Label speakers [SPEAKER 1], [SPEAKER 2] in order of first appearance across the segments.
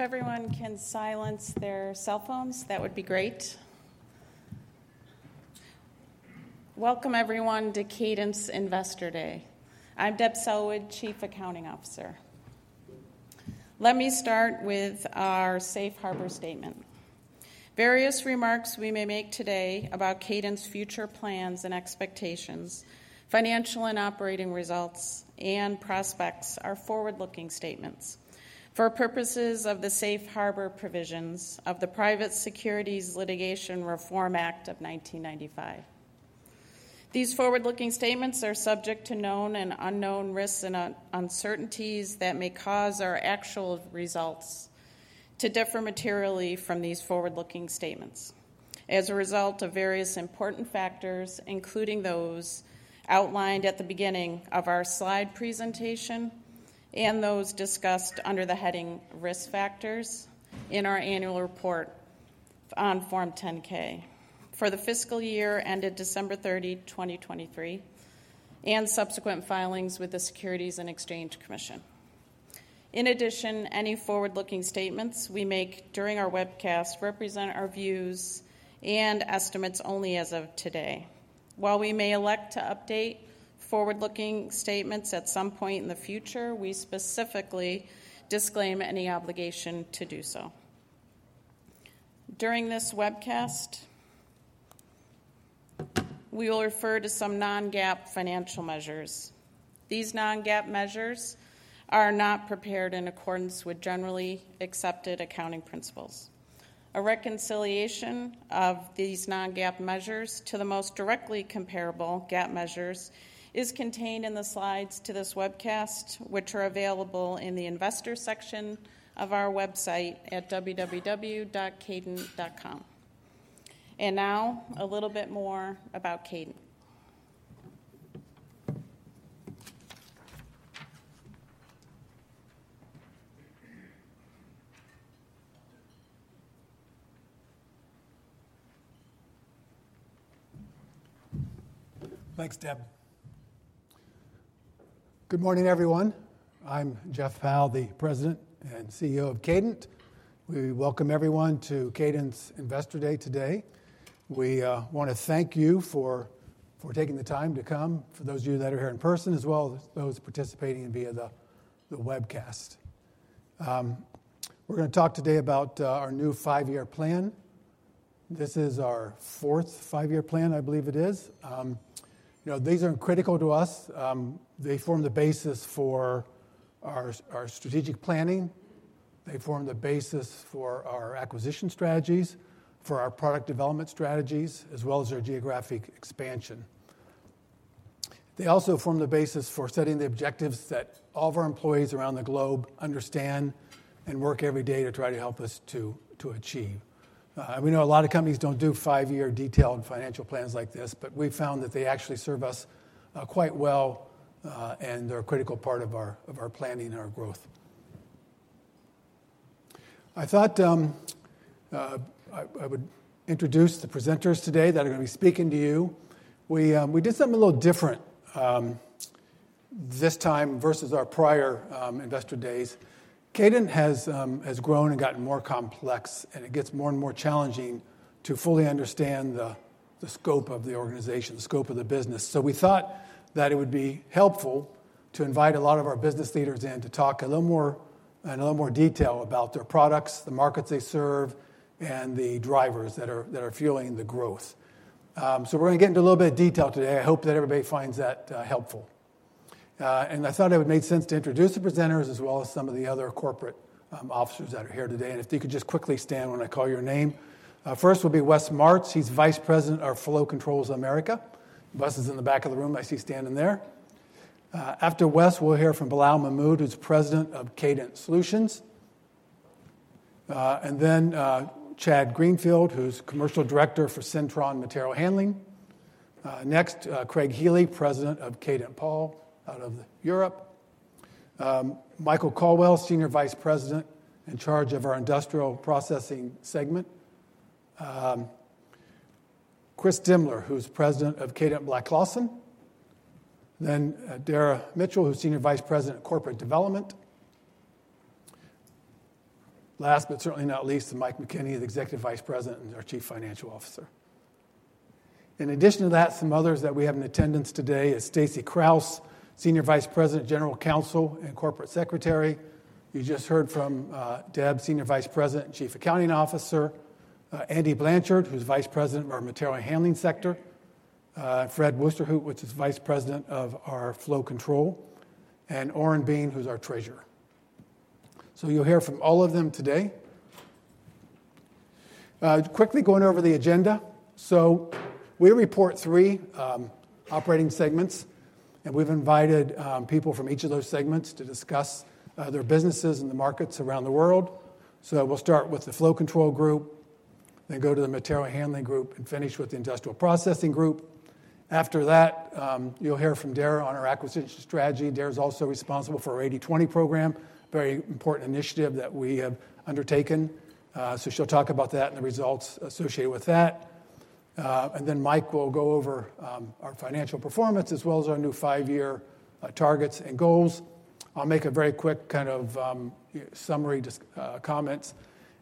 [SPEAKER 1] If everyone can silence their cell phones, that would be great. Welcome, everyone, to Kadant Investor Day. I'm Deb Selwood, Chief Accounting Officer. Let me start with our Safe Harbor Statement. Various remarks we may make today about Kadant's future plans and expectations, financial and operating results, and prospects are forward-looking statements for purposes of the Safe Harbor Provisions of the Private Securities Litigation Reform Act of 1995. These forward-looking statements are subject to known and unknown risks and uncertainties that may cause our actual results to differ materially from these forward-looking statements as a result of various important factors, including those outlined at the beginning of our slide presentation and those discussed under the heading Risk Factors in our annual report on Form 10-K for the fiscal year ended December 30, 2023, and subsequent filings with the Securities and Exchange Commission. In addition, any forward-looking statements we make during our webcast represent our views and estimates only as of today. While we may elect to update forward-looking statements at some point in the future, we specifically disclaim any obligation to do so. During this webcast, we will refer to some non-GAAP financial measures. These non-GAAP measures are not prepared in accordance with generally accepted accounting principles. A reconciliation of these non-GAAP measures to the most directly comparable GAAP measures is contained in the slides to this webcast, which are available in the Investor section of our website at www.kadant.com. And now, a little bit more about Kadant.
[SPEAKER 2] Thanks, Deb. Good morning, everyone. I'm Jeff Powell, the President and CEO of Kadant. We welcome everyone to Kadant Investor Day today. We want to thank you for taking the time to come, for those of you that are here in person, as well as those participating via the webcast. We're going to talk today about our new five-year plan. This is our fourth five-year plan, I believe it is. These are critical to us. They form the basis for our strategic planning. They form the basis for our acquisition strategies, for our product development strategies, as well as our geographic expansion. They also form the basis for setting the objectives that all of our employees around the globe understand and work every day to try to help us to achieve. We know a lot of companies don't do five-year detailed financial plans like this, but we found that they actually serve us quite well and are a critical part of our planning and our growth. I thought I would introduce the presenters today that are going to be speaking to you. We did something a little different this time versus our prior investor days. Kadant has grown and gotten more complex, and it gets more and more challenging to fully understand the scope of the organization, the scope of the business. So we thought that it would be helpful to invite a lot of our business leaders in to talk a little more in a little more detail about their products, the markets they serve, and the drivers that are fueling the growth. So we're going to get into a little bit of detail today.
[SPEAKER 3] I hope that everybody finds that helpful. And I thought it would make sense to introduce the presenters as well as some of the other corporate officers that are here today. And if you could just quickly stand when I call your name. First will be Wes Martz. He's Vice President of Flow Controls Americas. Wes is in the back of the room. I see standing there. After Wes, we'll hear from Bilal Mehmood, who's President of Kadant Solutions. And then Chad Greenfield, who's Commercial Director for Syntron Material Handling. Next, Craig Heley, President of Kadant PAAL out of Europe. Michael Colwell, Senior Vice President in charge of our Industrial Processing segment. Chris Demler, who's President of Kadant Black Clawson. Then Dara Mitchell, who's Senior Vice President of Corporate Development. Last but certainly not least, Mike McKenney, the Executive Vice President and our Chief Financial Officer. In addition to that, some others that we have in attendance today are Stacy Krause, Senior Vice President, General Counsel, and Corporate Secretary. You just heard from Deb, Senior Vice President, Chief Accounting Officer. Andy Blanchard, who's Vice President of our Material Handling Sector. Fred Westerhout, who is Vice President of our Flow Control. And Orrin Bean, who's our Treasurer. So you'll hear from all of them today. Quickly going over the agenda. So we report three operating segments, and we've invited people from each of those segments to discuss their businesses in the markets around the world. So we'll start with the Flow Control Group, then go to the Material Handling Group, and finish with the Industrial Processing Group. After that, you'll hear from Dara on our acquisition strategy. Dara is also responsible for our 80/20 program, a very important initiative that we have undertaken.
[SPEAKER 2] She'll talk about that and the results associated with that. Then Mike will go over our financial performance as well as our new five-year targets and goals. I'll make a very quick kind of summary comments,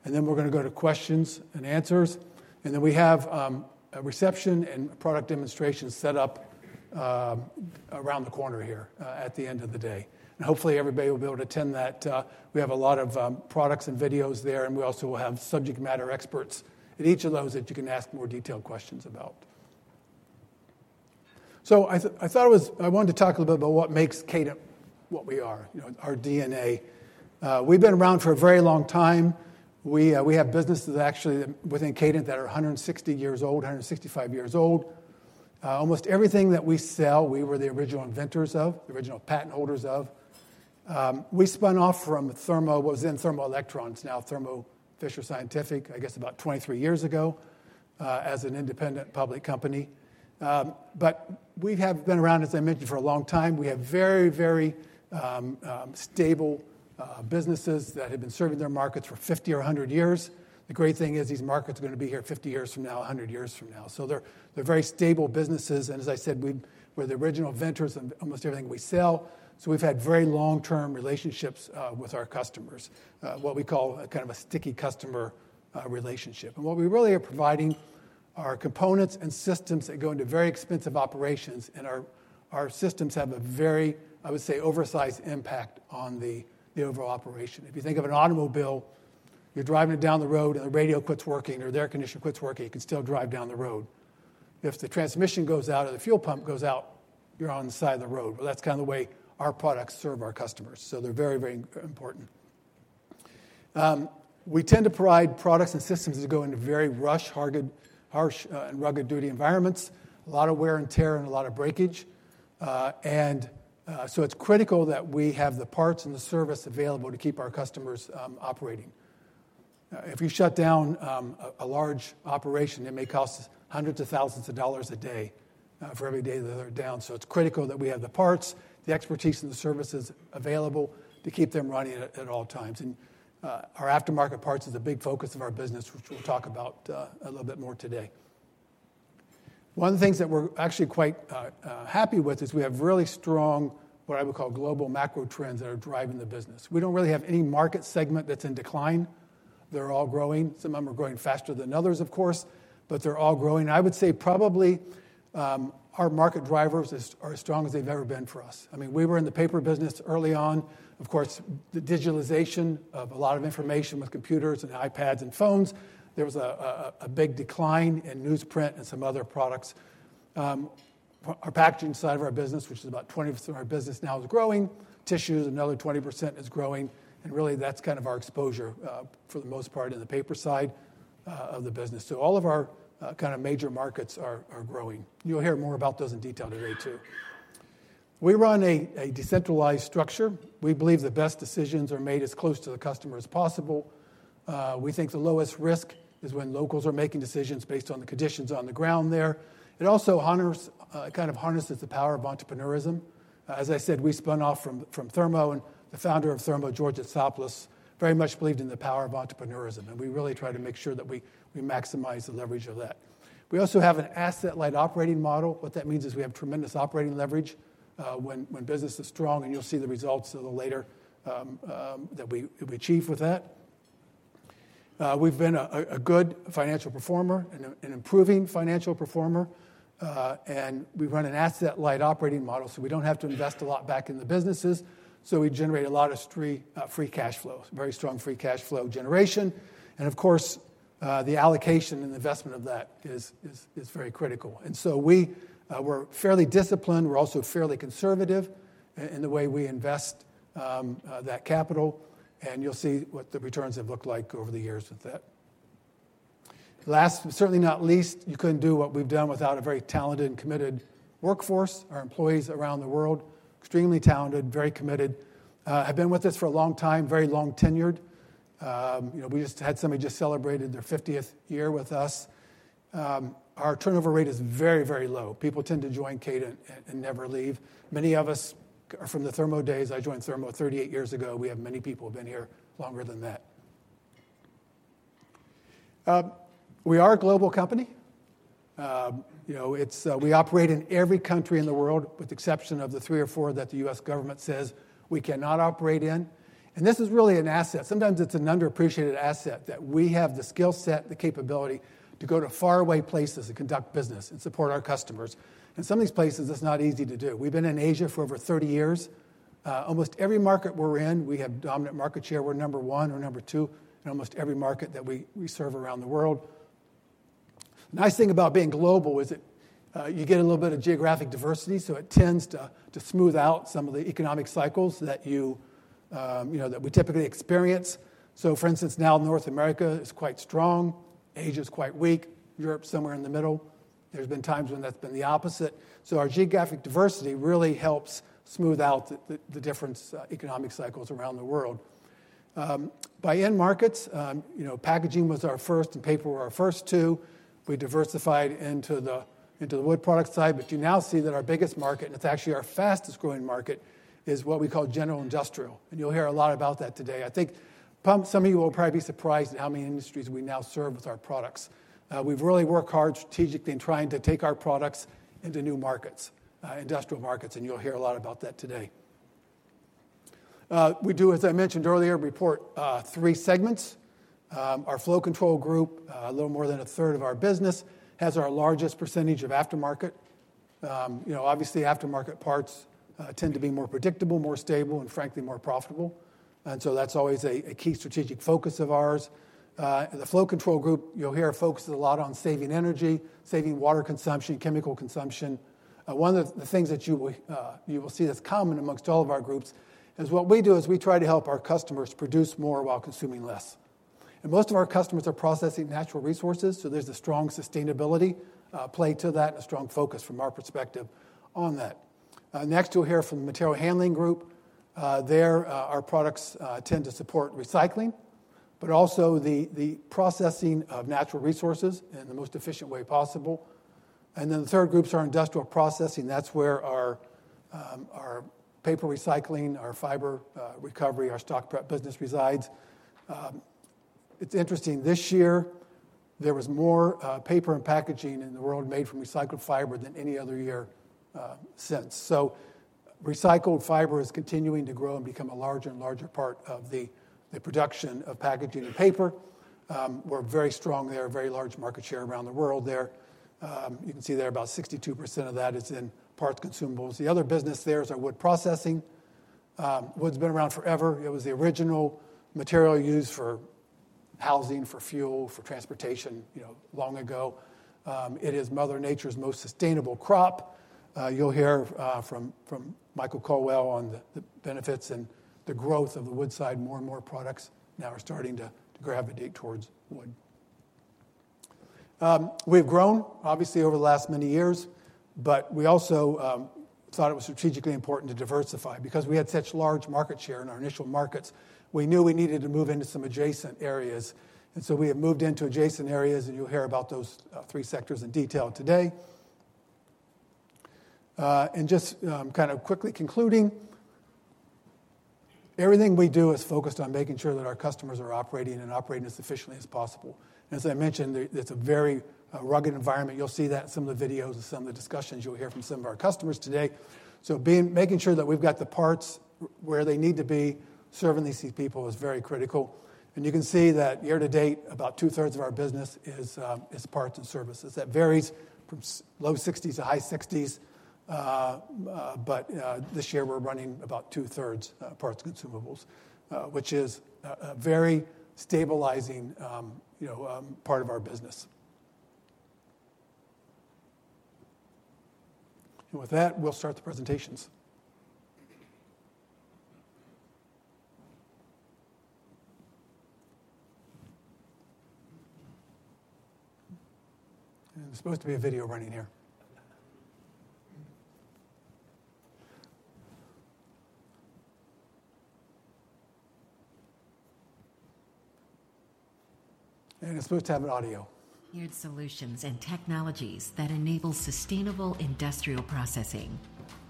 [SPEAKER 2] and then we're going to go to questions and answers. Then we have a reception and product demonstration set up around the corner here at the end of the day. Hopefully, everybody will be able to attend that. We have a lot of products and videos there, and we also will have subject matter experts at each of those that you can ask more detailed questions about. I thought I wanted to talk a little bit about what makes Kadant what we are, our DNA. We've been around for a very long time. We have businesses actually within Kadant that are 160 years old, 165 years old. Almost everything that we sell, we were the original inventors of, the original patent holders of. We spun off from what was then Thermo Electron, now Thermo Fisher Scientific, I guess about 23 years ago as an independent public company. But we have been around, as I mentioned, for a long time. We have very, very stable businesses that have been serving their markets for 50 or 100 years. The great thing is these markets are going to be here 50 years from now, 100 years from now. So they're very stable businesses. And as I said, we're the original inventors of almost everything we sell. So we've had very long-term relationships with our customers, what we call kind of a sticky customer relationship. And what we really are providing are components and systems that go into very expensive operations. Our systems have a very, I would say, oversized impact on the overall operation. If you think of an automobile, you're driving it down the road and the radio quits working or the air conditioner quits working, you can still drive down the road. If the transmission goes out or the fuel pump goes out, you're on the side of the road. That's kind of the way our products serve our customers. They're very, very important. We tend to provide products and systems that go into very harsh and rugged duty environments, a lot of wear and tear and a lot of breakage. And so it's critical that we have the parts and the service available to keep our customers operating. If you shut down a large operation, it may cost hundreds of thousands of dollars a day for every day that they're down. It's critical that we have the parts, the expertise, and the services available to keep them running at all times. And our aftermarket parts are the big focus of our business, which we'll talk about a little bit more today. One of the things that we're actually quite happy with is we have really strong, what I would call global macro trends that are driving the business. We don't really have any market segment that's in decline. They're all growing. Some of them are growing faster than others, of course, but they're all growing. I would say probably our market drivers are as strong as they've ever been for us. I mean, we were in the paper business early on. Of course, the digitalization of a lot of information with computers and iPads and phones, there was a big decline in newsprint and some other products. Our packaging side of our business, which is about 20% of our business now, is growing. Tissues, another 20%, is growing. And really, that's kind of our exposure for the most part in the paper side of the business. So all of our kind of major markets are growing. You'll hear more about those in detail today too. We run a decentralized structure. We believe the best decisions are made as close to the customer as possible. We think the lowest risk is when locals are making decisions based on the conditions on the ground there. It also kind of harnesses the power of entrepreneurism. As I said, we spun off from Thermo, and the founder of Thermo, George Hatsopoulos, very much believed in the power of entrepreneurism. And we really try to make sure that we maximize the leverage of that. We also have an asset-light operating model. What that means is we have tremendous operating leverage when business is strong, and you'll see the results a little later that we achieve with that. We've been a good financial performer and an improving financial performer. And we run an asset-light operating model, so we don't have to invest a lot back in the businesses. So we generate a lot of free cash flow, very strong free cash flow generation. And of course, the allocation and investment of that is very critical. And so we're fairly disciplined. We're also fairly conservative in the way we invest that capital. And you'll see what the returns have looked like over the years with that. Last, but certainly not least, you couldn't do what we've done without a very talented and committed workforce, our employees around the world, extremely talented, very committed. have been with us for a long time, very long tenured. We just had somebody just celebrate their 50th year with us. Our turnover rate is very, very low. People tend to join Kadant and never leave. Many of us are from the Thermo days. I joined Thermo 38 years ago. We have many people who have been here longer than that. We are a global company. We operate in every country in the world with the exception of the three or four that the U.S. government says we cannot operate in. This is really an asset. Sometimes it's an underappreciated asset that we have the skill set, the capability to go to faraway places and conduct business and support our customers. Some of these places, it's not easy to do. We've been in Asia for over 30 years. Almost every market we're in, we have dominant market share. We're number one or number two in almost every market that we serve around the world. The nice thing about being global is that you get a little bit of geographic diversity, so it tends to smooth out some of the economic cycles that we typically experience. So for instance, now North America is quite strong. Asia is quite weak. Europe's somewhere in the middle. There's been times when that's been the opposite. So our geographic diversity really helps smooth out the different economic cycles around the world. By end markets, packaging was our first and paper were our first two. We diversified into the wood product side. But you now see that our biggest market, and it's actually our fastest growing market, is what we call general industrial. And you'll hear a lot about that today. I think some of you will probably be surprised at how many industries we now serve with our products. We've really worked hard strategically in trying to take our products into new markets, industrial markets, and you'll hear a lot about that today. We do, as I mentioned earlier, report three segments. Our Flow Control Group, a little more than a third of our business, has our largest percentage of aftermarket. Obviously, aftermarket parts tend to be more predictable, more stable, and frankly, more profitable, and so that's always a key strategic focus of ours. The Flow Control Group, you'll hear, focuses a lot on saving energy, saving water consumption, chemical consumption. One of the things that you will see that's common among all of our groups is what we do is we try to help our customers produce more while consuming less. Most of our customers are processing natural resources, so there's a strong sustainability play to that and a strong focus from our perspective on that. Next, you'll hear from the Material Handling Group. There, our products tend to support recycling, but also the processing of natural resources in the most efficient way possible. And then the third group's our Industrial Processing. That's where our paper recycling, our fiber recovery, our stock prep business resides. It's interesting. This year, there was more paper and packaging in the world made from recycled fiber than any other year since. So recycled fiber is continuing to grow and become a larger and larger part of the production of packaging and paper. We're very strong there, very large market share around the world there. You can see there about 62% of that is in parts consumables. The other business there is our wood processing. Wood's been around forever. It was the original material used for housing, for fuel, for transportation long ago. It is Mother Nature's most sustainable crop. You'll hear from Michael Colwell on the benefits and the growth of the wood side. More and more products now are starting to gravitate towards wood. We've grown, obviously, over the last many years, but we also thought it was strategically important to diversify because we had such large market share in our initial markets. We knew we needed to move into some adjacent areas. And so we have moved into adjacent areas, and you'll hear about those three sectors in detail today. And just kind of quickly concluding, everything we do is focused on making sure that our customers are operating and operating as efficiently as possible. And as I mentioned, it's a very rugged environment. You'll see that in some of the videos and some of the discussions you'll hear from some of our customers today, so making sure that we've got the parts where they need to be serving these people is very critical, and you can see that year to date, about two-thirds of our business is parts and services. That varies from low 60s% to high 60s%. But this year, we're running about two-thirds parts consumables, which is a very stabilizing part of our business, and with that, we'll start the presentations. There's supposed to be a video running here, and it's supposed to have an audio. Huge solutions and technologies that enable sustainable Industrial Processing.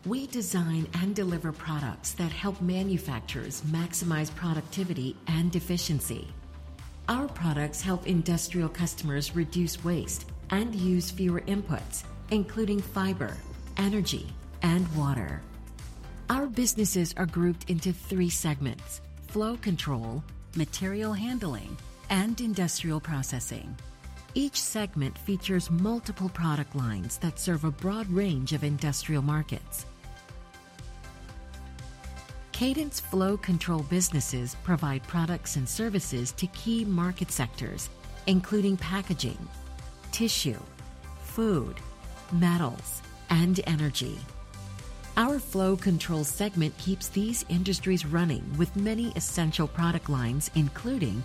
[SPEAKER 2] We design and deliver products that help manufacturers maximize productivity and efficiency. Our products help industrial customers reduce waste and use fewer inputs, including fiber, energy, and water. Our businesses are grouped into three segments: Flow Control, Material Handling, and Industrial Processing. Each segment features multiple product lines that serve a broad range of industrial markets. Kadant's Flow Control businesses provide products and services to key market sectors, including packaging, tissue, food, metals, and energy. Our Flow Control segment keeps these industries running with many essential product lines, including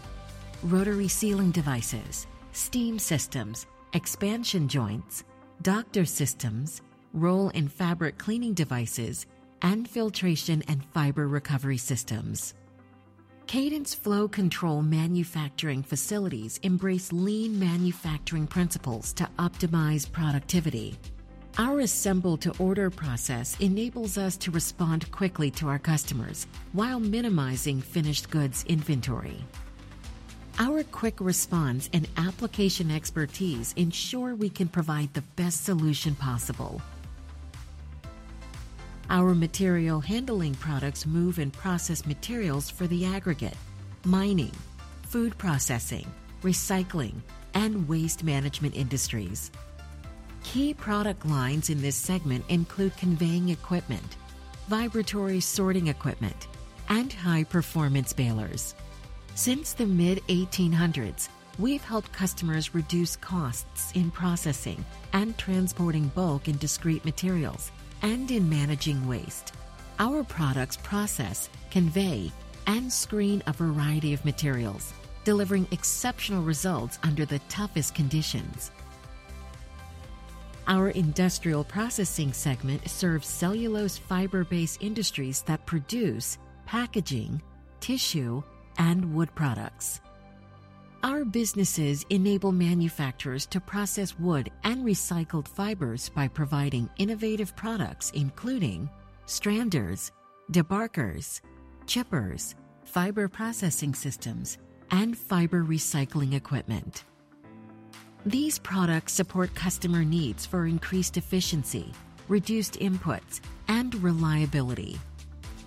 [SPEAKER 2] rotary sealing devices, steam systems, expansion joints, doctor systems, roll and fabric cleaning devices, and filtration and fiber recovery systems. Kadant's Flow Control manufacturing facilities embrace lean manufacturing principles to optimize productivity. Our assemble-to-order process enables us to respond quickly to our customers while minimizing finished goods inventory. Our quick response and application expertise ensure we can provide the best solution possible. Our material handling products move and process materials for the aggregate, mining, food processing, recycling, and waste management industries. Key product lines in this segment include conveying equipment, vibratory sorting equipment, and high-performance balers. Since the mid-1800s, we've helped customers reduce costs in processing and transporting bulk and discrete materials and in managing waste. Our products process, convey, and screen a variety of materials, delivering exceptional results under the toughest conditions. Our Industrial Processing segment serves cellulose fiber-based industries that produce packaging, tissue, and wood products. Our businesses enable manufacturers to process wood and recycled fibers by providing innovative products, including stranders, debarkers, chippers, fiber processing systems, and fiber recycling equipment. These products support customer needs for increased efficiency, reduced inputs, and reliability.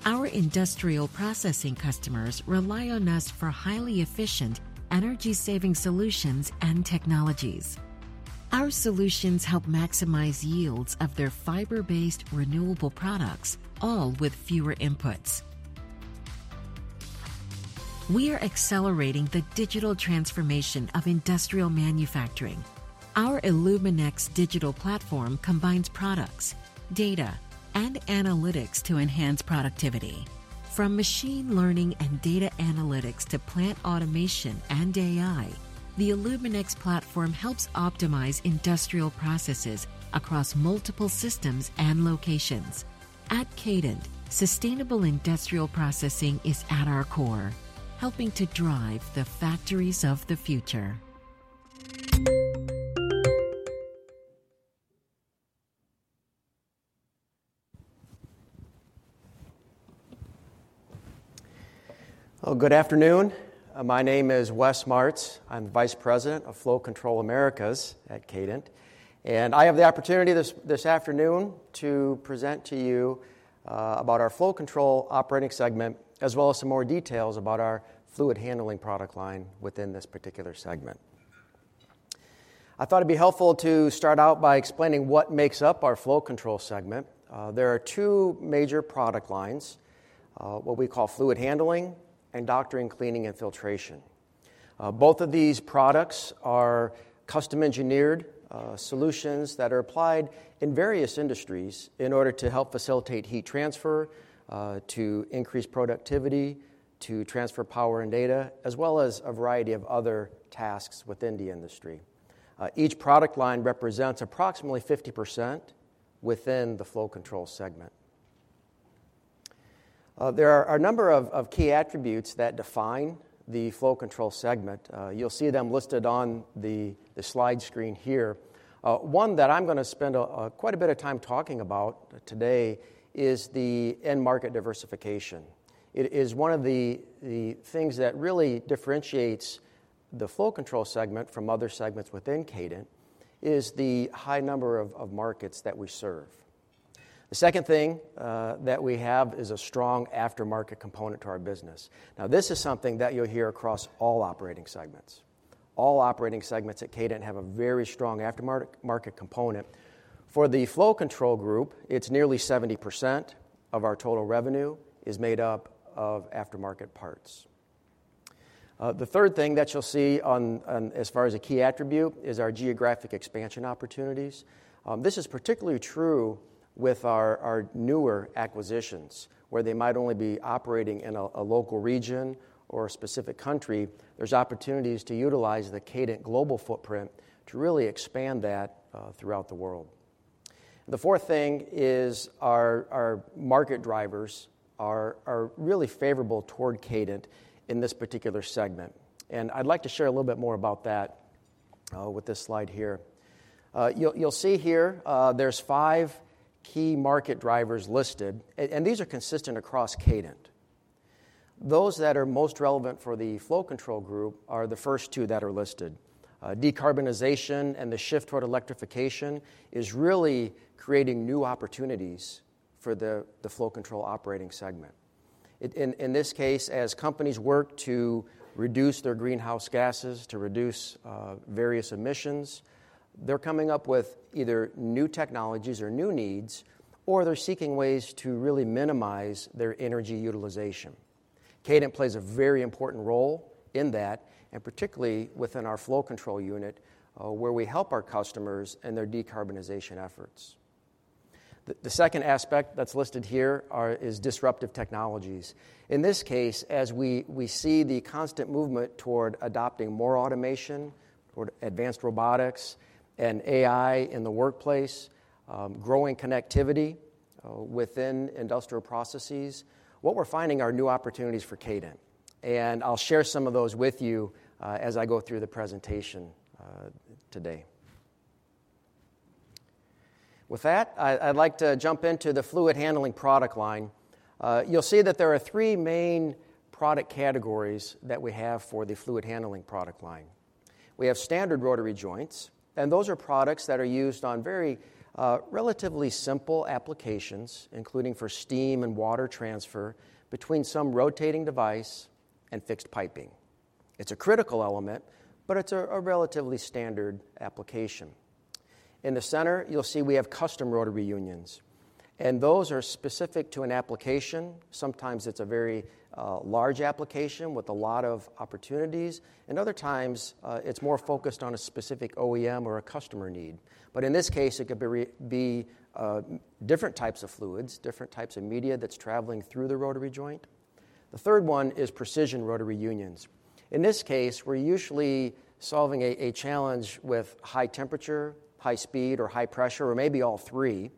[SPEAKER 2] Our Industrial Processing customers rely on us for highly efficient, energy-saving solutions and technologies. Our solutions help maximize yields of their fiber-based renewable products, all with fewer inputs. We are accelerating the digital transformation of industrial manufacturing. Our illumenX digital platform combines products, data, and analytics to enhance productivity. From machine learning and data analytics to plant automation and AI, the illumenX platform helps optimize industrial processes across multiple systems and locations. At Kadant, sustainable Industrial Processing is at our core, helping to drive the factories of the future.
[SPEAKER 4] Good afternoon. My name is Wes Martz. I'm the Vice President of Flow Control Americas at Kadant. And I have the opportunity this afternoon to present to you about our Flow Control operating segment, as well as some more details about our fluid handling product line within this particular segment. I thought it'd be helpful to start out by explaining what makes up our Flow Control segment. There are two major product lines, what we call fluid handling and doctoring, cleaning, and filtration. Both of these products are custom-engineered solutions that are applied in various industries in order to help facilitate heat transfer, to increase productivity, to transfer power and data, as well as a variety of other tasks within the industry. Each product line represents approximately 50% within the Flow Control segment. There are a number of key attributes that define the Flow Control segment. You'll see them listed on the slide screen here. One that I'm going to spend quite a bit of time talking about today is the end market diversification. It is one of the things that really differentiates the Flow Control segment from other segments within Kadant, is the high number of markets that we serve. The second thing that we have is a strong aftermarket component to our business. Now, this is something that you'll hear across all operating segments. All operating segments at Kadant have a very strong aftermarket component. For the Flow Control group, it's nearly 70% of our total revenue is made up of aftermarket parts. The third thing that you'll see as far as a key attribute is our geographic expansion opportunities. This is particularly true with our newer acquisitions, where they might only be operating in a local region or a specific country. There's opportunities to utilize the Kadant global footprint to really expand that throughout the world. The fourth thing is our market drivers are really favorable toward Kadant in this particular segment, and I'd like to share a little bit more about that with this slide here. You'll see here there's five key market drivers listed, and these are consistent across Kadant. Those that are most relevant for the Flow Control group are the first two that are listed. Decarbonization and the shift toward electrification is really creating new opportunities for the Flow Control operating segment. In this case, as companies work to reduce their greenhouse gases, to reduce various emissions, they're coming up with either new technologies or new needs, or they're seeking ways to really minimize their energy utilization. Kadant plays a very important role in that, and particularly within our Flow Control unit, where we help our customers in their decarbonization efforts. The second aspect that's listed here is disruptive technologies. In this case, as we see the constant movement toward adopting more automation, toward advanced robotics and AI in the workplace, growing connectivity within industrial processes, what we're finding are new opportunities for Kadant, and I'll share some of those with you as I go through the presentation today. With that, I'd like to jump into the fluid handling product line. You'll see that there are three main product categories that we have for the fluid handling product line. We have standard rotary joints, and those are products that are used on very relatively simple applications, including for steam and water transfer between some rotating device and fixed piping. It's a critical element, but it's a relatively standard application. In the center, you'll see we have custom rotary unions, and those are specific to an application. Sometimes it's a very large application with a lot of opportunities, and other times it's more focused on a specific OEM or a customer need. But in this case, it could be different types of fluids, different types of media that's traveling through the rotary joint. The third one is precision rotary unions. In this case, we're usually solving a challenge with high temperature, high speed, or high pressure, or maybe all three.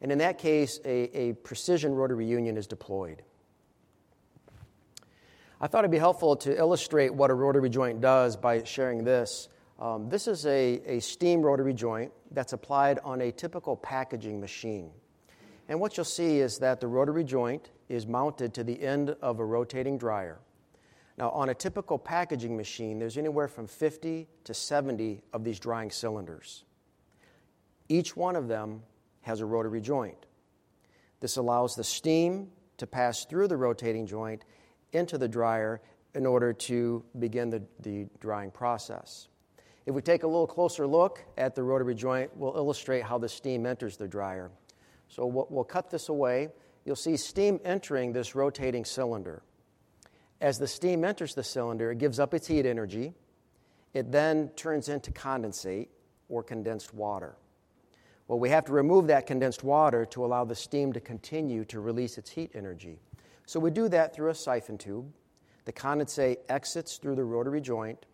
[SPEAKER 4] In that case, a precision rotary union is deployed. I thought it'd be helpful to illustrate what a rotary joint does by sharing this. This is a steam rotary joint that's applied on a typical packaging machine. What you'll see is that the rotary joint is mounted to the end of a rotating dryer. Now, on a typical packaging machine, there's anywhere from 50-70 of these drying cylinders. Each one of them has a rotary joint. This allows the steam to pass through the rotating joint into the dryer in order to begin the drying process. If we take a little closer look at the rotary joint, we'll illustrate how the steam enters the dryer. So we'll cut this away. You'll see steam entering this rotating cylinder. As the steam enters the cylinder, it gives up its heat energy. It then turns into condensate or condensed water. We have to remove that condensed water to allow the steam to continue to release its heat energy. So we do that through a siphon tube. The condensate exits through the rotary joint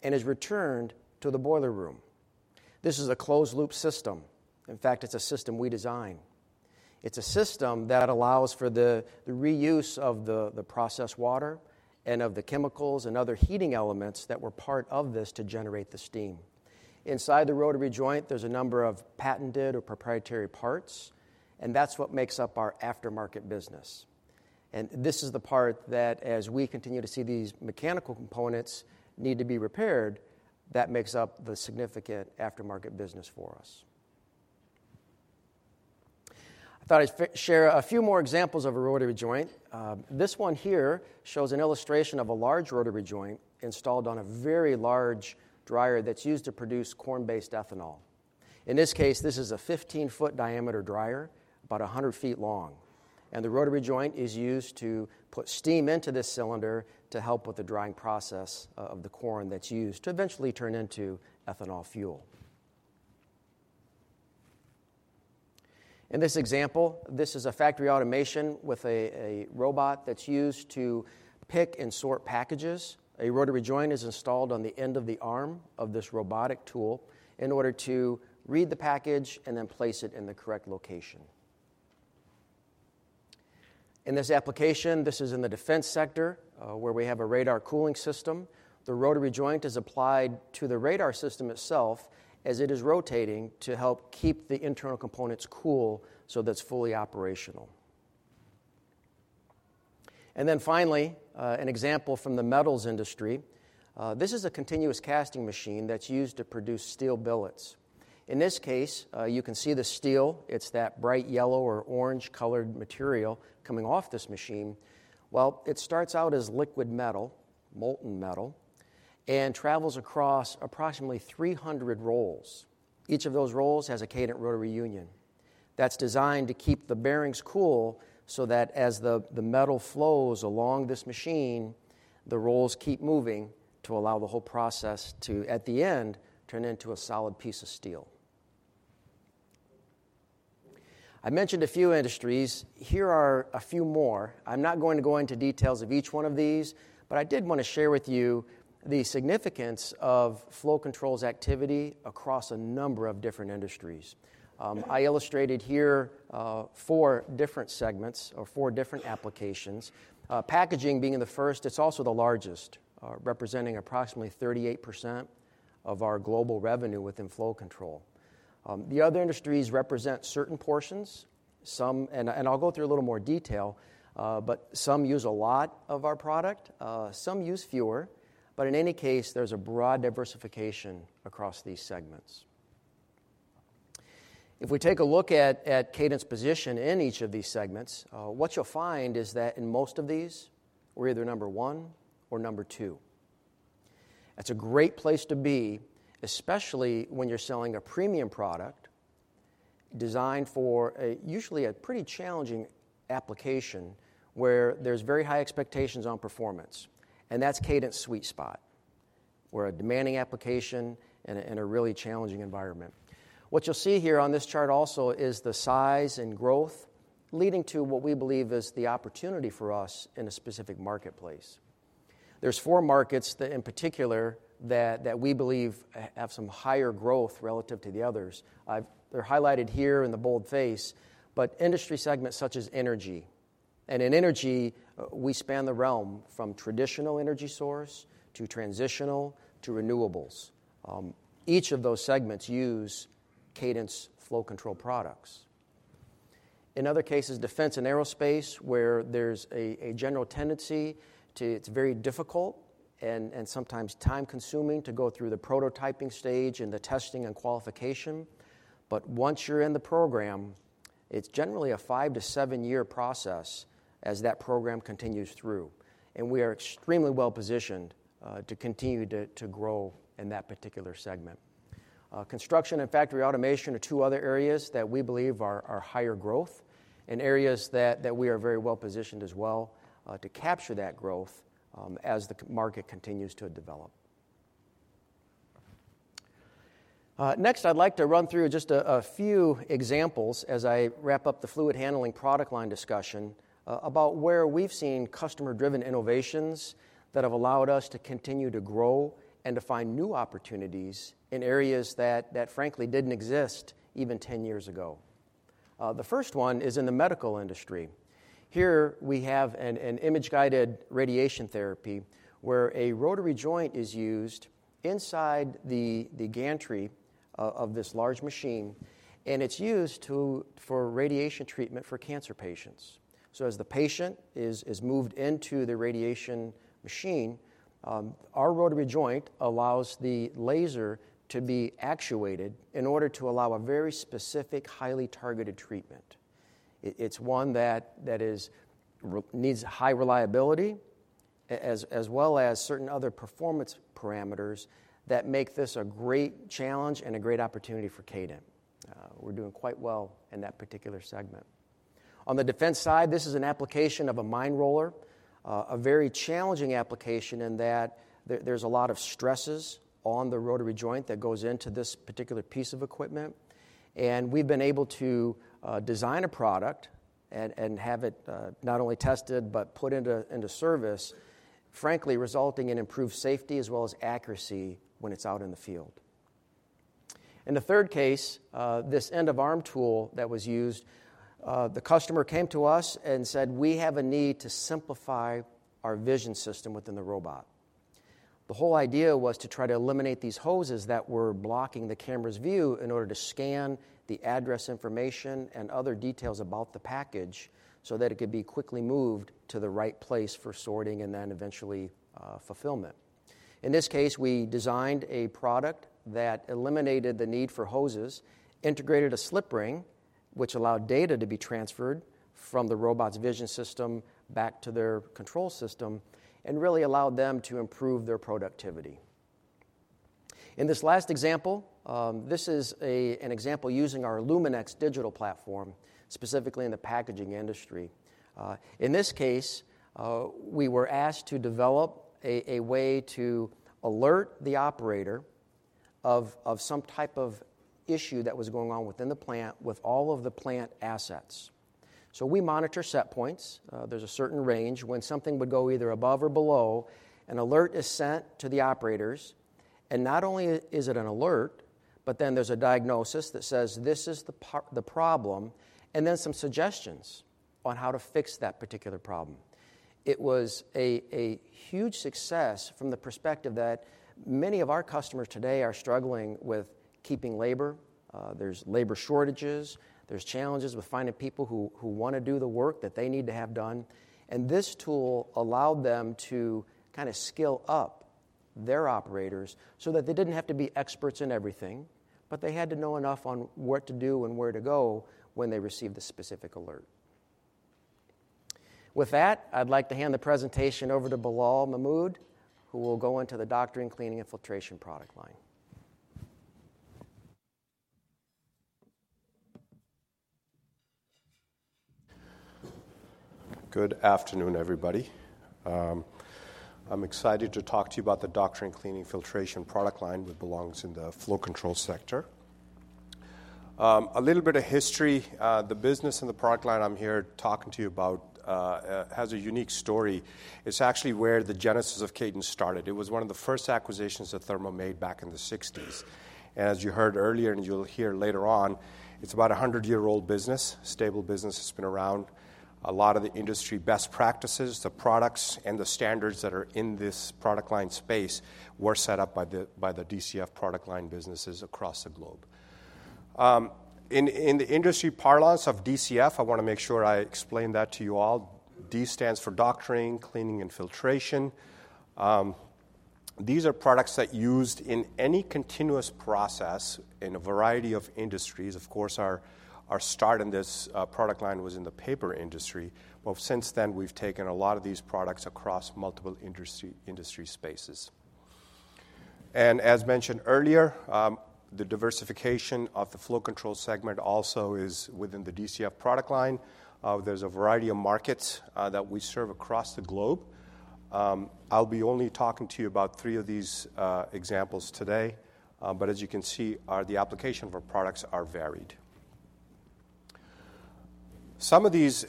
[SPEAKER 4] and is returned to the boiler room. This is a closed-loop system. In fact, it's a system we design. It's a system that allows for the reuse of the processed water and of the chemicals and other heating elements that were part of this to generate the steam. Inside the rotary joint, there's a number of patented or proprietary parts, and that's what makes up our aftermarket business. And this is the part that, as we continue to see these mechanical components need to be repaired, that makes up the significant aftermarket business for us. I thought I'd share a few more examples of a rotary joint. This one here shows an illustration of a large rotary joint installed on a very large dryer that's used to produce corn-based ethanol. In this case, this is a 15-foot diameter dryer, about 100 feet long, and the rotary joint is used to put steam into this cylinder to help with the drying process of the corn that's used to eventually turn into ethanol fuel. In this example, this is a factory automation with a robot that's used to pick and sort packages. A rotary joint is installed on the end of the arm of this robotic tool in order to read the package and then place it in the correct location. In this application, this is in the defense sector where we have a radar cooling system. The rotary joint is applied to the radar system itself as it is rotating to help keep the internal components cool so that it's fully operational. Finally, an example from the metals industry. This is a continuous casting machine that's used to produce steel billets. In this case, you can see the steel. It's that bright yellow or orange-colored material coming off this machine. It starts out as liquid metal, molten metal, and travels across approximately 300 rolls. Each of those rolls has a Kadant rotary union. That's designed to keep the bearings cool so that as the metal flows along this machine, the rolls keep moving to allow the whole process to, at the end, turn into a solid piece of steel. I mentioned a few industries. Here are a few more. I'm not going to go into details of each one of these, but I did want to share with you the significance of Flow Control's activity across a number of different industries. I illustrated here four different segments or four different applications. Packaging being the first, it's also the largest, representing approximately 38% of our global revenue within Flow Control. The other industries represent certain portions. And I'll go through a little more detail, but some use a lot of our product. Some use fewer. But in any case, there's a broad diversification across these segments. If we take a look at Kadant's position in each of these segments, what you'll find is that in most of these, we're either number one or number two. That's a great place to be, especially when you're selling a premium product designed for usually a pretty challenging application where there's very high expectations on performance. And that's Kadant's sweet spot. We're a demanding application in a really challenging environment. What you'll see here on this chart also is the size and growth leading to what we believe is the opportunity for us in a specific marketplace. There's four markets in particular that we believe have some higher growth relative to the others. They're highlighted here in the bold face, but industry segments such as energy. And in energy, we span the realm from traditional energy source to transitional to renewables. Each of those segments uses Kadant's Flow Control products. In other cases, defense and aerospace, where there's a general tendency to it's very difficult and sometimes time-consuming to go through the prototyping stage and the testing and qualification. But once you're in the program, it's generally a five to seven-year process as that program continues through. And we are extremely well-positioned to continue to grow in that particular segment. Construction and factory automation are two other areas that we believe are higher growth and areas that we are very well-positioned as well to capture that growth as the market continues to develop. Next, I'd like to run through just a few examples as I wrap up the fluid handling product line discussion about where we've seen customer-driven innovations that have allowed us to continue to grow and to find new opportunities in areas that, frankly, didn't exist even 10 years ago. The first one is in the medical industry. Here we have an image-guided radiation therapy where a rotary joint is used inside the gantry of this large machine, and it's used for radiation treatment for cancer patients. So as the patient is moved into the radiation machine, our rotary joint allows the laser to be actuated in order to allow a very specific, highly targeted treatment. It's one that needs high reliability as well as certain other performance parameters that make this a great challenge and a great opportunity for Kadant. We're doing quite well in that particular segment. On the defense side, this is an application of a mine roller, a very challenging application in that there's a lot of stresses on the rotary joint that goes into this particular piece of equipment. And we've been able to design a product and have it not only tested but put into service, frankly, resulting in improved safety as well as accuracy when it's out in the field. In the third case, this end-of-arm tool that was used, the customer came to us and said, "We have a need to simplify our vision system within the robot." The whole idea was to try to eliminate these hoses that were blocking the camera's view in order to scan the address information and other details about the package so that it could be quickly moved to the right place for sorting and then eventually fulfillment. In this case, we designed a product that eliminated the need for hoses, integrated a slip ring, which allowed data to be transferred from the robot's vision system back to their control system, and really allowed them to improve their productivity. In this last example, this is an example using our illumenX digital platform, specifically in the packaging industry. In this case, we were asked to develop a way to alert the operator of some type of issue that was going on within the plant with all of the plant assets, so we monitor set points. There's a certain range when something would go either above or below. An alert is sent to the operators, and not only is it an alert, but then there's a diagnosis that says, "This is the problem," and then some suggestions on how to fix that particular problem. It was a huge success from the perspective that many of our customers today are struggling with keeping labor. There's labor shortages. There's challenges with finding people who want to do the work that they need to have done. And this tool allowed them to kind of skill up their operators so that they didn't have to be experts in everything, but they had to know enough on what to do and where to go when they received the specific alert. With that, I'd like to hand the presentation over to Bilal Mehmood, who will go into the doctoring cleaning filtration product line.
[SPEAKER 5] Good afternoon, everybody. I'm excited to talk to you about the doctoring cleaning filtration product line that belongs in the flow control sector. A little bit of history. The business and the product line I'm here talking to you about has a unique story. It's actually where the genesis of Kadant started. It was one of the first acquisitions that Thermo made back in the 1960s. And as you heard earlier and you'll hear later on, it's about a 100-year-old business, stable business. It's been around. A lot of the industry best practices, the products, and the standards that are in this product line space were set up by the DCF product line businesses across the globe. In the industry parlance of DCF, I want to make sure I explain that to you all. D stands for doctoring, cleaning, and filtration. These are products that are used in any continuous process in a variety of industries. Of course, our start in this product line was in the paper industry. Well, since then, we've taken a lot of these products across multiple industry spaces. And as mentioned earlier, the diversification of the flow control segment also is within the DCF product line. There's a variety of markets that we serve across the globe. I'll be only talking to you about three of these examples today. But as you can see, the application of our products is varied. Some of these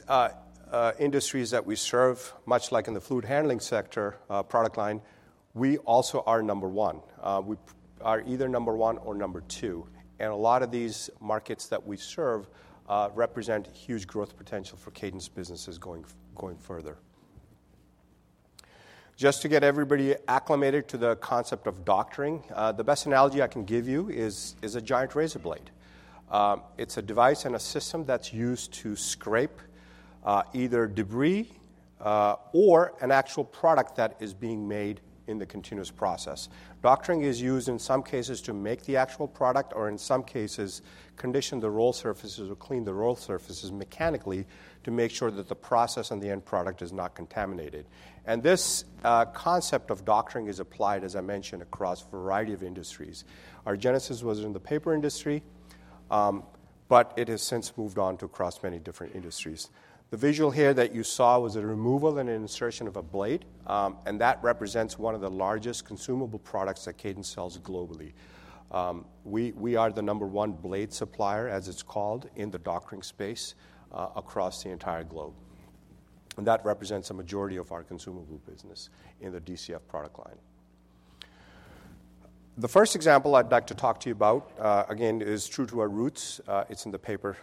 [SPEAKER 5] industries that we serve, much like in the fluid handling sector product line, we also are number one. We are either number one or number two, and a lot of these markets that we serve represent huge growth potential for Kadant's businesses going further. Just to get everybody acclimated to the concept of doctoring, the best analogy I can give you is a giant razor blade. It's a device and a system that's used to scrape either debris or an actual product that is being made in the continuous process. Doctoring is used in some cases to make the actual product or, in some cases, condition the roll surfaces or clean the roll surfaces mechanically to make sure that the process and the end product are not contaminated, and this concept of doctoring is applied, as I mentioned, across a variety of industries. Our genesis was in the paper industry, but it has since moved on to across many different industries. The visual here that you saw was a removal and insertion of a blade. And that represents one of the largest consumable products that Kadant sells globally. We are the number one blade supplier, as it's called, in the doctoring space across the entire globe. And that represents a majority of our consumable business in the DCF product line. The first example I'd like to talk to you about, again, is true to our roots. It's in the paper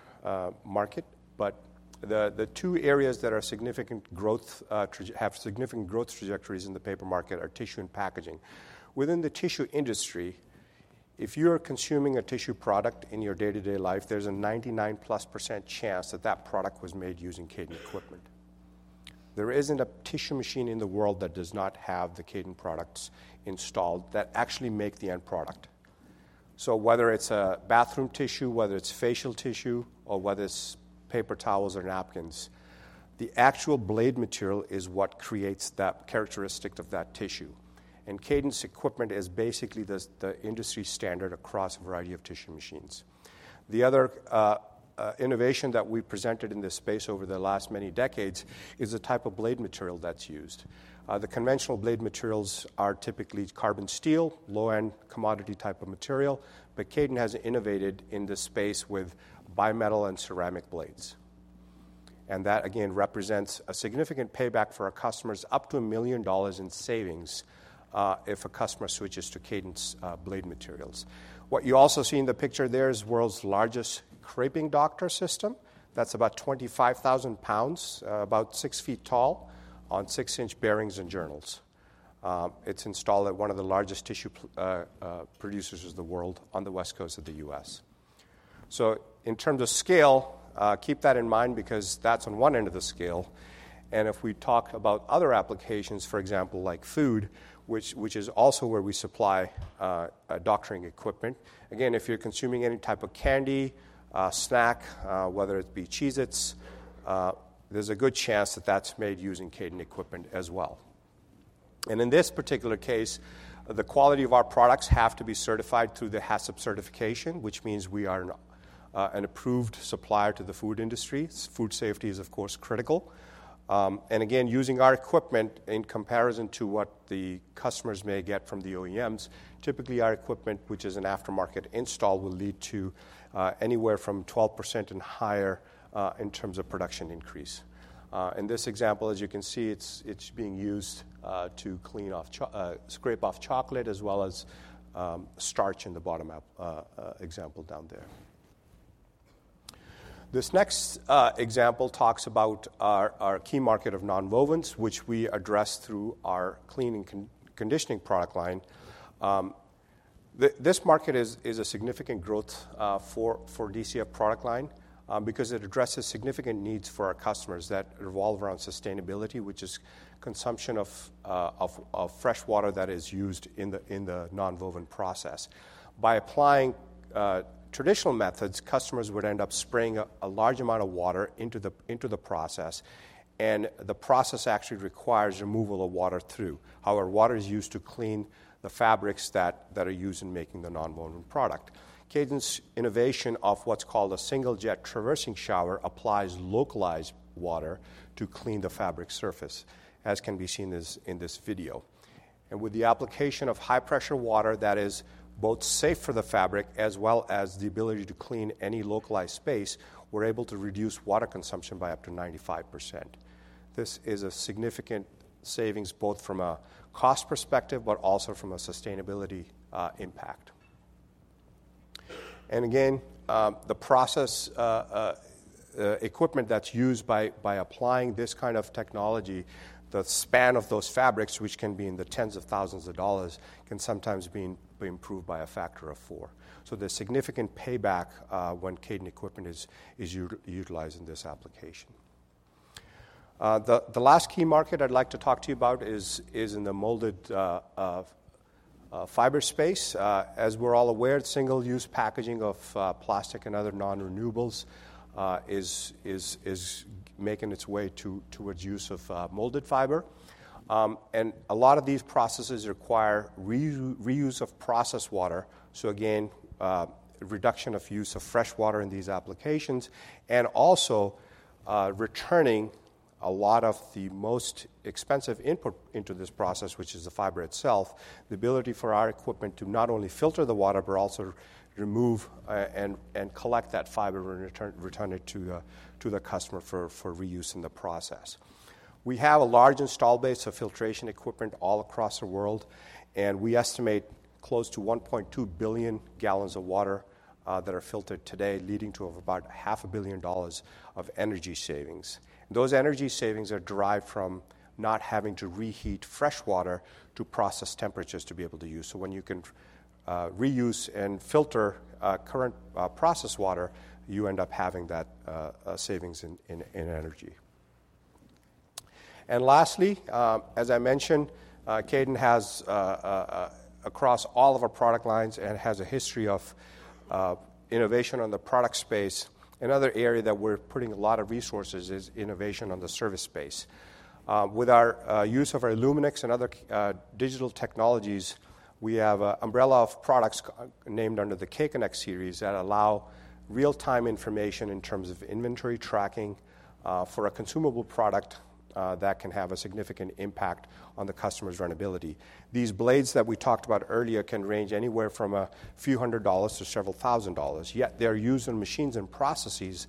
[SPEAKER 5] market. But the two areas that have significant growth trajectories in the paper market are tissue and packaging. Within the tissue industry, if you are consuming a tissue product in your day-to-day life, there's a 99+% chance that that product was made using Kadant equipment. There isn't a tissue machine in the world that does not have the Kadant products installed that actually make the end product. So whether it's a bathroom tissue, whether it's facial tissue, or whether it's paper towels or napkins, the actual blade material is what creates that characteristic of that tissue. And Kadant's equipment is basically the industry standard across a variety of tissue machines. The other innovation that we presented in this space over the last many decades is the type of blade material that's used. The conventional blade materials are typically carbon steel, low-end commodity type of material. But Kadant has innovated in this space with bi-metal and ceramic blades. And that, again, represents a significant payback for our customers, up to $1 million in savings if a customer switches to Kadant's blade materials. What you also see in the picture there is the world's largest creping doctor system. That's about 25,000 lbs, about 6 ft tall, on 6-inch bearings and journals. It's installed at one of the largest tissue producers in the world on the West Coast of the U.S. So in terms of scale, keep that in mind because that's on one end of the scale. And if we talk about other applications, for example, like food, which is also where we supply doctoring equipment, again, if you're consuming any type of candy, snack, whether it be Cheez-Its, there's a good chance that that's made using Kadant equipment as well. And in this particular case, the quality of our products has to be certified through the HACCP certification, which means we are an approved supplier to the food industry. Food safety is, of course, critical. And again, using our equipment in comparison to what the customers may get from the OEMs, typically our equipment, which is an aftermarket install, will lead to anywhere from 12% and higher in terms of production increase. In this example, as you can see, it's being used to scrape off chocolate as well as starch in the bottom-up example down there. This next example talks about our key market of nonwovens, which we address through our cleaning conditioning product line. This market is a significant growth for DCF product line because it addresses significant needs for our customers that revolve around sustainability, which is consumption of fresh water that is used in the non-woven process. By applying traditional methods, customers would end up spraying a large amount of water into the process. And the process actually requires removal of water through. However, water is used to clean the fabrics that are used in making the non-wovens product. Kadant's innovation of what's called a single jet traversing shower applies localized water to clean the fabric surface, as can be seen in this video, and with the application of high-pressure water that is both safe for the fabric as well as the ability to clean any localized space, we're able to reduce water consumption by up to 95%. This is a significant savings both from a cost perspective but also from a sustainability impact, and again, the process equipment that's used by applying this kind of technology, the span of those fabrics, which can be in the tens of thousands of dollars, can sometimes be improved by a factor of four, so there's significant payback when Kadant equipment is utilized in this application. The last key market I'd like to talk to you about is in the molded fiber space. As we're all aware, single-use packaging of plastic and other non-renewables is making its way towards use of molded fiber. A lot of these processes require reuse of process water. So again, reduction of use of fresh water in these applications and also returning a lot of the most expensive input into this process, which is the fiber itself, the ability for our equipment to not only filter the water but also remove and collect that fiber and return it to the customer for reuse in the process. We have a large install base of filtration equipment all across the world. We estimate close to 1.2 billion gallons of water that are filtered today, leading to about $500 million of energy savings. Those energy savings are derived from not having to reheat fresh water to process temperatures to be able to use. So when you can reuse and filter current process water, you end up having that savings in energy. And lastly, as I mentioned, Kadant has, across all of our product lines, and has a history of innovation on the product space. Another area that we're putting a lot of resources is innovation on the service space. With our use of our illumenX and other digital technologies, we have an umbrella of products named under the K-Connect series that allow real-time information in terms of inventory tracking for a consumable product that can have a significant impact on the customer's profitability. These blades that we talked about earlier can range anywhere from a few hundred dollars to several thousand dollars. Yet they're used in machines and processes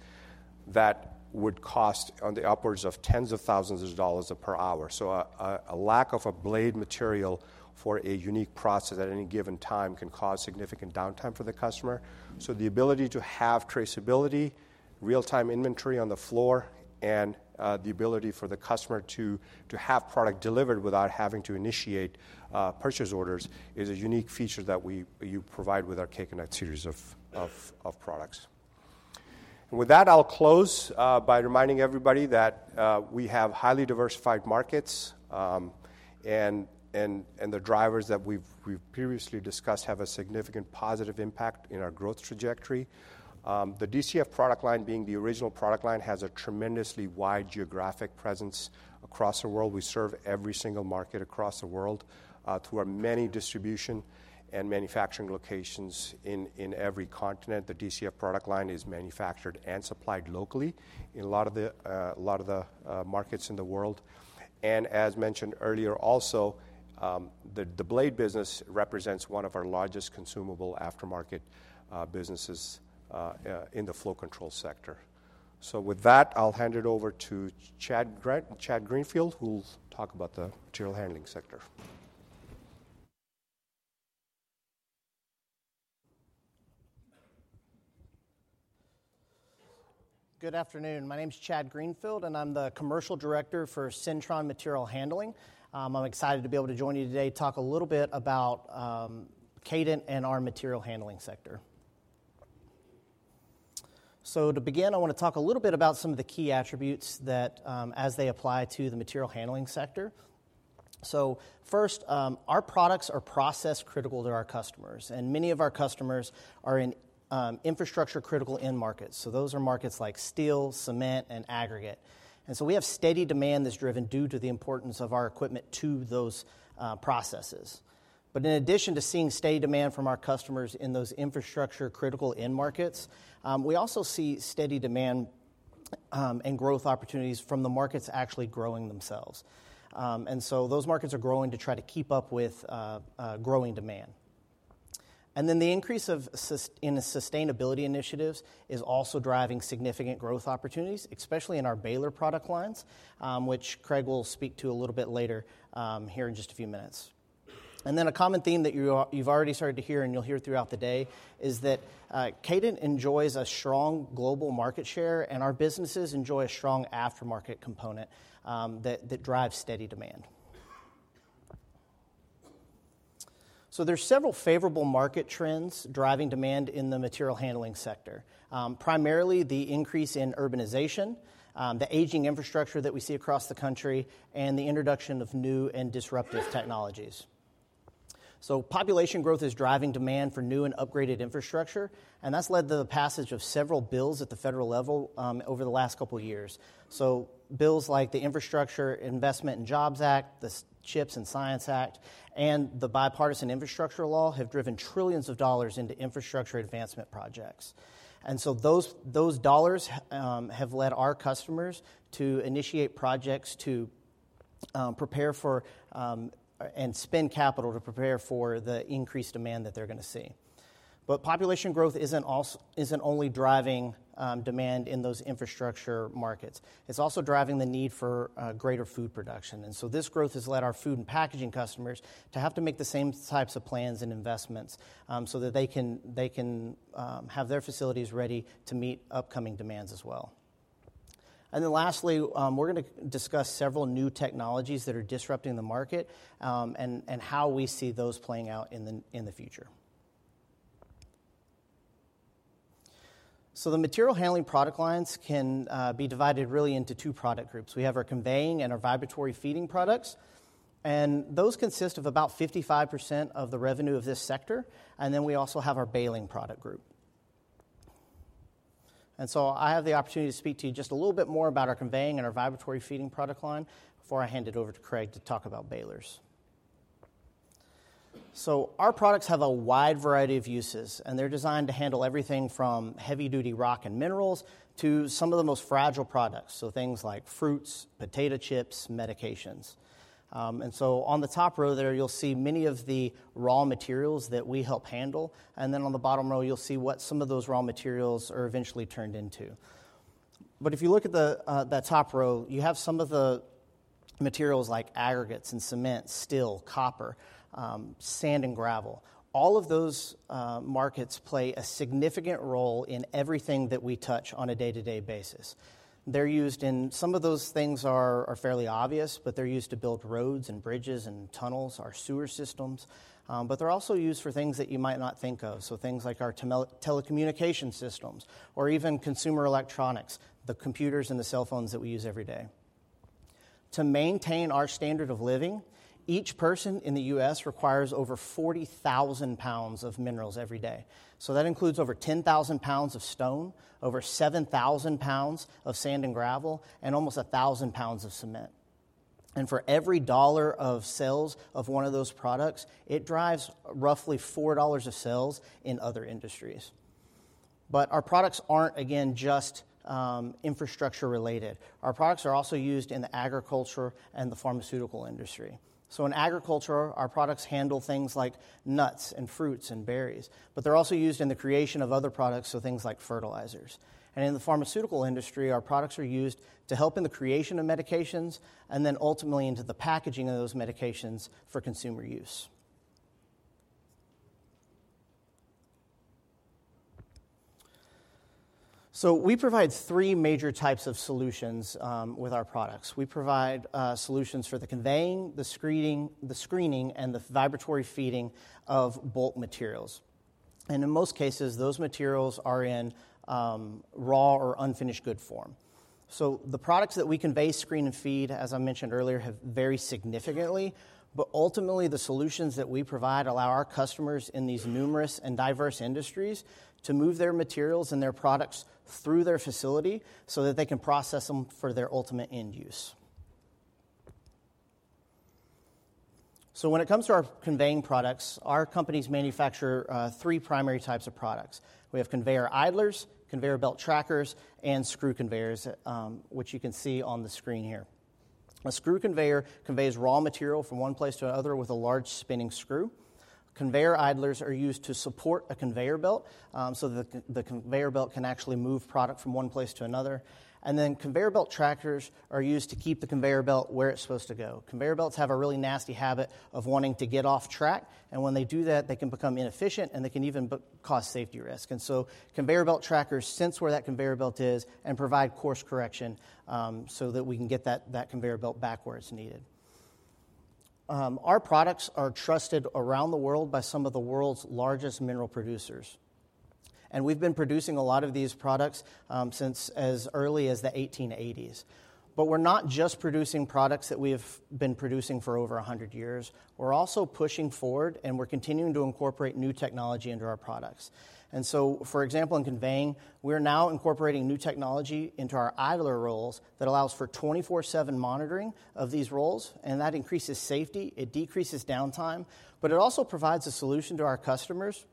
[SPEAKER 5] that would cost on the upwards of tens of thousands of dollars per hour, so a lack of a blade material for a unique process at any given time can cause significant downtime for the customer. The ability to have traceability, real-time inventory on the floor, and the ability for the customer to have product delivered without having to initiate purchase orders is a unique feature that you provide with our K-Connect series of products, and with that, I'll close by reminding everybody that we have highly diversified markets, and the drivers that we've previously discussed have a significant positive impact in our growth trajectory. The DCF product line, being the original product line, has a tremendously wide geographic presence across the world. We serve every single market across the world through our many distribution and manufacturing locations in every continent. The DCF product line is manufactured and supplied locally in a lot of the markets in the world. And as mentioned earlier, also, the blade business represents one of our largest consumable aftermarket businesses in the flow control sector. So with that, I'll hand it over to Chad Greenfield, who will talk about the material handling sector.
[SPEAKER 6] Good afternoon. My name is Chad Greenfield, and I'm the commercial director for Syntron Material Handling. I'm excited to be able to join you today to talk a little bit about Kadant and our material handling sector, so to begin, I want to talk a little bit about some of the key attributes as they apply to the material handling sector, so first, our products are process-critical to our customers, and many of our customers are in infrastructure-critical end markets, so those are markets like steel, cement, and aggregate, and so we have steady demand that's driven due to the importance of our equipment to those processes, but in addition to seeing steady demand from our customers in those infrastructure-critical end markets, we also see steady demand and growth opportunities from the markets actually growing themselves, and so those markets are growing to try to keep up with growing demand. And then the increase in sustainability initiatives is also driving significant growth opportunities, especially in our baler product lines, which Craig will speak to a little bit later here in just a few minutes. And then a common theme that you've already started to hear and you'll hear throughout the day is that Kadant enjoys a strong global market share, and our businesses enjoy a strong aftermarket component that drives steady demand. So there are several favorable market trends driving demand in the material handling sector, primarily the increase in urbanization, the aging infrastructure that we see across the country, and the introduction of new and disruptive technologies. So population growth is driving demand for new and upgraded infrastructure. And that's led to the passage of several bills at the federal level over the last couple of years. Bills like the Infrastructure Investment and Jobs Act, the CHIPS and Science Act, and the Bipartisan Infrastructure Law have driven trillions of dollars into infrastructure advancement projects. And so those dollars have led our customers to initiate projects to prepare for and spend capital to prepare for the increased demand that they're going to see. But population growth isn't only driving demand in those infrastructure markets. It's also driving the need for greater food production. And so this growth has led our food and packaging customers to have to make the same types of plans and investments so that they can have their facilities ready to meet upcoming demands as well. And then lastly, we're going to discuss several new technologies that are disrupting the market and how we see those playing out in the future. So the material handling product lines can be divided really into two product groups. We have our conveying and our vibratory feeding products. And those consist of about 55% of the revenue of this sector. And then we also have our baling product group. And so I have the opportunity to speak to you just a little bit more about our conveying and our vibratory feeding product line before I hand it over to Craig to talk about balers. So our products have a wide variety of uses. And they're designed to handle everything from heavy-duty rock and minerals to some of the most fragile products, so things like fruits, potato chips, medications. And so on the top row there, you'll see many of the raw materials that we help handle. And then on the bottom row, you'll see what some of those raw materials are eventually turned into. But if you look at that top row, you have some of the materials like aggregates and cement, steel, copper, sand, and gravel. All of those markets play a significant role in everything that we touch on a day-to-day basis. They're used in. Some of those things are fairly obvious, but they're used to build roads and bridges and tunnels, our sewer systems. But they're also used for things that you might not think of, so things like our telecommunication systems or even consumer electronics, the computers and the cell phones that we use every day. To maintain our standard of living, each person in the U.S. requires over 40,000 pounds of minerals every day. So that includes over 10,000 pounds of stone, over 7,000 pounds of sand and gravel, and almost 1,000 pounds of cement. And for every dollar of sales of one of those products, it drives roughly $4 of sales in other industries. But our products aren't, again, just infrastructure-related. Our products are also used in the agriculture and the pharmaceutical industry. So in agriculture, our products handle things like nuts and fruits and berries. But they're also used in the creation of other products, so things like fertilizers. And in the pharmaceutical industry, our products are used to help in the creation of medications and then ultimately into the packaging of those medications for consumer use. So we provide three major types of solutions with our products. We provide solutions for the conveying, the screening, and the vibratory feeding of bulk materials. And in most cases, those materials are in raw or unfinished good form. So the products that we convey, screen, and feed, as I mentioned earlier, have varied significantly. But ultimately, the solutions that we provide allow our customers in these numerous and diverse industries to move their materials and their products through their facility so that they can process them for their ultimate end use. So when it comes to our conveying products, our companies manufacture three primary types of products. We have conveyor idlers, conveyor belt trackers, and screw conveyors, which you can see on the screen here. A screw conveyor conveys raw material from one place to another with a large spinning screw. Conveyor idlers are used to support a conveyor belt so that the conveyor belt can actually move product from one place to another. And then conveyor belt trackers are used to keep the conveyor belt where it's supposed to go. Conveyor belts have a really nasty habit of wanting to get off track. And when they do that, they can become inefficient, and they can even cause safety risk. And so conveyor belt trackers sense where that conveyor belt is and provide course correction so that we can get that conveyor belt back where it's needed. Our products are trusted around the world by some of the world's largest mineral producers. And we've been producing a lot of these products since as early as the 1880s. But we're not just producing products that we have been producing for over 100 years. We're also pushing forward, and we're continuing to incorporate new technology into our products. And so, for example, in conveying, we're now incorporating new technology into our idler rolls that allows for 24/7 monitoring of these rolls. And that increases safety. It decreases downtime. But it also provides a solution to our customers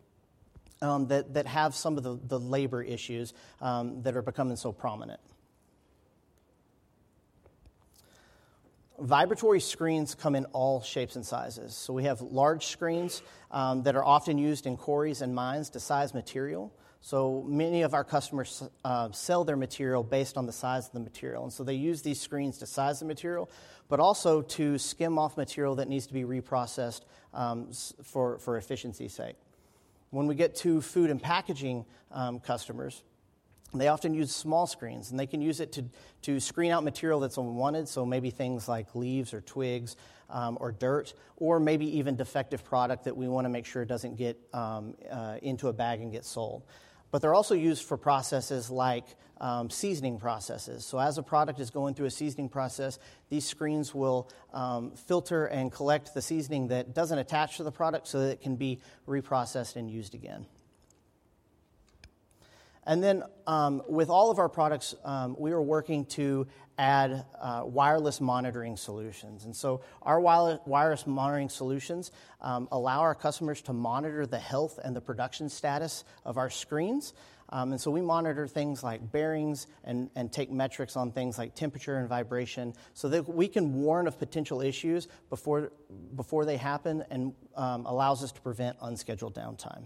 [SPEAKER 6] that have some of the labor issues that are becoming so prominent. Vibratory screens come in all shapes and sizes. So we have large screens that are often used in quarries and mines to size material. So many of our customers sell their material based on the size of the material. And so they use these screens to size the material but also to skim off material that needs to be reprocessed for efficiency's sake. When we get to food and packaging customers, they often use small screens. And they can use it to screen out material that's unwanted, so maybe things like leaves or twigs or dirt or maybe even defective product that we want to make sure it doesn't get into a bag and get sold. But they're also used for processes like seasoning processes. As a product is going through a seasoning process, these screens will filter and collect the seasoning that doesn't attach to the product so that it can be reprocessed and used again. With all of our products, we are working to add wireless monitoring solutions. Our wireless monitoring solutions allow our customers to monitor the health and the production status of our screens. We monitor things like bearings and take metrics on things like temperature and vibration so that we can warn of potential issues before they happen and allows us to prevent unscheduled downtime.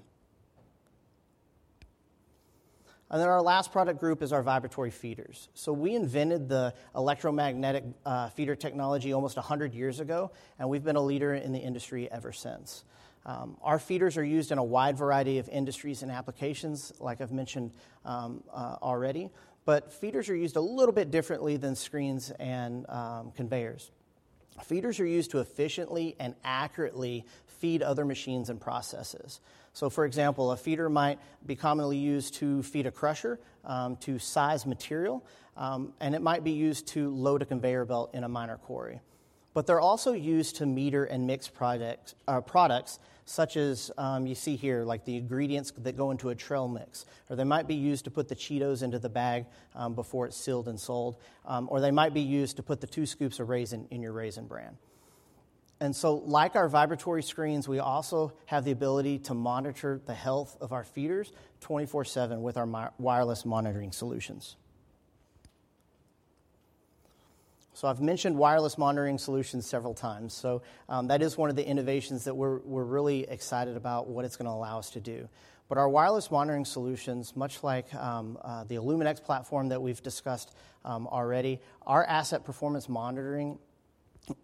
[SPEAKER 6] Our last product group is our vibratory feeders. We invented the electromagnetic feeder technology almost 100 years ago. We've been a leader in the industry ever since. Our feeders are used in a wide variety of industries and applications, like I've mentioned already. But feeders are used a little bit differently than screens and conveyors. Feeders are used to efficiently and accurately feed other machines and processes. So, for example, a feeder might be commonly used to feed a crusher to size material. And it might be used to load a conveyor belt in a mine or quarry. But they're also used to meter and mix products such as you see here, like the ingredients that go into a trail mix. Or they might be used to put the Cheetos into the bag before it's sealed and sold. Or they might be used to put the two scoops of raisins in your Raisin Bran. And so, like our vibratory screens, we also have the ability to monitor the health of our feeders 24/7 with our wireless monitoring solutions. So I've mentioned wireless monitoring solutions several times. That is one of the innovations that we're really excited about, what it's going to allow us to do. But our wireless monitoring solutions, much like the illumenX platform that we've discussed already, our asset performance monitoring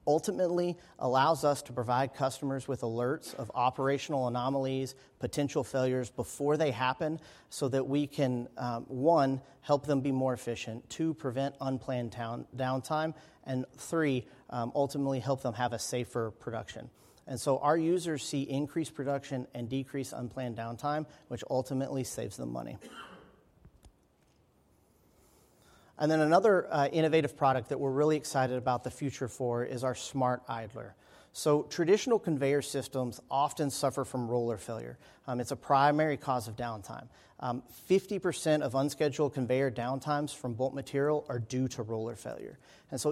[SPEAKER 6] ultimately allows us to provide customers with alerts of operational anomalies, potential failures before they happen so that we can, one, help them be more efficient, two, prevent unplanned downtime, and three, ultimately help them have a safer production. And so our users see increased production and decreased unplanned downtime, which ultimately saves them money. And then another innovative product that we're really excited about the future for is our Smart Idler. So traditional conveyor systems often suffer from roller failure. It's a primary cause of downtime. 50% of unscheduled conveyor downtimes from bulk material are due to roller failure.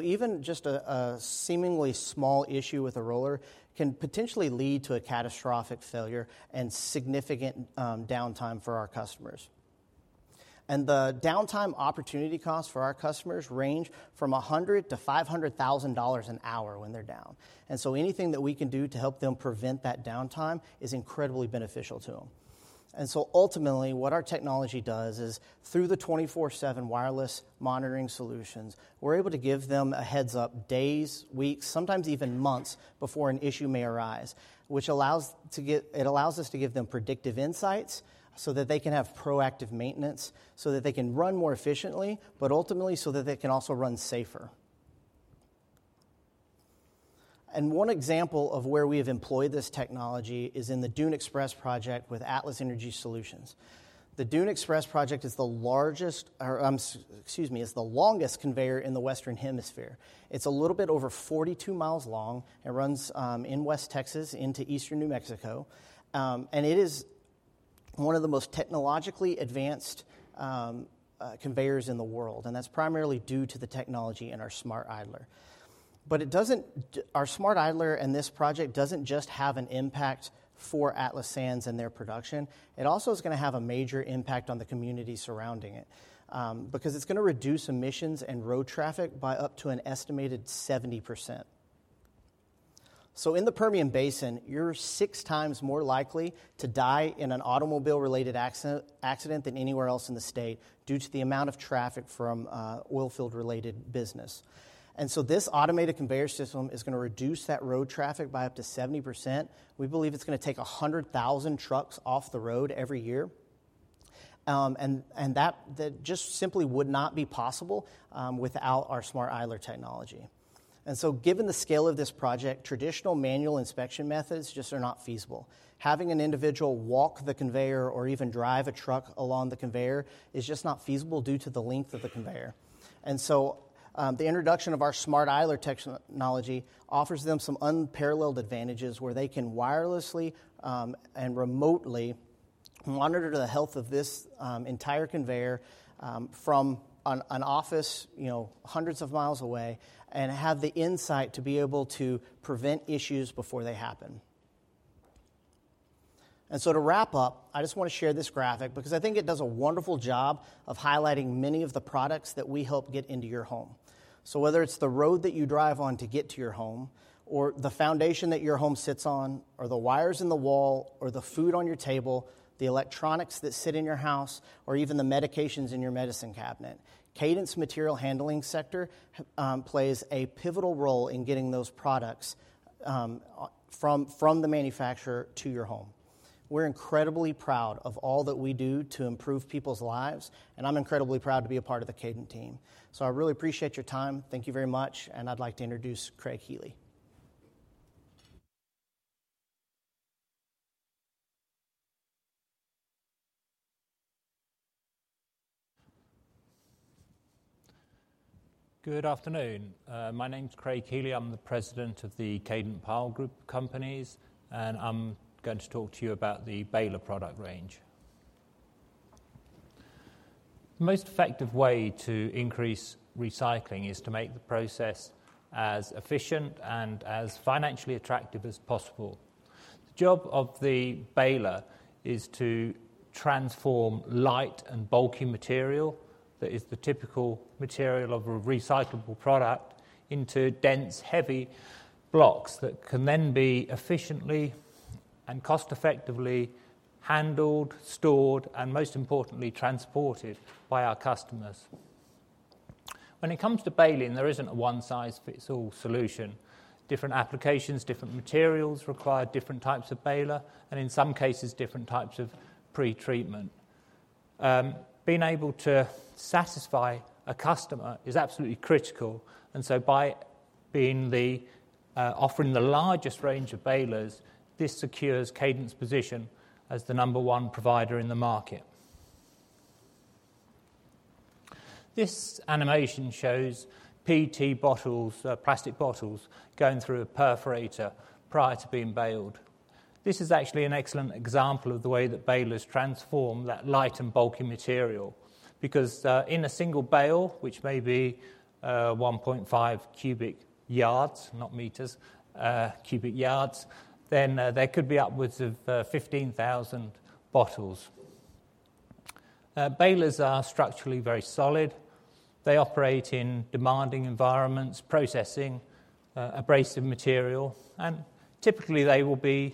[SPEAKER 6] Even just a seemingly small issue with a roller can potentially lead to a catastrophic failure and significant downtime for our customers. The downtime opportunity costs for our customers range from $100,000-$500,000 an hour when they're down. Anything that we can do to help them prevent that downtime is incredibly beneficial to them. Ultimately, what our technology does is, through the 24/7 wireless monitoring solutions, we're able to give them a heads-up days, weeks, sometimes even months before an issue may arise, which allows us to give them predictive insights so that they can have proactive maintenance so that they can run more efficiently, but ultimately so that they can also run safer. One example of where we have employed this technology is in the Dune Express project with Atlas Energy Solutions. The Dune Express project is the largest or, excuse me, is the longest conveyor in the Western Hemisphere. It's a little bit over 42 mi long. It runs in West Texas into Eastern New Mexico. And it is one of the most technologically advanced conveyors in the world. And that's primarily due to the technology in our Smart Idler. But our Smart Idler and this project doesn't just have an impact for Atlas Sand and their production. It also is going to have a major impact on the community surrounding it because it's going to reduce emissions and road traffic by up to an estimated 70%. So in the Permian Basin, you're six times more likely to die in an automobile-related accident than anywhere else in the state due to the amount of traffic from oilfield-related business. This automated conveyor system is going to reduce that road traffic by up to 70%. We believe it's going to take 100,000 trucks off the road every year. That just simply would not be possible without our Smart Idler technology. Given the scale of this project, traditional manual inspection methods just are not feasible. Having an individual walk the conveyor or even drive a truck along the conveyor is just not feasible due to the length of the conveyor. The introduction of our Smart Idler technology offers them some unparalleled advantages where they can wirelessly and remotely monitor the health of this entire conveyor from an office hundreds of miles away and have the insight to be able to prevent issues before they happen. To wrap up, I just want to share this graphic because I think it does a wonderful job of highlighting many of the products that we help get into your home. Whether it's the road that you drive on to get to your home or the foundation that your home sits on or the wires in the wall or the food on your table, the electronics that sit in your house, or even the medications in your medicine cabinet, Kadant Material Handling Sector plays a pivotal role in getting those products from the manufacturer to your home. We're incredibly proud of all that we do to improve people's lives, and I'm incredibly proud to be a part of the Kadant team. I really appreciate your time. Thank you very much. I'd like to introduce Craig Heley.
[SPEAKER 7] Good afternoon. My name's Craig Heley. I'm the President of the Kadant PAAL Group Companies. And I'm going to talk to you about the baler product range. The most effective way to increase recycling is to make the process as efficient and as financially attractive as possible. The job of the baler is to transform light and bulky material that is the typical material of a recyclable product into dense, heavy blocks that can then be efficiently and cost-effectively handled, stored, and most importantly, transported by our customers. When it comes to baling, there isn't a one-size-fits-all solution. Different applications, different materials require different types of baler, and in some cases, different types of pretreatment. Being able to satisfy a customer is absolutely critical. And so by offering the largest range of balers, this secures Kadant's position as the number one provider in the market. This animation shows PET bottles, plastic bottles, going through a perforator prior to being baled. This is actually an excellent example of the way that balers transform that light and bulky material because in a single bale, which may be 1.5 cubic yards, not meters, cubic yards, then there could be upwards of 15,000 bottles. Balers are structurally very solid. They operate in demanding environments, processing abrasive material. And typically, they will be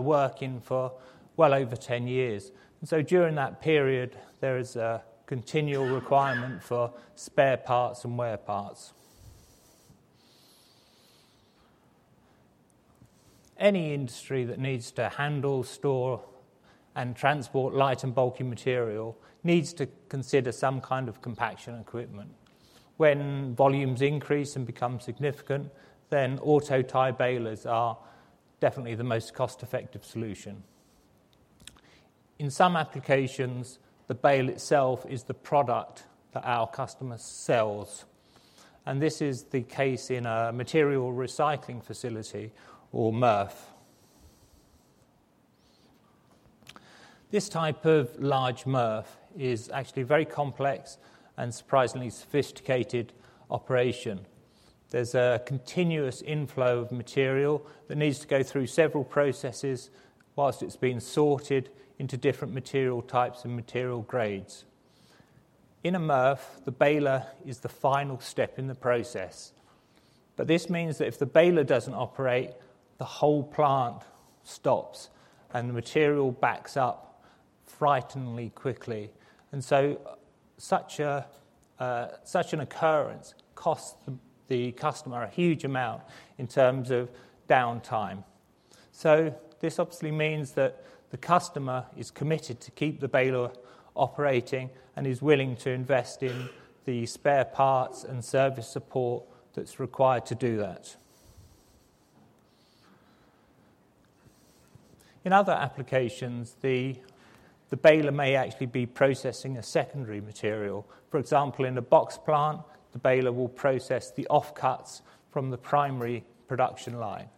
[SPEAKER 7] working for well over 10 years. And so during that period, there is a continual requirement for spare parts and wear parts. Any industry that needs to handle, store, and transport light and bulky material needs to consider some kind of compaction equipment. When volumes increase and become significant, then auto tie balers are definitely the most cost-effective solution. In some applications, the bale itself is the product that our customer sells. This is the case in a material recycling facility or MRF. This type of large MRF is actually a very complex and surprisingly sophisticated operation. There's a continuous inflow of material that needs to go through several processes while it's being sorted into different material types and material grades. In a MRF, the baler is the final step in the process. This means that if the baler doesn't operate, the whole plant stops and the material backs up frighteningly quickly. Such an occurrence costs the customer a huge amount in terms of downtime. This obviously means that the customer is committed to keep the baler operating and is willing to invest in the spare parts and service support that's required to do that. In other applications, the baler may actually be processing a secondary material. For example, in a box plant, the baler will process the offcuts from the primary production line.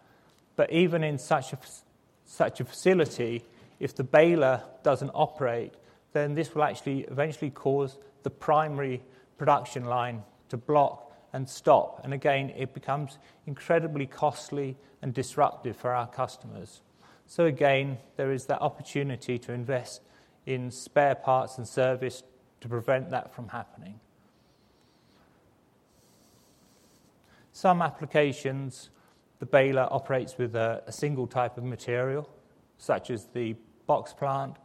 [SPEAKER 7] But even in such a facility, if the baler doesn't operate, then this will actually eventually cause the primary production line to block and stop. And again, it becomes incredibly costly and disruptive for our customers. So again, there is the opportunity to invest in spare parts and service to prevent that from happening. Some applications, the baler operates with a single type of material such as the box plant.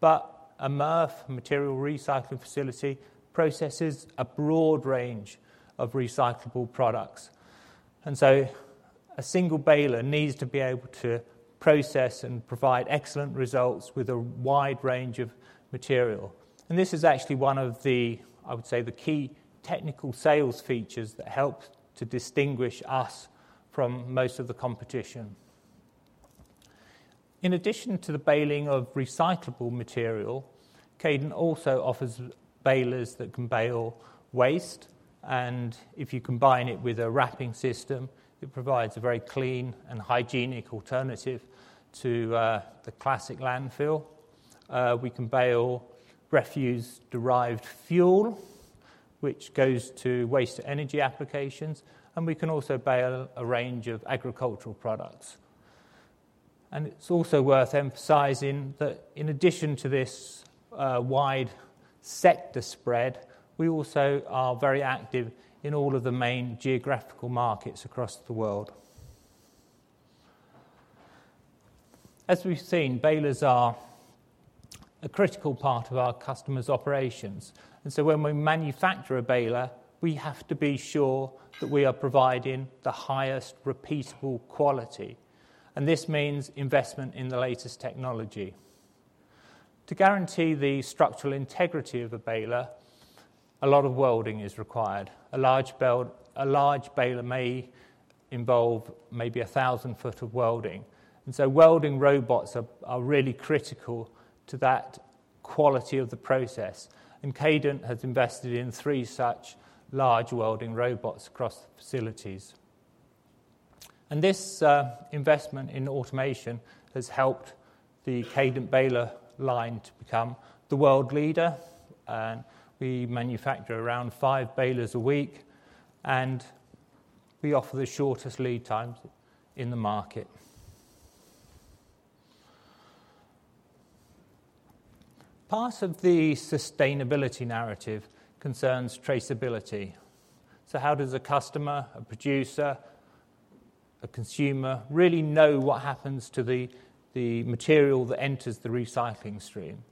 [SPEAKER 7] But a MRF, Material Recovery Facility, processes a broad range of recyclable products. And so a single baler needs to be able to process and provide excellent results with a wide range of material. And this is actually one of the, I would say, the key technical sales features that help to distinguish us from most of the competition. In addition to the baling of recyclable material, Kadant also offers balers that can bale waste. And if you combine it with a wrapping system, it provides a very clean and hygienic alternative to the classic landfill. We can bale refuse-derived fuel, which goes to waste energy applications. And we can also bale a range of agricultural products. And it's also worth emphasizing that in addition to this wide sector spread, we also are very active in all of the main geographical markets across the world. As we've seen, balers are a critical part of our customer's operations. And so when we manufacture a baler, we have to be sure that we are providing the highest repeatable quality. And this means investment in the latest technology. To guarantee the structural integrity of a baler, a lot of welding is required. A large baler may involve maybe 1,000 foot of welding. Welding robots are really critical to that quality of the process. Kadant has invested in three such large welding robots across facilities. This investment in automation has helped the Kadant baler line to become the world leader. We manufacture around five balers a week. We offer the shortest lead times in the market. Part of the sustainability narrative concerns traceability. How does a customer, a producer, a consumer really know what happens to the material that enters the recycling stream?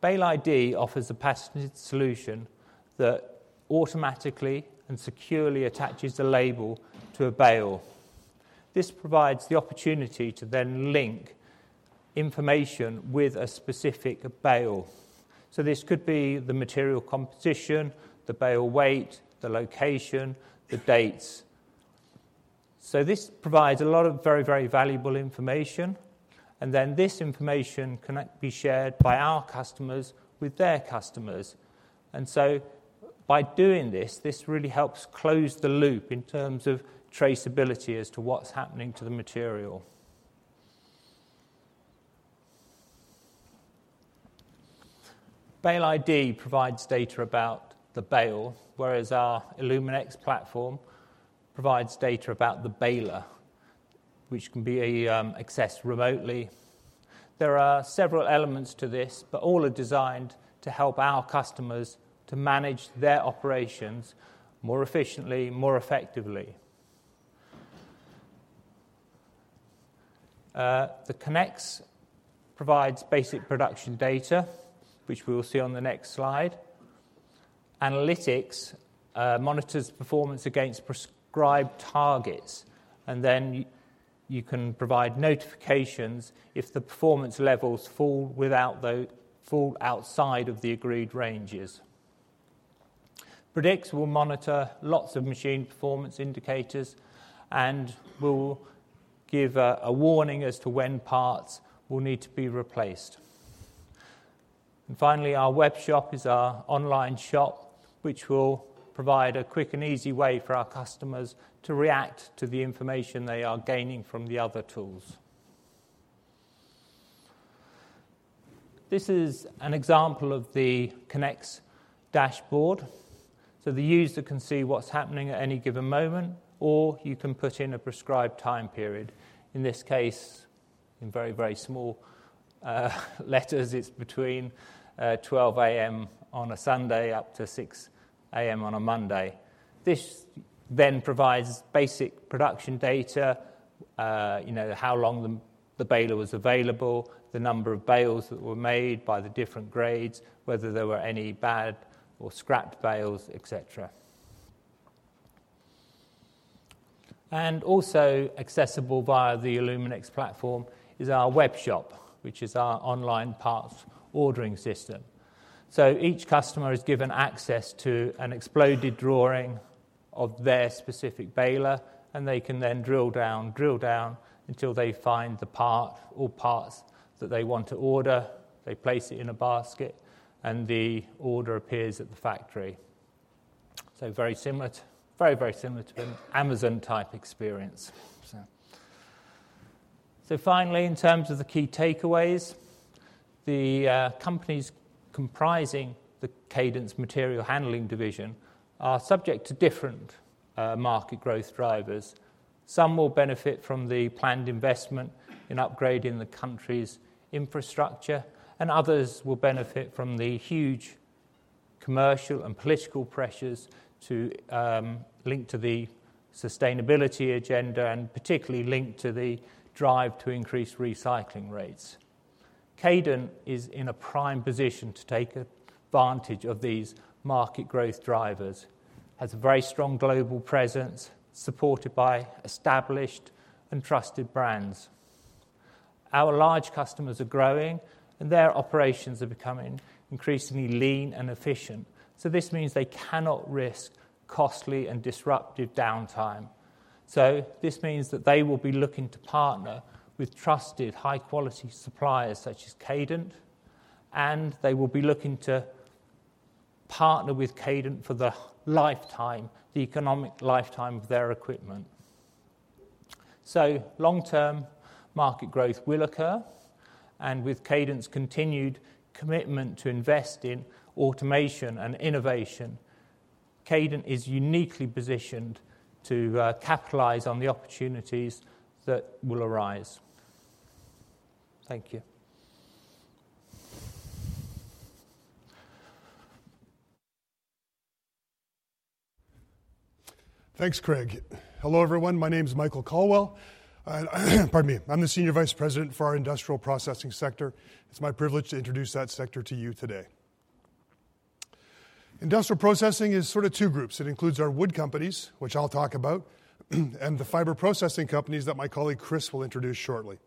[SPEAKER 7] Bale ID offers a patented solution that automatically and securely attaches a label to a bale. This provides the opportunity to then link information with a specific bale. This could be the material composition, the bale weight, the location, the dates. This provides a lot of very, very valuable information. And then this information can be shared by our customers with their customers. And so by doing this, this really helps close the loop in terms of traceability as to what's happening to the material. Bale ID provides data about the bale, whereas our illumenX platform provides data about the baler, which can be accessed remotely. There are several elements to this, but all are designed to help our customers to manage their operations more efficiently, more effectively. The Connex provides basic production data, which we will see on the next slide. Analytics monitors performance against prescribed targets. And then you can provide notifications if the performance levels fall outside of the agreed ranges. Predix will monitor lots of machine performance indicators and will give a warning as to when parts will need to be replaced. Finally, our web shop is our online shop, which will provide a quick and easy way for our customers to react to the information they are gaining from the other tools. This is an example of the Connex dashboard. The user can see what's happening at any given moment, or you can put in a prescribed time period. In this case, in very, very small letters, it's between 12:00 A.M. on a Sunday up to 6:00 A.M. on a Monday. This then provides basic production data, how long the baler was available, the number of bales that were made by the different grades, whether there were any bad or scrapped bales, etc. Also accessible via the illumenX platform is our web shop, which is our online parts ordering system. Each customer is given access to an exploded drawing of their specific baler, and they can then drill down, drill down until they find the part or parts that they want to order. They place it in a basket, and the order appears at the factory. So very similar, very, very similar to an Amazon-type experience. Finally, in terms of the key takeaways, the companies comprising the Kadant Material Handling Division are subject to different market growth drivers. Some will benefit from the planned investment in upgrading the country's infrastructure, and others will benefit from the huge commercial and political pressures linked to the sustainability agenda and particularly linked to the drive to increase recycling rates. Kadant is in a prime position to take advantage of these market growth drivers, has a very strong global presence supported by established and trusted brands. Our large customers are growing, and their operations are becoming increasingly lean and efficient, so this means they cannot risk costly and disruptive downtime, so this means that they will be looking to partner with trusted high-quality suppliers such as Kadant, and they will be looking to partner with Kadant for the lifetime, the economic lifetime of their equipment, so long-term market growth will occur, and with Kadant's continued commitment to invest in automation and innovation, Kadant is uniquely positioned to capitalize on the opportunities that will arise. Thank you.
[SPEAKER 8] Thanks, Craig. Hello, everyone. My name is Michael Colwell. Pardon me. I'm the Senior Vice President for our Industrial Processing sector. It's my privilege to introduce that sector to you today. Industrial processing is sort of two groups. It includes our wood companies, which I'll talk about, and the fiber processing companies that my colleague Chris will introduce shortly.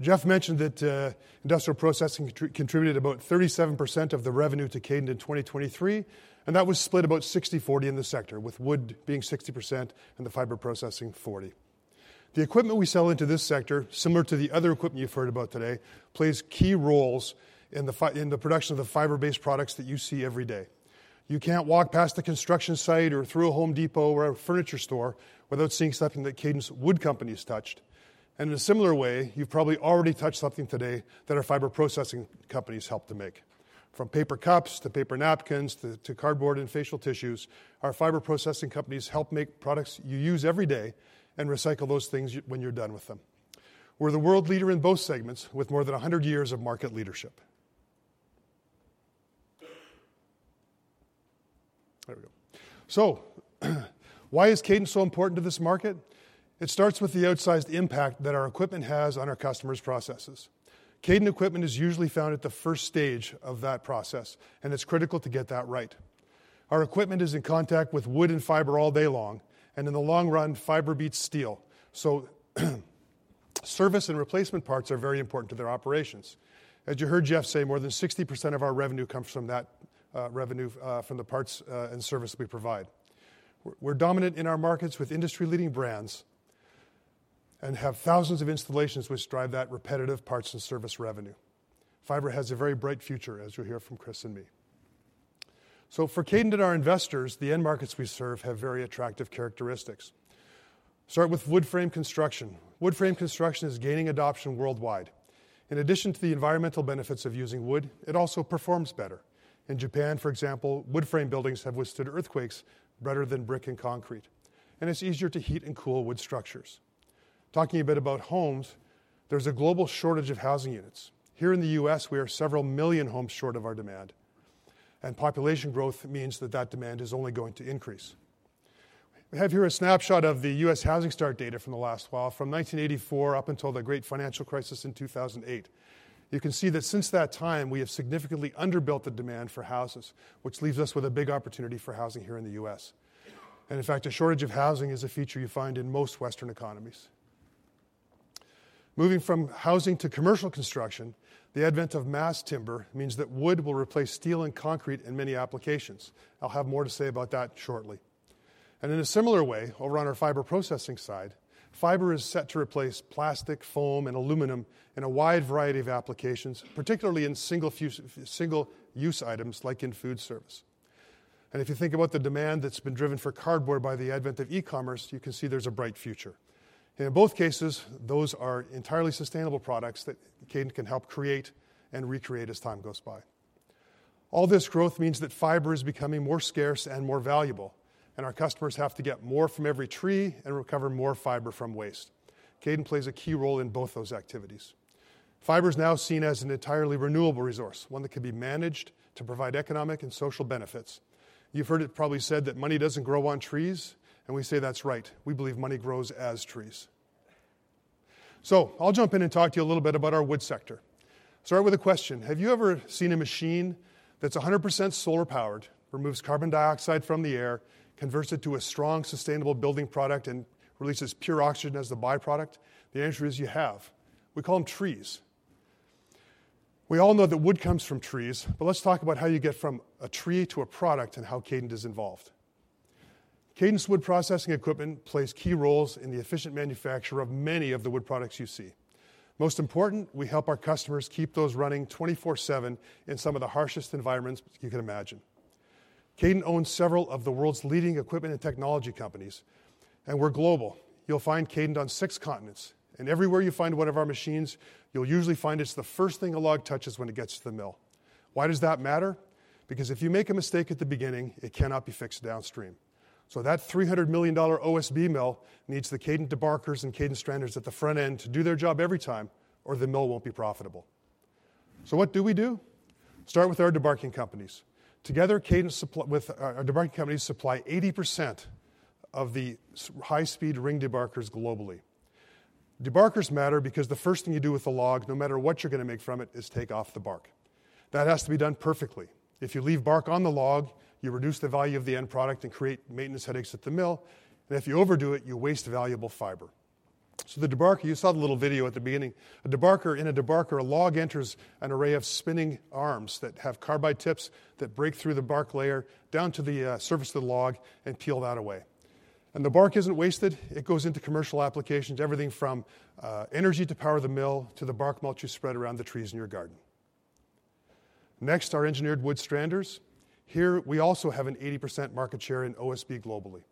[SPEAKER 8] Jeff mentioned that Industrial Processing contributed about 37% of the revenue to Kadant in 2023, and that was split about 60/40 in the sector, with wood being 60% and the fiber processing 40%. The equipment we sell into this sector, similar to the other equipment you've heard about today, plays key roles in the production of the fiber-based products that you see every day. You can't walk past the construction site or through a Home Depot or a furniture store without seeing something that Kadant wood companies touched. In a similar way, you've probably already touched something today that our fiber processing companies help to make. From paper cups to paper napkins to cardboard and facial tissues, our fiber processing companies help make products you use every day and recycle those things when you're done with them. We're the world leader in both segments with more than 100 years of market leadership. There we go. Why is Kadant so important to this market? It starts with the outsized impact that our equipment has on our customers' processes. Kadant equipment is usually found at the first stage of that process, and it's critical to get that right. Our equipment is in contact with wood and fiber all day long. In the long run, fiber beats steel. Service and replacement parts are very important to their operations. As you heard Jeff say, more than 60% of our revenue comes from that revenue from the parts and service we provide. We're dominant in our markets with industry-leading brands and have thousands of installations which drive that repetitive parts and service revenue. Fiber has a very bright future, as you'll hear from Chris and me. So for Kadant and our investors, the end markets we serve have very attractive characteristics. Start with wood frame construction. Wood frame construction is gaining adoption worldwide. In addition to the environmental benefits of using wood, it also performs better. In Japan, for example, wood frame buildings have withstood earthquakes better than brick and concrete. And it's easier to heat and cool wood structures. Talking a bit about homes, there's a global shortage of housing units. Here in the U.S., we are several million homes short of our demand. Population growth means that demand is only going to increase. We have here a snapshot of the U.S. housing start data from the last while from 1984 up until the Great Financial Crisis in 2008. You can see that since that time, we have significantly underbuilt the demand for houses, which leaves us with a big opportunity for housing here in the U.S. In fact, a shortage of housing is a feature you find in most Western economies. Moving from housing to commercial construction, the advent of mass timber means that wood will replace steel and concrete in many applications. I'll have more to say about that shortly. In a similar way, over on our fiber processing side, fiber is set to replace plastic, foam, and aluminum in a wide variety of applications, particularly in single-use items like in food service. And if you think about the demand that's been driven for cardboard by the advent of e-commerce, you can see there's a bright future. In both cases, those are entirely sustainable products that Kadant can help create and recreate as time goes by. All this growth means that fiber is becoming more scarce and more valuable. And our customers have to get more from every tree and recover more fiber from waste. Kadant plays a key role in both those activities. Fiber is now seen as an entirely renewable resource, one that can be managed to provide economic and social benefits. You've heard it probably said that money doesn't grow on trees, and we say that's right. We believe money grows as trees. So I'll jump in and talk to you a little bit about our wood sector. Start with a question. Have you ever seen a machine that's 100% solar powered, removes carbon dioxide from the air, converts it to a strong sustainable building product, and releases pure oxygen as the byproduct? The answer is you have. We call them trees. We all know that wood comes from trees, but let's talk about how you get from a tree to a product and how Kadant is involved. Kadant wood processing equipment plays key roles in the efficient manufacture of many of the wood products you see. Most important, we help our customers keep those running 24/7 in some of the harshest environments you can imagine. Kadant owns several of the world's leading equipment and technology companies, and we're global. You'll find Kadant on six continents, and everywhere you find one of our machines, you'll usually find it's the first thing a log touches when it gets to the mill. Why does that matter? Because if you make a mistake at the beginning, it cannot be fixed downstream. So that $300 million OSB mill needs the Kadant debarkers and Kadant stranders at the front end to do their job every time, or the mill won't be profitable. So what do we do? Start with our debarking companies. Together, Kadant with our debarking companies supply 80% of the high-speed ring debarkers globally. Debarkers matter because the first thing you do with a log, no matter what you're going to make from it, is take off the bark. That has to be done perfectly. If you leave bark on the log, you reduce the value of the end product and create maintenance headaches at the mill. And if you overdo it, you waste valuable fiber. So the debarker, you saw the little video at the beginning. In a debarker, a log enters an array of spinning arms that have carbide tips that break through the bark layer down to the surface of the log and peel that away, and the bark isn't wasted. It goes into commercial applications, everything from energy to power the mill to the bark mulch you spread around the trees in your garden. Next, our engineered wood stranders. Here, we also have an 80% market share in OSB globally.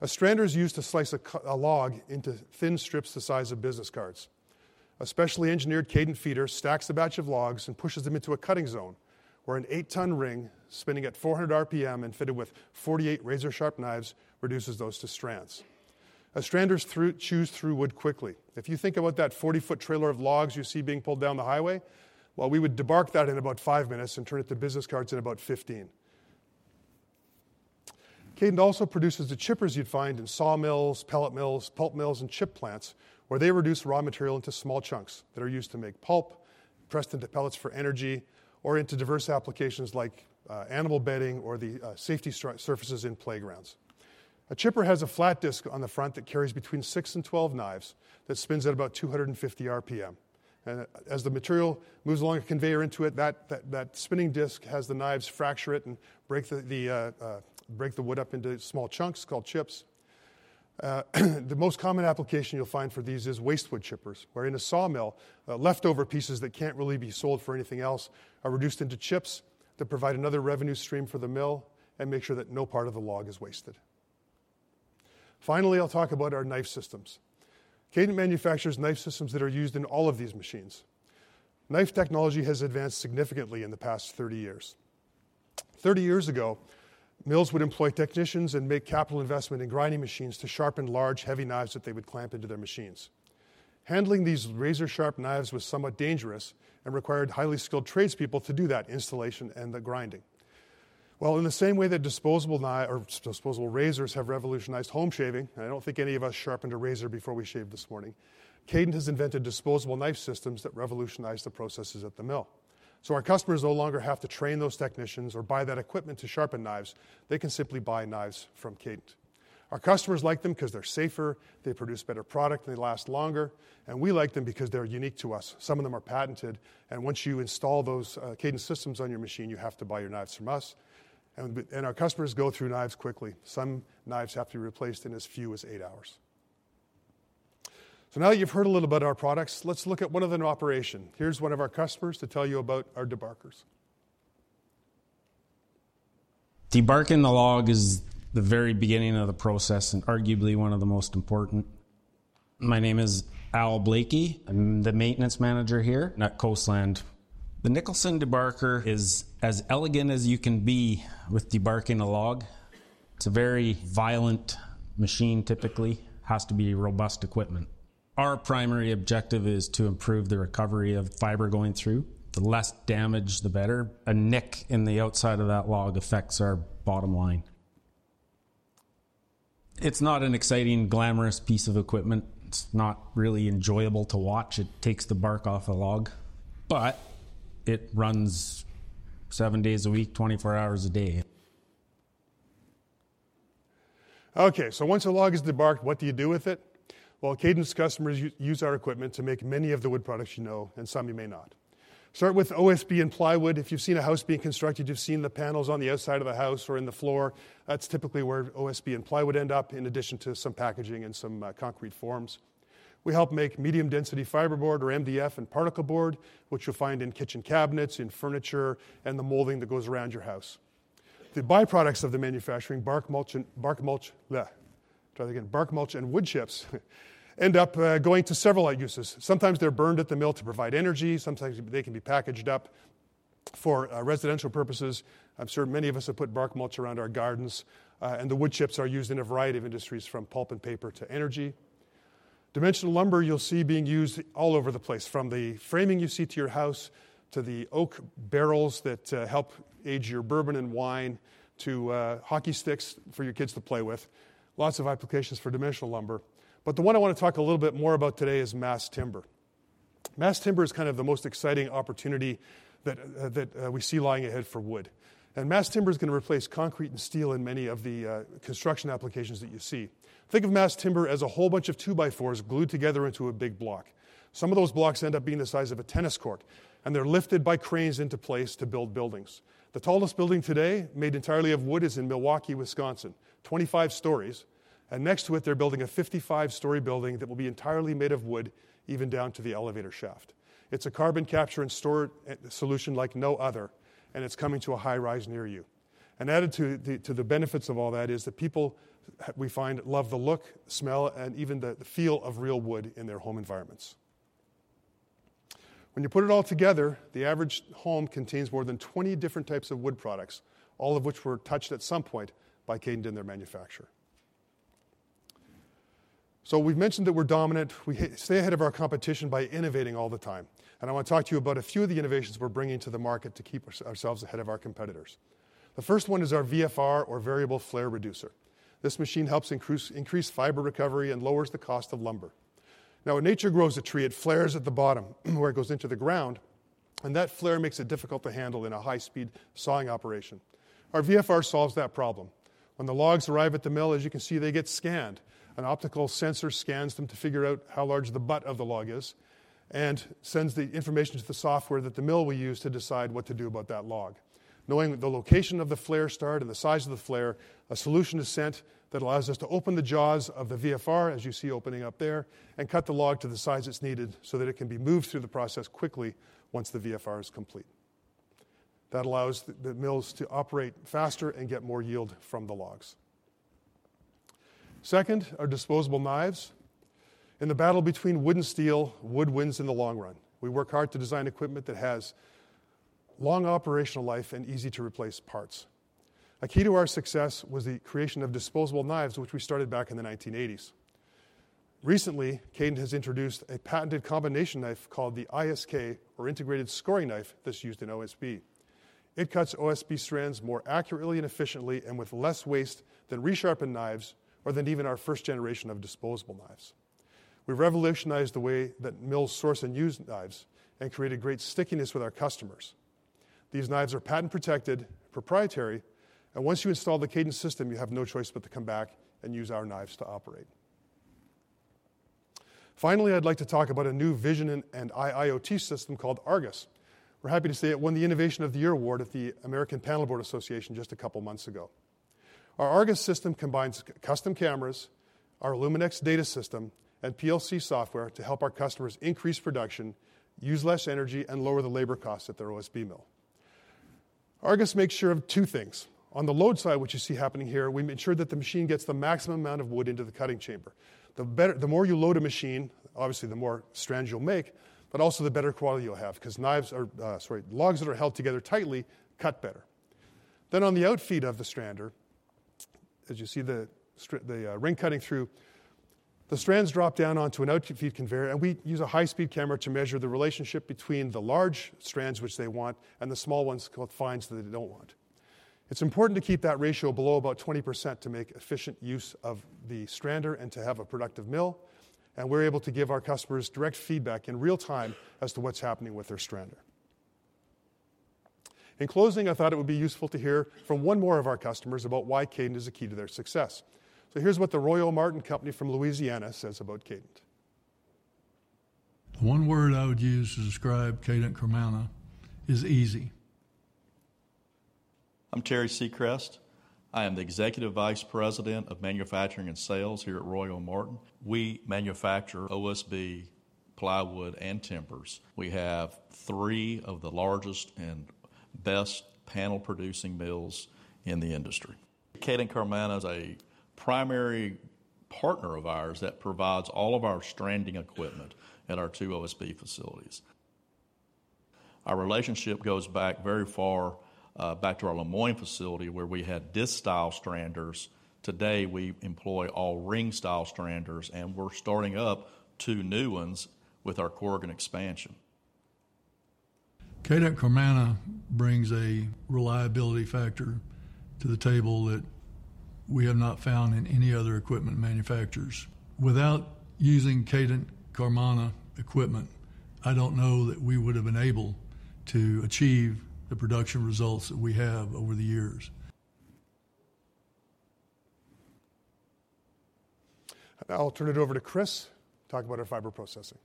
[SPEAKER 8] A strander is used to slice a log into thin strips the size of business cards. A specially engineered Kadant feeder stacks a batch of logs and pushes them into a cutting zone, where an eight-ton ring spinning at 400 RPM and fitted with 48 razor-sharp knives reduces those to strands. A strander shoots through wood quickly. If you think about that 40-foot trailer of logs you see being pulled down the highway, well, we would debark that in about five minutes and turn it to business cards in about 15. Kadant also produces the chippers you'd find in sawmills, pellet mills, pulp mills, and chip plants, where they reduce raw material into small chunks that are used to make pulp, pressed into pellets for energy, or into diverse applications like animal bedding or the safety surfaces in playgrounds. A chipper has a flat disk on the front that carries between six and 12 knives that spins at about 250 RPM. As the material moves along a conveyor into it, that spinning disk has the knives fracture it and break the wood up into small chunks called chips. The most common application you'll find for these is wastewood chippers, where in a sawmill, leftover pieces that can't really be sold for anything else are reduced into chips that provide another revenue stream for the mill and make sure that no part of the log is wasted. Finally, I'll talk about our knife systems. Kadant manufactures knife systems that are used in all of these machines. Knife technology has advanced significantly in the past 30 years. 30 years ago, mills would employ technicians and make capital investment in grinding machines to sharpen large, heavy knives that they would clamp into their machines. Handling these razor-sharp knives was somewhat dangerous and required highly skilled tradespeople to do that installation and the grinding. In the same way that disposable razors have revolutionized home shaving, and I don't think any of us sharpened a razor before we shaved this morning, Kadant has invented disposable knife systems that revolutionized the processes at the mill. So our customers no longer have to train those technicians or buy that equipment to sharpen knives. They can simply buy knives from Kadant. Our customers like them because they're safer, they produce better product, they last longer, and we like them because they're unique to us. Some of them are patented. And once you install those Kadant systems on your machine, you have to buy your knives from us. And our customers go through knives quickly. Some knives have to be replaced in as few as eight hours. So now that you've heard a little bit about our products, let's look at one other operation. Here's one of our customers to tell you about our debarkers.
[SPEAKER 9] Debarking a log is the very beginning of the process and arguably one of the most important. My name is Al Blakey. I'm the maintenance manager here at Coastland. The Nicholson debarker is as elegant as you can be with debarking a log. It's a very violent machine, typically. It has to be robust equipment. Our primary objective is to improve the recovery of fiber going through. The less damage, the better. A nick in the outside of that log affects our bottom line. It's not an exciting, glamorous piece of equipment. It's not really enjoyable to watch. It takes the bark off a log, but it runs seven days a week, 24 hours a day.
[SPEAKER 8] Okay, so once a log is debarked, what do you do with it? Well, Kadant customers use our equipment to make many of the wood products you know, and some you may not. Start with OSB and plywood. If you've seen a house being constructed, you've seen the panels on the outside of the house or in the floor. That's typically where OSB and plywood end up, in addition to some packaging and some concrete forms. We help make medium-density fiberboard or MDF and particleboard, which you'll find in kitchen cabinets, in furniture, and the molding that goes around your house. The byproducts of the manufacturing, bark mulch and wood chips, end up going to several uses. Sometimes they're burned at the mill to provide energy. Sometimes they can be packaged up for residential purposes. I'm sure many of us have put bark mulch around our gardens. The wood chips are used in a variety of industries, from pulp and paper to energy. Dimensional lumber, you'll see being used all over the place, from the framing you see to your house to the oak barrels that help age your bourbon and wine to hockey sticks for your kids to play with. Lots of applications for dimensional lumber. But the one I want to talk a little bit more about today is mass timber. Mass timber is kind of the most exciting opportunity that we see lying ahead for wood. Mass timber is going to replace concrete and steel in many of the construction applications that you see. Think of mass timber as a whole bunch of two-by-fours glued together into a big block. Some of those blocks end up being the size of a tennis court, and they're lifted by cranes into place to build buildings. The tallest building today, made entirely of wood, is in Milwaukee, Wisconsin, 25 stories. And next to it, they're building a 55-story building that will be entirely made of wood, even down to the elevator shaft. It's a carbon capture and storage solution like no other, and it's coming to a high rise near you. And added to the benefits of all that is that people, we find, love the look, smell, and even the feel of real wood in their home environments. When you put it all together, the average home contains more than 20 different types of wood products, all of which were touched at some point by Kadant in their manufacture. So we've mentioned that we're dominant. We stay ahead of our competition by innovating all the time. And I want to talk to you about a few of the innovations we're bringing to the market to keep ourselves ahead of our competitors. The first one is our VFR, or Variable Flare Reducer. This machine helps increase fiber recovery and lowers the cost of lumber. Now, when nature grows a tree, it flares at the bottom where it goes into the ground, and that flare makes it difficult to handle in a high-speed sawing operation. Our VFR solves that problem. When the logs arrive at the mill, as you can see, they get scanned. An optical sensor scans them to figure out how large the butt of the log is and sends the information to the software that the mill will use to decide what to do about that log. Knowing the location of the flare start and the size of the flare, a solution is sent that allows us to open the jaws of the VFR, as you see opening up there, and cut the log to the size it's needed so that it can be moved through the process quickly once the VFR is complete. That allows the mills to operate faster and get more yield from the logs. Second, our disposable knives. In the battle between wood and steel, wood wins in the long run. We work hard to design equipment that has long operational life and easy-to-replace parts. A key to our success was the creation of disposable knives, which we started back in the 1980s. Recently, Kadant has introduced a patented combination knife called the ISK, or integrated scoring knife, that's used in OSB. It cuts OSB strands more accurately and efficiently and with less waste than re-sharpened knives or than even our first generation of disposable knives. We've revolutionized the way that mills source and use knives and created great stickiness with our customers. These knives are patent-protected, proprietary, and once you install the Kadant system, you have no choice but to come back and use our knives to operate. Finally, I'd like to talk about a new vision and IIoT system called Argus. We're happy to say it won the Innovation of the Year award at the American Panelboard Association just a couple of months ago. Our Argus system combines custom cameras, our illumenX data system, and PLC software to help our customers increase production, use less energy, and lower the labor costs at their OSB mill. Argus makes sure of two things. On the load side, what you see happening here, we ensure that the machine gets the maximum amount of wood into the cutting chamber. The more you load a machine, obviously, the more strands you'll make, but also the better quality you'll have because logs that are held together tightly cut better. Then, on the outfeed of the strander, as you see the ring cutting through, the strands drop down onto an outfeed conveyor, and we use a high-speed camera to measure the relationship between the large strands, which they want, and the small ones it finds that they don't want. It's important to keep that ratio below about 20% to make efficient use of the strander and to have a productive mill. And we're able to give our customers direct feedback in real time as to what's happening with their strander. In closing, I thought it would be useful to hear from one more of our customers about why Kadant is a key to their success. So here's what the RoyOMartin Company from Louisiana says about Kadant.
[SPEAKER 10] One word I would use to describe Kadant Carmanah is easy. I'm Terry Secrest. I am the Executive Vice President of manufacturing and sales here at RoyOMartin. We manufacture OSB, plywood, and timbers. We have three of the largest and best panel-producing mills in the industry. Kadant Carmanah is a primary partner of ours that provides all of our stranding equipment at our two OSB facilities. Our relationship goes back very far back to our LeMoyen facility, where we had disc-style stranders. Today, we employ all ring-style stranders, and we're starting up two new ones with our Corrigan expansion. Kadant Carmanah brings a reliability factor to the table that we have not found in any other equipment manufacturers. Without using Kadant Carmanah equipment, I don't know that we would have been able to achieve the production results that we have over the years.
[SPEAKER 2] Now, I'll turn it over to Chris to talk about our fiber processing.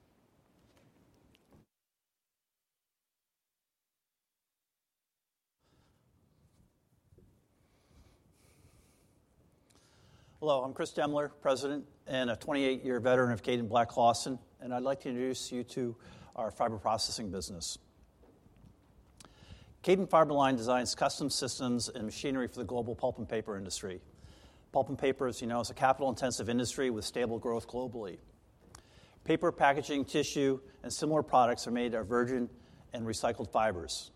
[SPEAKER 11] Hello. I'm Chris Demler, President and a 28-year veteran of Kadant Black Clawson, and I'd like to introduce you to our fiber processing business. Kadant Fiberline designs custom systems and machinery for the global pulp and paper industry. Pulp and paper, as you know, is a capital-intensive industry with stable growth globally. Paper, packaging, tissue, and similar products are made of virgin and recycled fibers.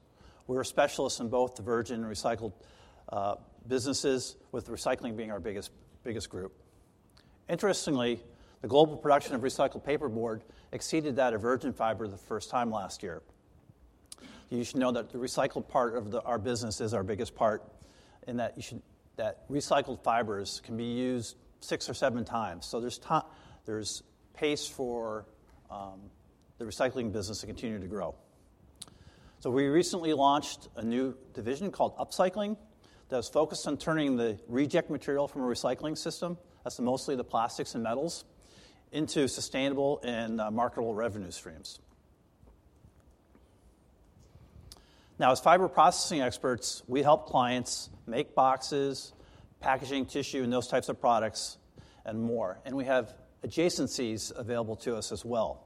[SPEAKER 11] We're specialists in both the virgin and recycled businesses, with recycling being our biggest group. Interestingly, the global production of recycled paperboard exceeded that of virgin fiber the first time last year. You should know that the recycled part of our business is our biggest part in that recycled fibers can be used six or seven times. So there's space for the recycling business to continue to grow. We recently launched a new division called Upcycling that is focused on turning the reject material from a recycling system that's mostly the plastics and metals into sustainable and marketable revenue streams. Now, as fiber processing experts, we help clients make boxes, packaging, tissue, and those types of products and more. We have adjacencies available to us as well.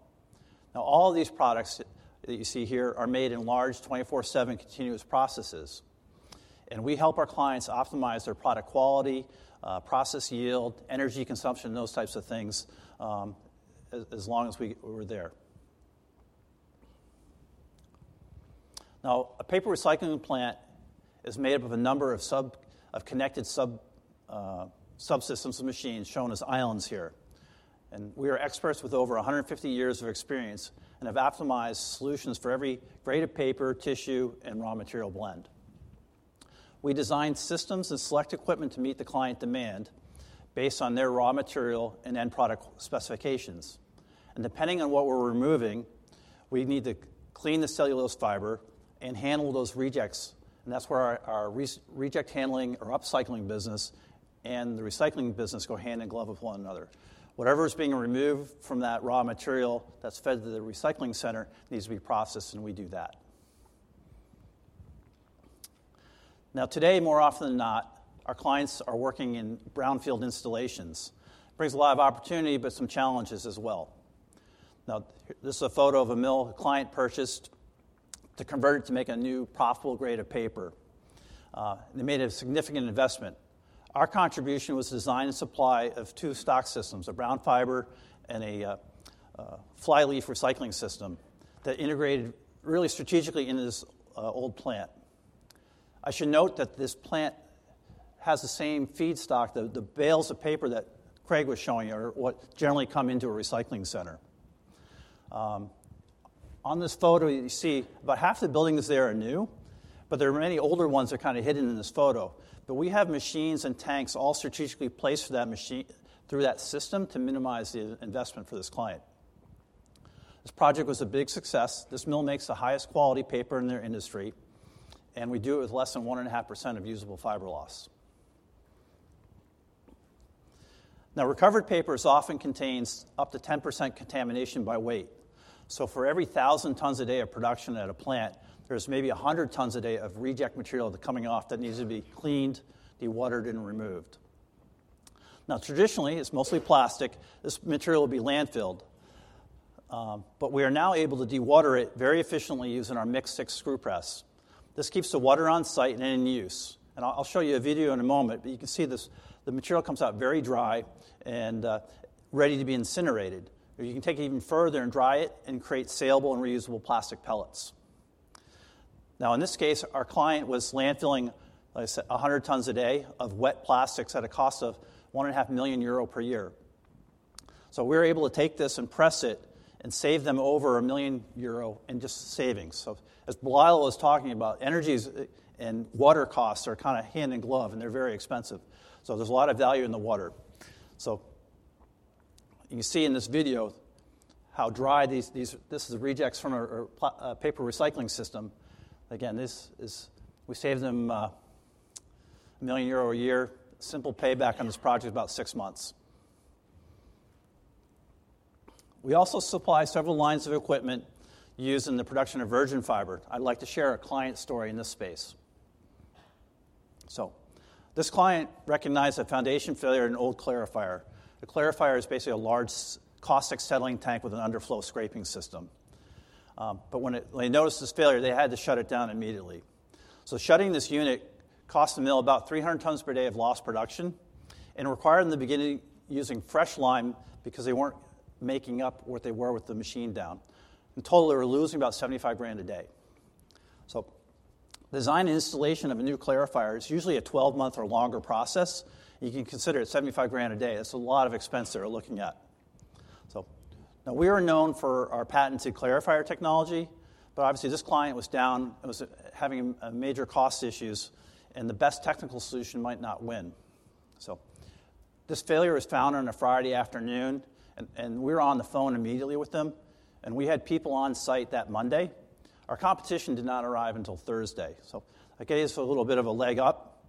[SPEAKER 11] Now, all of these products that you see here are made in large 24/7 continuous processes. We help our clients optimize their product quality, process yield, energy consumption, those types of things as long as we're there. Now, a paper recycling plant is made up of a number of connected subsystems of machines shown as islands here. We are experts with over 150 years of experience and have optimized solutions for every grade of paper, tissue, and raw material blend. We design systems and select equipment to meet the client demand based on their raw material and end product specifications. And depending on what we're removing, we need to clean the cellulose fiber and handle those rejects. And that's where our reject handling or upcycling business and the recycling business go hand in glove with one another. Whatever is being removed from that raw material that's fed to the recycling center needs to be processed, and we do that. Now, today, more often than not, our clients are working in brownfield installations. It brings a lot of opportunity, but some challenges as well. Now, this is a photo of a mill a client purchased to convert it to make a new profitable grade of paper. They made a significant investment. Our contribution was design and supply of two stock systems, a brown fiber and a flyleaf recycling system that integrated really strategically into this old plant. I should note that this plant has the same feedstock, the bales of paper that Craig was showing you, or what generally come into a recycling center. On this photo, you see about half the buildings there are new, but there are many older ones that are kind of hidden in this photo, but we have machines and tanks all strategically placed for that machine through that system to minimize the investment for this client. This project was a big success. This mill makes the highest quality paper in their industry, and we do it with less than 1.5% of usable fiber loss. Now, recovered papers often contain up to 10% contamination by weight. For every 1,000 tons a day of production at a plant, there's maybe 100 tons a day of reject material that's coming off that needs to be cleaned, dewatered, and removed. Now, traditionally, it's mostly plastic. This material will be landfilled. We are now able to dewater it very efficiently using our Mix-6 screw press. This keeps the water on site and in use. I'll show you a video in a moment, but you can see the material comes out very dry and ready to be incinerated. You can take it even further and dry it and create salable and reusable plastic pellets. Now, in this case, our client was landfilling, like I said, 100 tons a day of wet plastics at a cost of 1.5 million euro per year. We're able to take this and press it and save them over 1 million euro in just savings. As Bilal was talking about, energy and water costs are kind of hand in glove, and they're very expensive. There's a lot of value in the water. You see in this video how dry this is rejects from our paper recycling system. Again, we save them 1 million euro a year. Simple payback on this project is about six months. We also supply several lines of equipment used in the production of virgin fiber. I'd like to share a client story in this space. This client recognized a foundation failure in an old clarifier. A clarifier is basically a large caustic settling tank with an underflow scraping system. When they noticed this failure, they had to shut it down immediately. Shutting this unit cost the mill about 300 tons per day of lost production and required, in the beginning, using fresh lime because they weren't making up what they were with the machine down. In total, they were losing about $75,000 a day. Design and installation of a new clarifier is usually a 12-month or longer process. You can consider it $75,000 a day. That's a lot of expense they're looking at. Now we are known for our patented clarifier technology, but obviously this client was having major cost issues, and the best technical solution might not win. This failure was found on a Friday afternoon, and we were on the phone immediately with them and we had people on site that Monday. Our competition did not arrive until Thursday. That gave us a little bit of a leg up.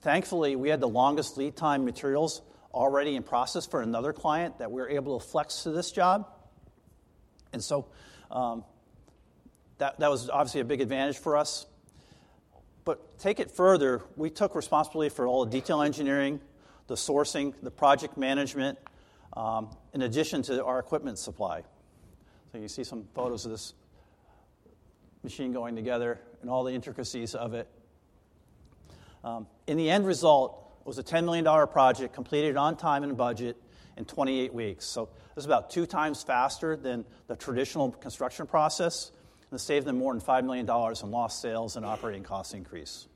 [SPEAKER 11] Thankfully, we had the longest lead time materials already in process for another client that we were able to flex to this job. And so that was obviously a big advantage for us. But take it further, we took responsibility for all the detail engineering, the sourcing, the project management, in addition to our equipment supply. So you see some photos of this machine going together and all the intricacies of it. In the end result, it was a $10 million project completed on time and budget in 28 weeks. So this is about two times faster than the traditional construction process, and it saved them more than $5 million in lost sales and operating cost increase.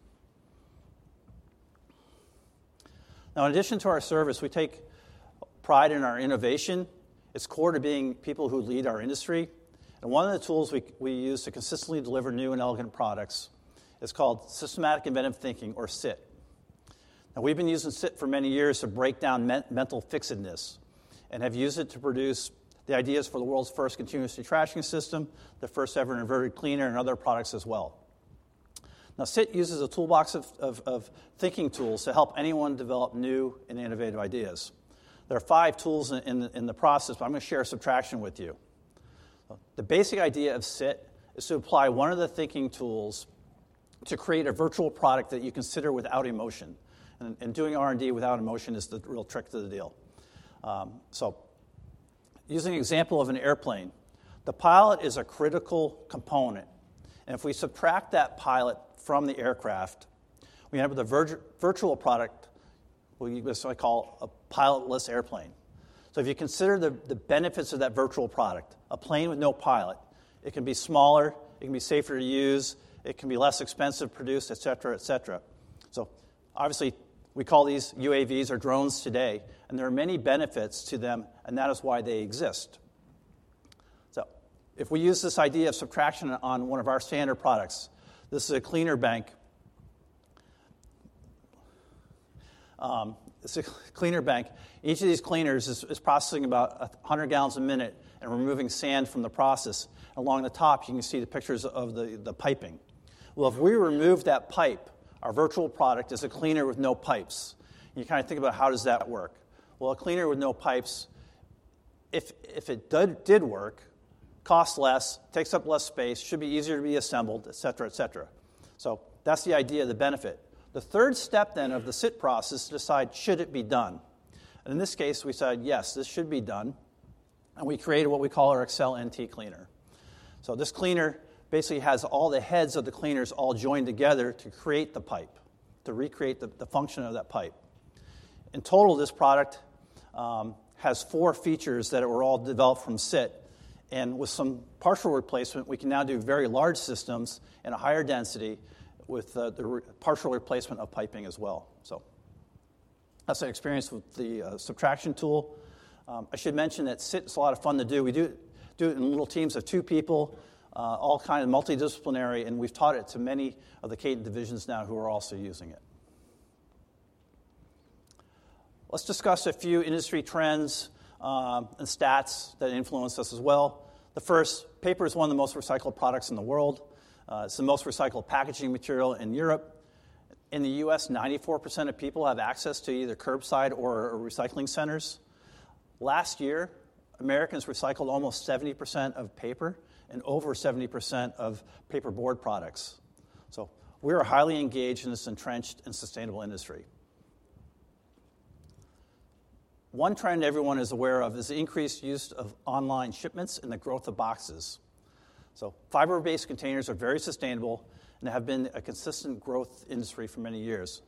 [SPEAKER 11] Now, in addition to our service, we take pride in our innovation. It's core to being people who lead our industry. One of the tools we use to consistently deliver new and elegant products is called Systematic Inventive Thinking, or SIT. Now, we've been using SIT for many years to break down mental fixedness and have used it to produce the ideas for the world's first continuous detrashing system, the first ever inverted cleaner, and other products as well. Now, SIT uses a toolbox of thinking tools to help anyone develop new and innovative ideas. There are five tools in the process, but I'm going to share a subtraction with you. The basic idea of SIT is to apply one of the thinking tools to create a virtual product that you consider without emotion. And doing R&D without emotion is the real trick to the deal. Using an example of an airplane, the pilot is a critical component. If we subtract that pilot from the aircraft, we end up with a virtual product we call a pilotless airplane. So if you consider the benefits of that virtual product, a plane with no pilot, it can be smaller, it can be safer to use, it can be less expensive produced, et cetera, et cetera. So obviously, we call these UAVs or drones today, and there are many benefits to them, and that is why they exist. So if we use this idea of subtraction on one of our standard products, this is a cleaner bank. Each of these cleaners is processing about 100 gallons a minute and removing sand from the process. And along the top, you can see the pictures of the piping. Well, if we remove that pipe, our virtual product is a cleaner with no pipes. You kind of think about how does that work? A cleaner with no pipes, if it did work, costs less, takes up less space, should be easier to be assembled, et cetera, et cetera. That's the idea of the benefit. The third step then of the SIT process is to decide should it be done. In this case, we said, yes, this should be done. We created what we call our Excel NT Cleaner. This cleaner basically has all the heads of the cleaners all joined together to create the pipe, to recreate the function of that pipe. In total, this product has four features that were all developed from SIT. With some partial replacement, we can now do very large systems and a higher density with the partial replacement of piping as well. That's our experience with the subtraction tool. I should mention that SIT is a lot of fun to do. We do it in little teams of two people, all kind of multidisciplinary, and we've taught it to many of the Kadant divisions now who are also using it. Let's discuss a few industry trends and stats that influence us as well. The first, paper is one of the most recycled products in the world. It's the most recycled packaging material in Europe. In the U.S., 94% of people have access to either curbside or recycling centers. Last year, Americans recycled almost 70% of paper and over 70% of paperboard products. So we are highly engaged in this entrenched and sustainable industry. One trend everyone is aware of is the increased use of online shipments and the growth of boxes. So fiber-based containers are very sustainable and have been a consistent growth industry for many years.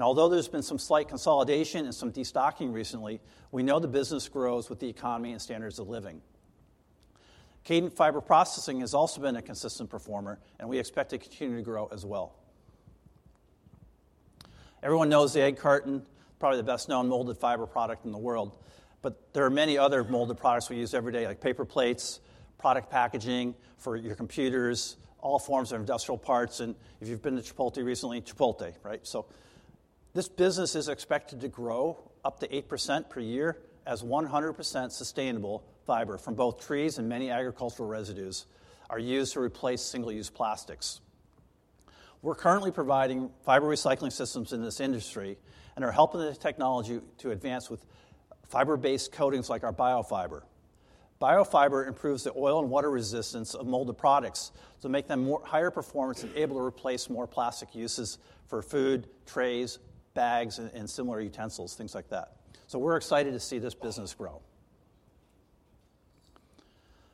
[SPEAKER 11] Although there's been some slight consolidation and some destocking recently, we know the business grows with the economy and standards of living. Kadant Fiber Processing has also been a consistent performer, and we expect to continue to grow as well. Everyone knows the egg carton, probably the best-known molded fiber product in the world. There are many other molded products we use every day, like paper plates, product packaging for your computers, all forms of industrial parts. If you've been to Chipotle recently, Chipotle, right? This business is expected to grow up to 8% per year as 100% sustainable fiber from both trees and many agricultural residues are used to replace single-use plastics. We're currently providing fiber recycling systems in this industry and are helping the technology to advance with fiber-based coatings like our bio-fiber. Bio-fiber improves the oil and water resistance of molded products to make them more higher performance and able to replace more plastic uses for food, trays, bags, and similar utensils, things like that. So we're excited to see this business grow.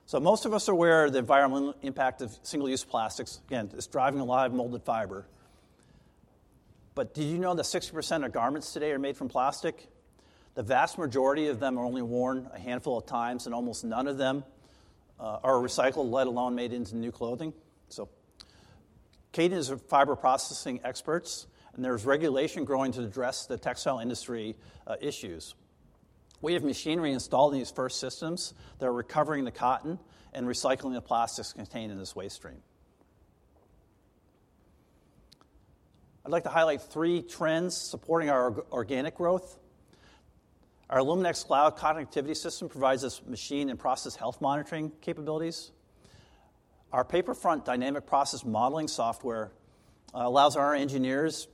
[SPEAKER 11] So most of us are aware of the environmental impact of single-use plastics. Again, it's driving a lot of molded fiber. But did you know that 60% of garments today are made from plastic? The vast majority of them are only worn a handful of times, and almost none of them are recycled, let alone made into new clothing. So Kadant is a fiber processing experts, and there's regulation growing to address the textile industry issues. We have machinery installed in these first systems that are recovering the cotton and recycling the plastics contained in this waste stream. I'd like to highlight three trends supporting our organic growth. Our illumenX Cloud connectivity system provides us machine and process health monitoring capabilities. Our PaperFront dynamic process modeling software allows our engineers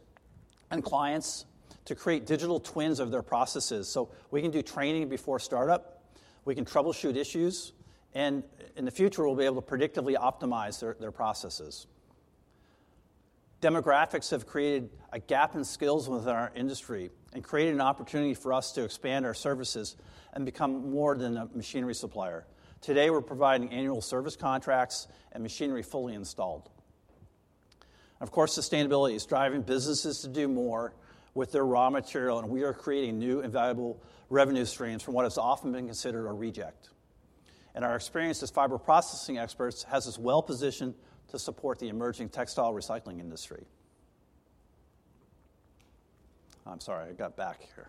[SPEAKER 11] and clients to create digital twins of their processes, so we can do training before startup. We can troubleshoot issues, and in the future, we'll be able to predictably optimize their processes. Demographics have created a gap in skills within our industry and created an opportunity for us to expand our services and become more than a machinery supplier. Today, we're providing annual service contracts and machinery fully installed. Of course, sustainability is driving businesses to do more with their raw material, and we are creating new and valuable revenue streams from what has often been considered a reject, and our experience as fiber processing experts has us well positioned to support the emerging textile recycling industry. I'm sorry, I got back here.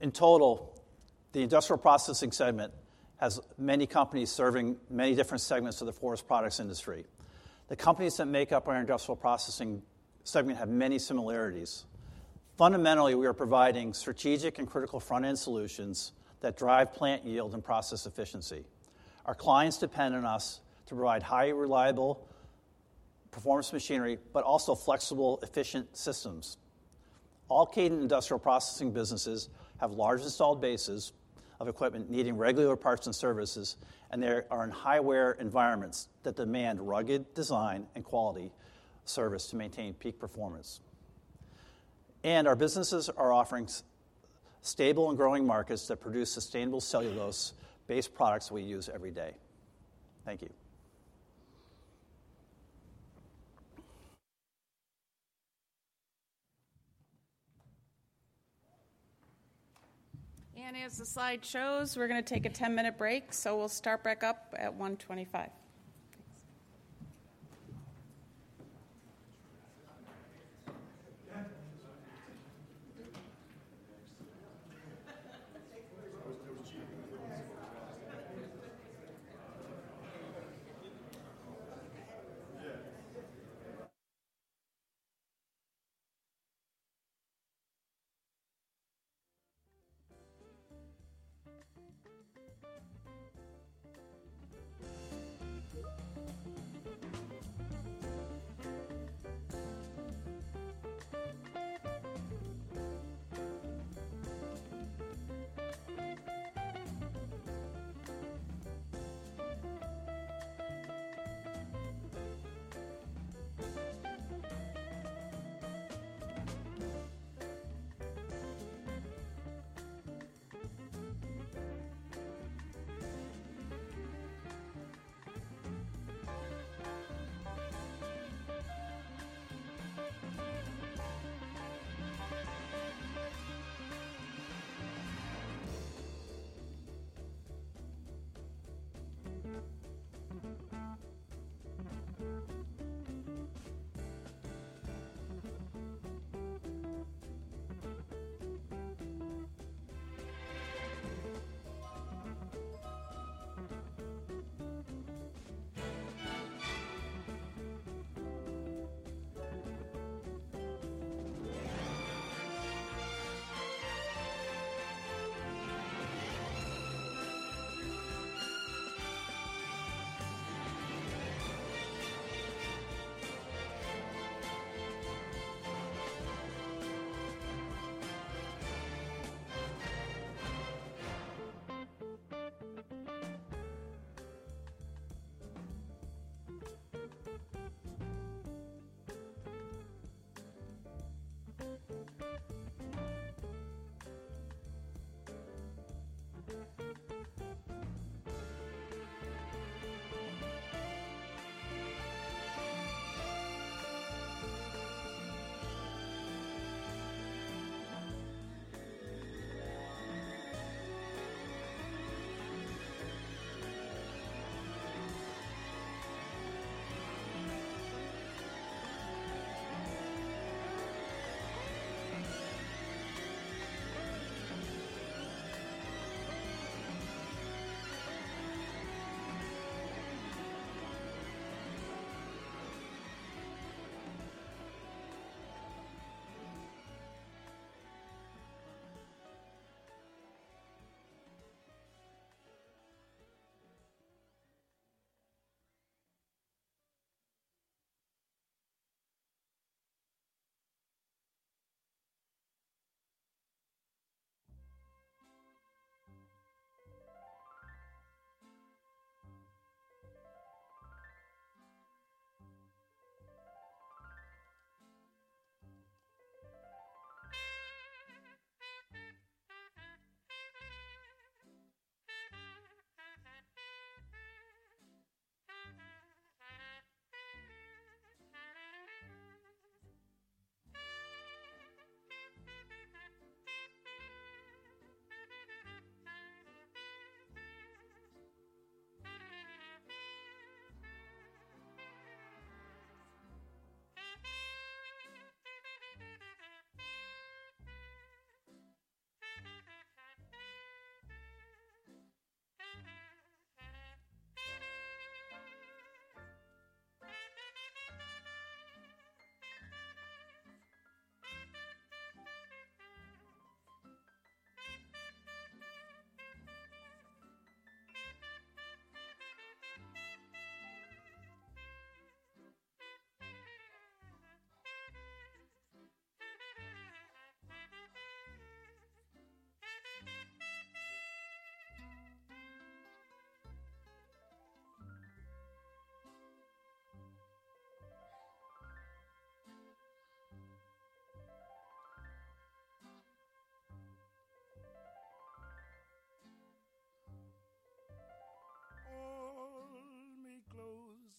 [SPEAKER 11] In total, the Industrial Processing segment has many companies serving many different segments of the forest products industry. The companies that make up our Industrial Processing segment have many similarities. Fundamentally, we are providing strategic and critical front-end solutions that drive plant yield and process efficiency. Our clients depend on us to provide highly reliable performance machinery, but also flexible, efficient systems. All Kadant Industrial Processing businesses have large installed bases of equipment needing regular parts and services, and they are in high-wear environments that demand rugged design and quality service to maintain peak performance, and our businesses are offering stable and growing markets that produce sustainable cellulose-based products we use every day. Thank you.
[SPEAKER 1] And as the slide shows, we're going to take a 10-minute break. So we'll start back up at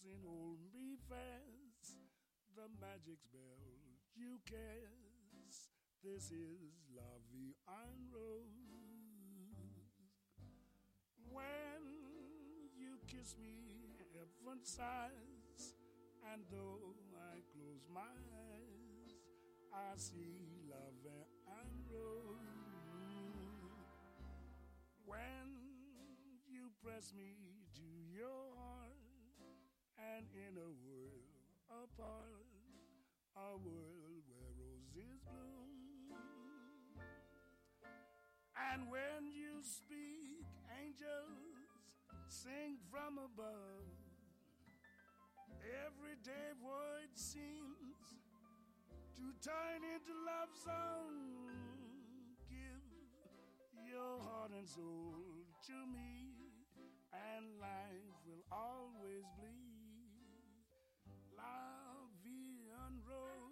[SPEAKER 1] 1:25 P.M. Hold me close and hold me fast. The magic's bell, you cast. This is love beyond rose. When you kiss me heaven-sized, and though I close my eyes, I see love beyond rose. When you press me to your heart, an inner world apart, a world where roses bloom. And when you speak, angels sing from above. Every day void seems to turn into love's own. Give your heart and soul to me, and life will always be. La Vie En Rose.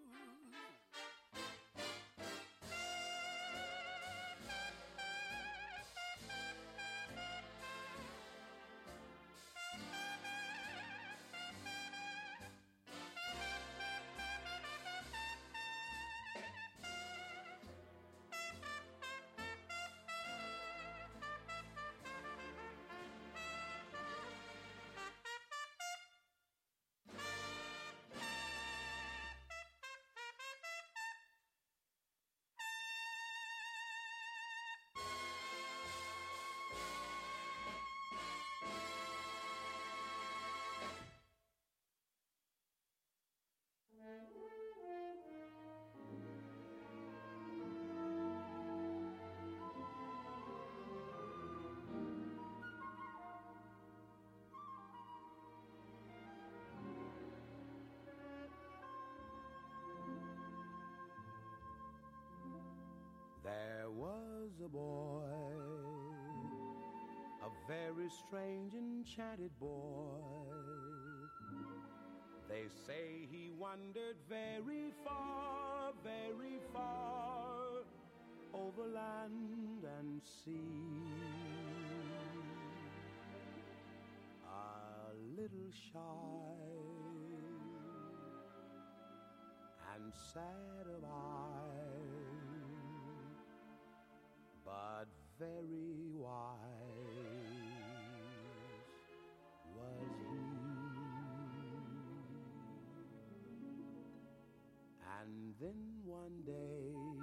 [SPEAKER 1] There was a boy, a very strange enchanted boy. They say he wandered very far, very far, over land and sea. A little shy and sad of eye, but very wise was he. And then one day,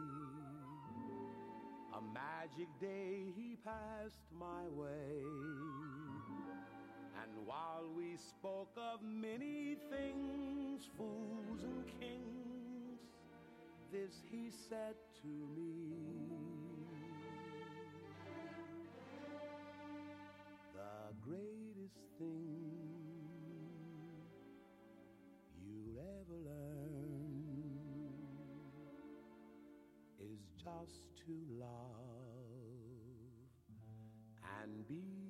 [SPEAKER 1] a magic day he passed my way. And while we spoke of many things, fools and kings, this he said to me, "The greatest thing you'll ever learn is just to love and be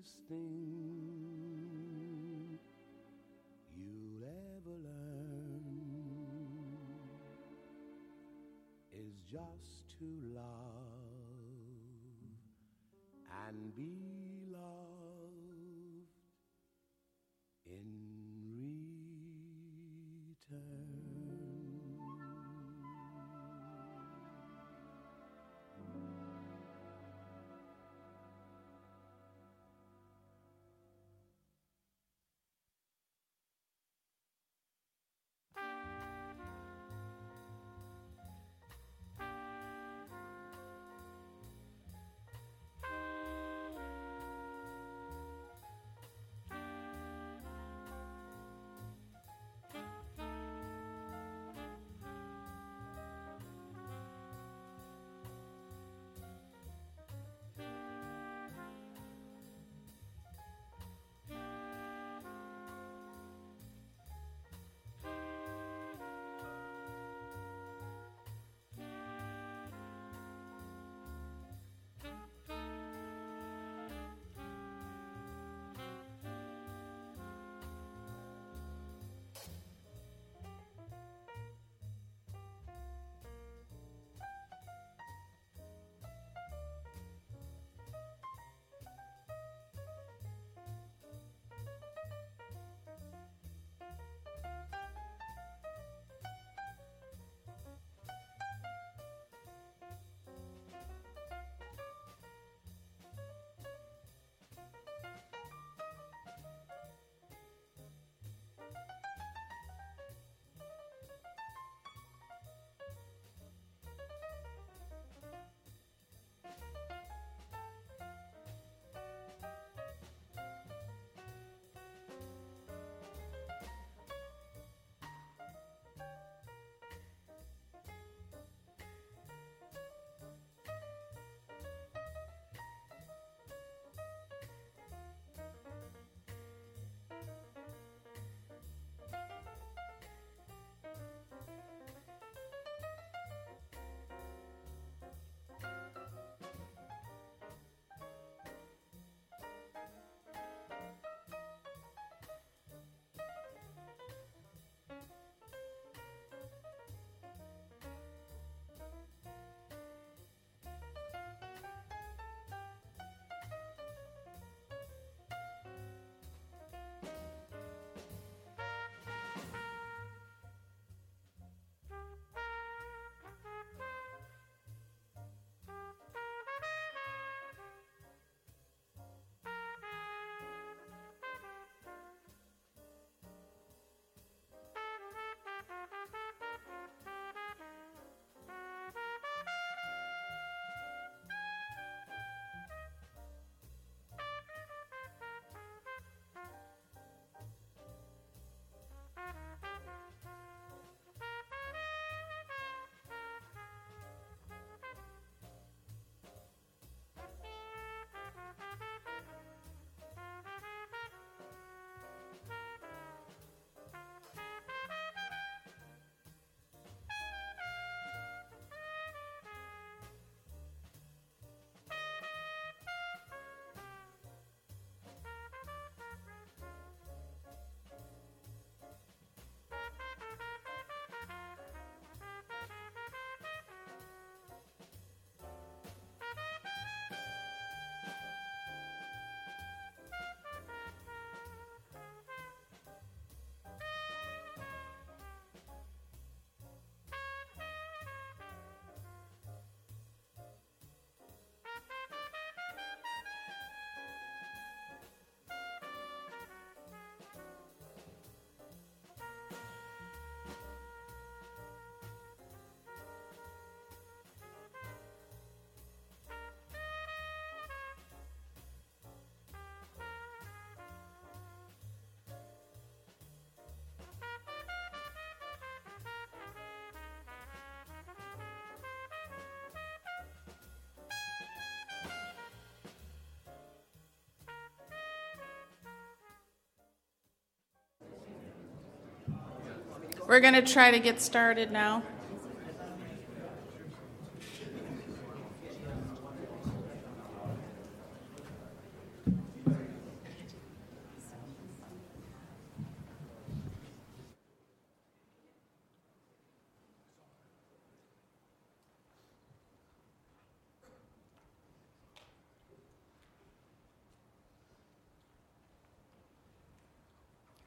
[SPEAKER 1] loved in return." The greatest thing you'll ever learn is just to love and be loved in return. We're going to try to get started now.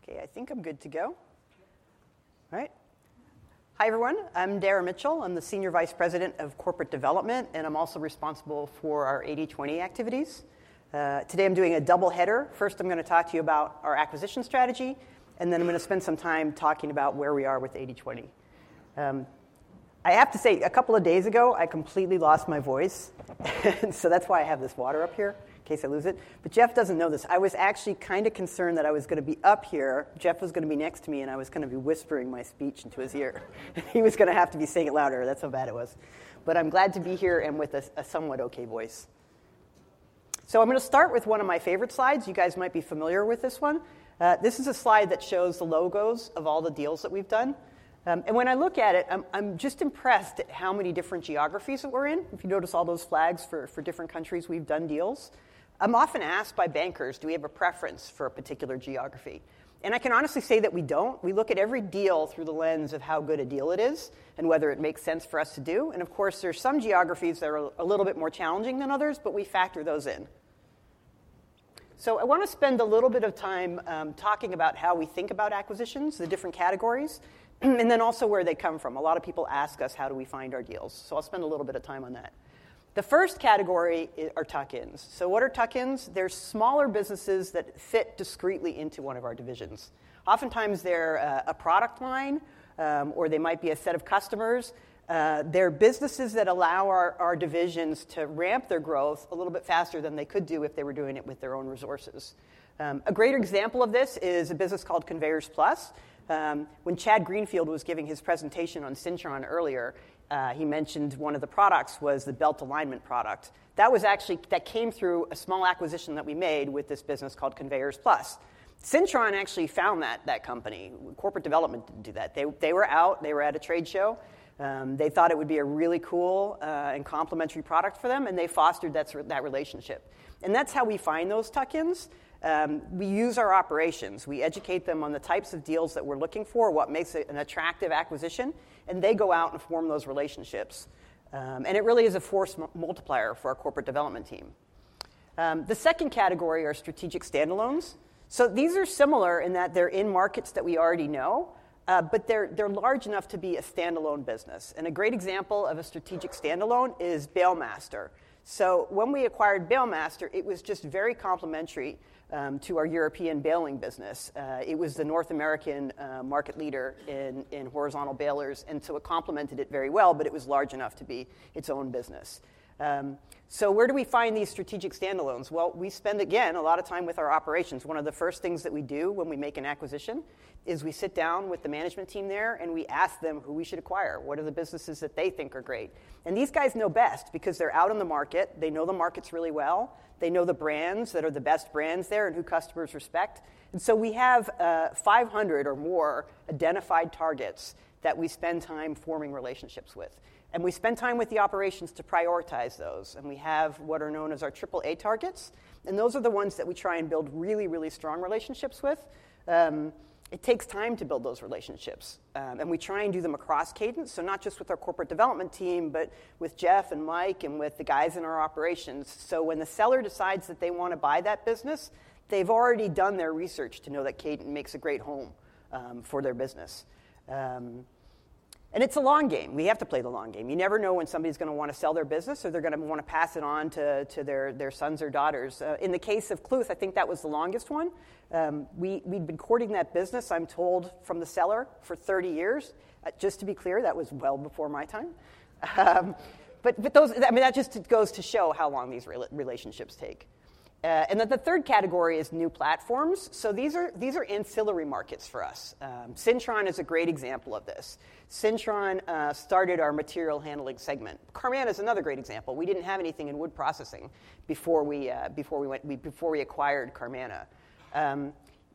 [SPEAKER 12] Okay, I think I'm good to go. All right. Hi, everyone. I'm Dara Mitchell. I'm the Senior Vice President of Corporate Development, and I'm also responsible for our 80/20 activities. Today, I'm doing a double header. First, I'm going to talk to you about our acquisition strategy, and then I'm going to spend some time talking about where we are with 80/20. I have to say, a couple of days ago, I completely lost my voice. So that's why I have this water up here, in case I lose it. But Jeff doesn't know this. I was actually kind of concerned that I was going to be up here. Jeff was going to be next to me, and I was going to be whispering my speech into his ear. He was going to have to be saying it louder. That's how bad it was. But I'm glad to be here and with a somewhat OK voice. So I'm going to start with one of my favorite slides. You guys might be familiar with this one. This is a slide that shows the logos of all the deals that we've done. And when I look at it, I'm just impressed at how many different geographies that we're in. If you notice all those flags for different countries we've done deals, I'm often asked by bankers, do we have a preference for a particular geography? And I can honestly say that we don't. We look at every deal through the lens of how good a deal it is and whether it makes sense for us to do. And of course, there are some geographies that are a little bit more challenging than others, but we factor those in. So I want to spend a little bit of time talking about how we think about acquisitions, the different categories, and then also where they come from. A lot of people ask us, how do we find our deals? So I'll spend a little bit of time on that. The first category are tuck-ins. So what are tuck-ins? They're smaller businesses that fit discreetly into one of our divisions. Oftentimes, they're a product line, or they might be a set of customers. They're businesses that allow our divisions to ramp their growth a little bit faster than they could do if they were doing it with their own resources. A great example of this is a business called Conveyors Plus. When Chad Greenfield was giving his presentation on Syntron earlier, he mentioned one of the products was the belt alignment product. That came through a small acquisition that we made with this business called Conveyors Plus. Syntron actually found that company. Corporate Development didn't do that. They were out. They were at a trade show. They thought it would be a really cool and complementary product for them, and they fostered that relationship. And that's how we find those tuck-ins. We use our operations. We educate them on the types of deals that we're looking for, what makes it an attractive acquisition, and they go out and form those relationships. It really is a force multiplier for our Corporate Development team. The second category are strategic standalones. These are similar in that they're in markets that we already know, but they're large enough to be a standalone business. A great example of a strategic standalone is Balemaster. When we acquired Balemaster, it was just very complementary to our European baling business. It was the North American market leader in horizontal balers, and so it complemented it very well, but it was large enough to be its own business. Where do we find these strategic standalones? We spend, again, a lot of time with our operations. One of the first things that we do when we make an acquisition is we sit down with the management team there, and we ask them who we should acquire, what are the businesses that they think are great. And these guys know best because they're out in the market. They know the markets really well. They know the brands that are the best brands there and who customers respect. And so we have 500 or more identified targets that we spend time forming relationships with. And we spend time with the operations to prioritize those. And we have what are known as our AAA targets. And those are the ones that we try and build really, really strong relationships with. It takes time to build those relationships. We try and do them across Kadant, so not just with our Corporate Development team, but with Jeff and Mike and with the guys in our operations. So when the seller decides that they want to sell that business, they've already done their research to know that Kadant makes a great home for their business. And it's a long game. We have to play the long game. You never know when somebody's going to want to sell their business or they're going to want to pass it on to their sons or daughters. In the case of Clouth, I think that was the longest one. We've been courting that business, I'm told, from the seller for 30 years. Just to be clear, that was well before my time. But I mean, that just goes to show how long these relationships take. And then the third category is new platforms. So these are ancillary markets for us. Syntron is a great example of this. Syntron started our material handling segment. Carmanah is another great example. We didn't have anything in wood processing before we acquired Carmanah.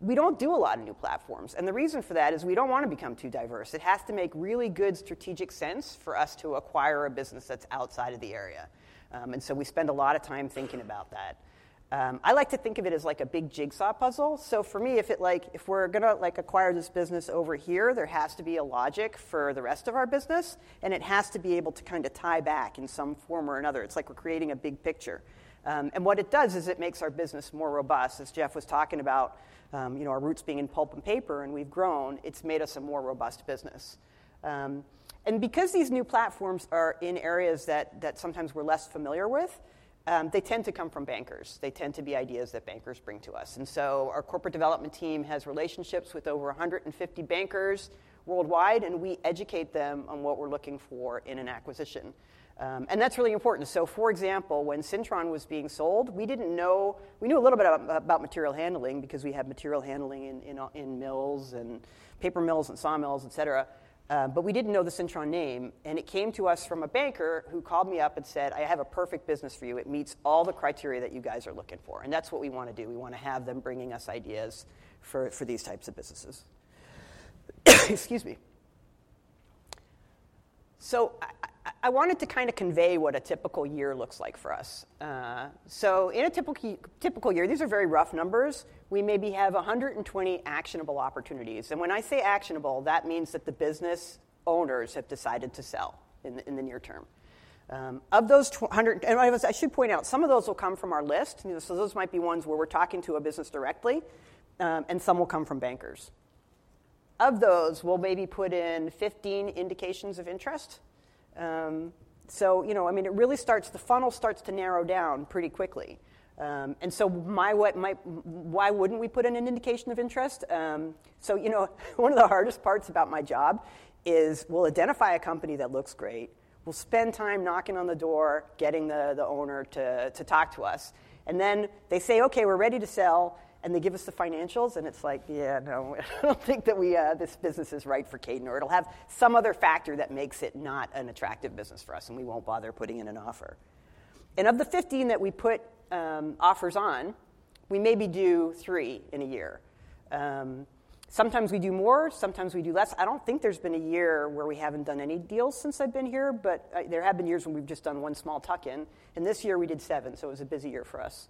[SPEAKER 12] We don't do a lot of new platforms. And the reason for that is we don't want to become too diverse. It has to make really good strategic sense for us to acquire a business that's outside of the area. And so we spend a lot of time thinking about that. I like to think of it as like a big jigsaw puzzle. So for me, if we're going to acquire this business over here, there has to be a logic for the rest of our business, and it has to be able to kind of tie back in some form or another. It's like we're creating a big picture. What it does is it makes our business more robust. As Jeff was talking about, our roots being in pulp and paper, and we've grown, it's made us a more robust business. And because these new platforms are in areas that sometimes we're less familiar with, they tend to come from bankers. They tend to be ideas that bankers bring to us. And so our Corporate Development team has relationships with over 150 bankers worldwide, and we educate them on what we're looking for in an acquisition. And that's really important. So for example, when Syntron was being sold, we knew a little bit about material handling because we had material handling in mills and paper mills and saw mills, et cetera. But we didn't know the Syntron name. It came to us from a banker who called me up and said, "I have a perfect business for you. It meets all the criteria that you guys are looking for." That's what we want to do. We want to have them bringing us ideas for these types of businesses. Excuse me. I wanted to kind of convey what a typical year looks like for us. In a typical year, these are very rough numbers. We maybe have 120 actionable opportunities. When I say actionable, that means that the business owners have decided to sell in the near term. Of those 100, I should point out, some of those will come from our list. Those might be ones where we're talking to a business directly, and some will come from bankers. Of those, we'll maybe put in 15 indications of interest. So I mean, it really starts. The funnel starts to narrow down pretty quickly. And so why wouldn't we put in an indication of interest? So one of the hardest parts about my job is we'll identify a company that looks great. We'll spend time knocking on the door, getting the owner to talk to us. And then they say, "Okay, we're ready to sell," and they give us the financials, and it's like, "Yeah, no, I don't think that this business is right for Kadant," or it'll have some other factor that makes it not an attractive business for us, and we won't bother putting in an offer. And of the 15 that we put offers on, we maybe do three in a year. Sometimes we do more. Sometimes we do less. I don't think there's been a year where we haven't done any deals since I've been here, but there have been years when we've just done one small tuck-in, and this year we did seven, so it was a busy year for us.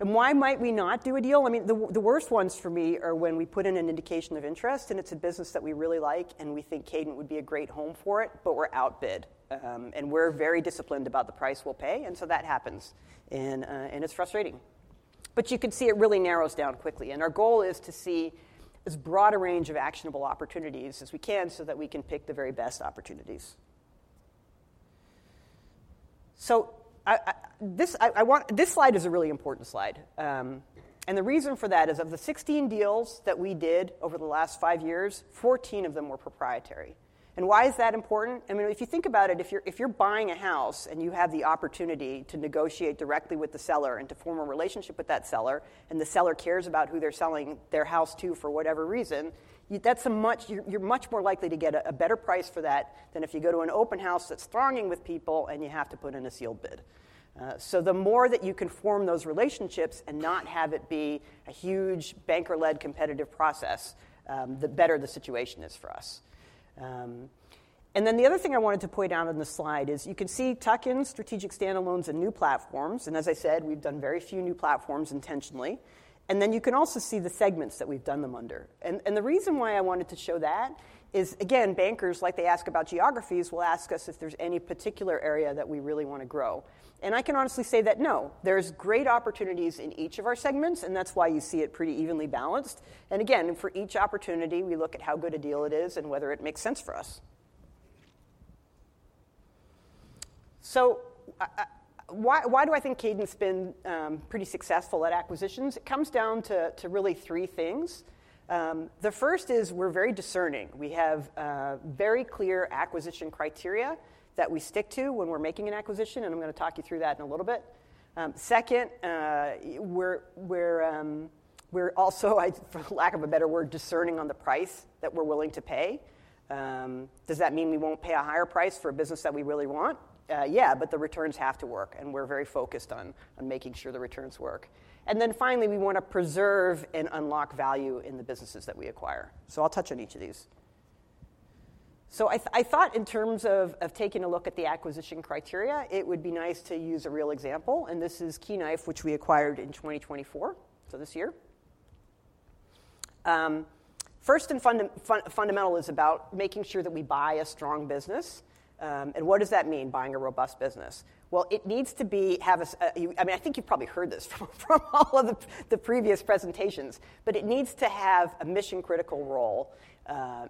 [SPEAKER 12] And why might we not do a deal? I mean, the worst ones for me are when we put in an indication of interest, and it's a business that we really like, and we think Kadant would be a great home for it, but we're outbid. And we're very disciplined about the price we'll pay. And so that happens, and it's frustrating, but you can see it really narrows down quickly, and our goal is to see as broad a range of actionable opportunities as we can so that we can pick the very best opportunities, so this slide is a really important slide. The reason for that is of the 16 deals that we did over the last five years, 14 of them were proprietary. Why is that important? I mean, if you think about it, if you're buying a house and you have the opportunity to negotiate directly with the seller and to form a relationship with that seller, and the seller cares about who they're selling their house to for whatever reason, you're much more likely to get a better price for that than if you go to an open house that's thronging with people and you have to put in a sealed bid. The more that you can form those relationships and not have it be a huge banker-led competitive process, the better the situation is for us. And then the other thing I wanted to point out on the slide is you can see tuck-ins, strategic standalones, and new platforms. And as I said, we've done very few new platforms intentionally. And then you can also see the segments that we've done them under. And the reason why I wanted to show that is, again, bankers, like they ask about geographies, will ask us if there's any particular area that we really want to grow. And I can honestly say that no. There's great opportunities in each of our segments, and that's why you see it pretty evenly balanced. And again, for each opportunity, we look at how good a deal it is and whether it makes sense for us. So why do I think Kadant has been pretty successful at acquisitions? It comes down to really three things. The first is we're very discerning. We have very clear acquisition criteria that we stick to when we're making an acquisition, and I'm going to talk you through that in a little bit. Second, we're also, for lack of a better word, discerning on the price that we're willing to pay. Does that mean we won't pay a higher price for a business that we really want? Yeah, but the returns have to work, and we're very focused on making sure the returns work. And then finally, we want to preserve and unlock value in the businesses that we acquire. So I'll touch on each of these. So I thought in terms of taking a look at the acquisition criteria, it would be nice to use a real example. And this is Key Knife, which we acquired in 2024, so this year. First and fundamental is about making sure that we buy a strong business. What does that mean, buying a robust business? It needs to have a—I mean, I think you've probably heard this from all of the previous presentations, but it needs to have a mission-critical role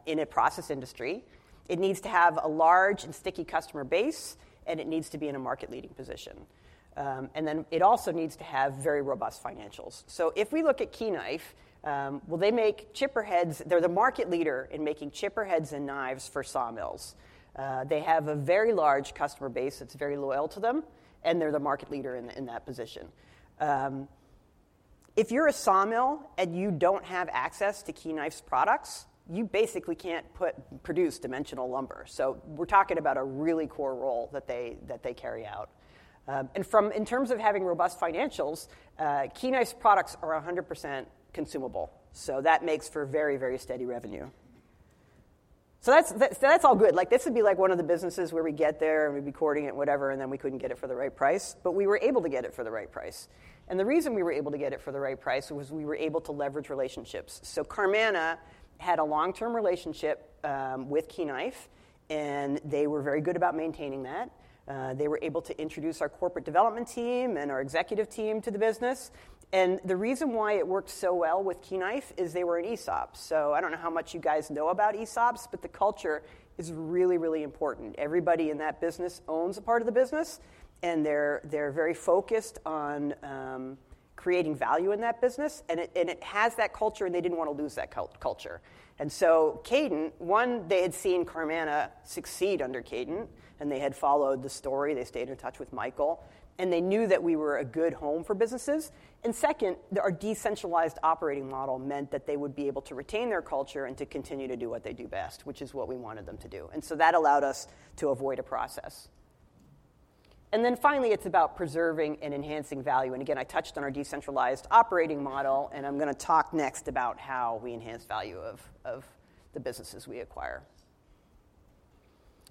[SPEAKER 12] in a process industry. It needs to have a large and sticky customer base, and it needs to be in a market-leading position. It also needs to have very robust financials. If we look at Key Knife, they make chipper heads. They're the market leader in making chipper heads and knives for sawmills. They have a very large customer base that's very loyal to them, and they're the market leader in that position. If you're a sawmill and you don't have access to Key Knife's products, you basically can't produce dimensional lumber. We're talking about a really core role that they carry out. In terms of having robust financials, Key Knife's products are 100% consumable. So that makes for very, very steady revenue. So that's all good. This would be like one of the businesses where we get there and we'd be courting it, whatever, and then we couldn't get it for the right price. But we were able to get it for the right price. And the reason we were able to get it for the right price was we were able to leverage relationships. So Carmanah had a long-term relationship with Key Knife, and they were very good about maintaining that. They were able to introduce our Corporate Development team and our executive team to the business. And the reason why it worked so well with Key Knife is they were an ESOP. I don't know how much you guys know about ESOPs, but the culture is really, really important. Everybody in that business owns a part of the business, and they're very focused on creating value in that business. And it has that culture, and they didn't want to lose that culture. And so Kadant, one, they had seen Carmanah succeed under Kadant, and they had followed the story. They stayed in touch with Michael, and they knew that we were a good home for businesses. And second, our decentralized operating model meant that they would be able to retain their culture and to continue to do what they do best, which is what we wanted them to do. And so that allowed us to avoid a process. And then finally, it's about preserving and enhancing value. Again, I touched on our decentralized operating model, and I'm going to talk next about how we enhance value of the businesses we acquire.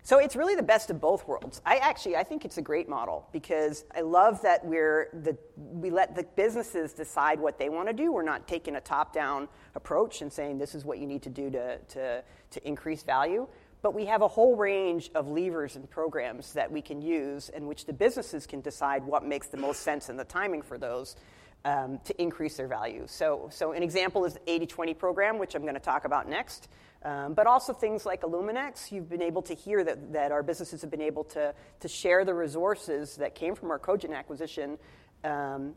[SPEAKER 12] So it's really the best of both worlds. Actually, I think it's a great model because I love that we let the businesses decide what they want to do. We're not taking a top-down approach and saying, "This is what you need to do to increase value." But we have a whole range of levers and programs that we can use in which the businesses can decide what makes the most sense and the timing for those to increase their value. So an example is the 80/20 program, which I'm going to talk about next. But also things like illumenX. You've been able to hear that our businesses have been able to share the resources that came from our Cogent acquisition and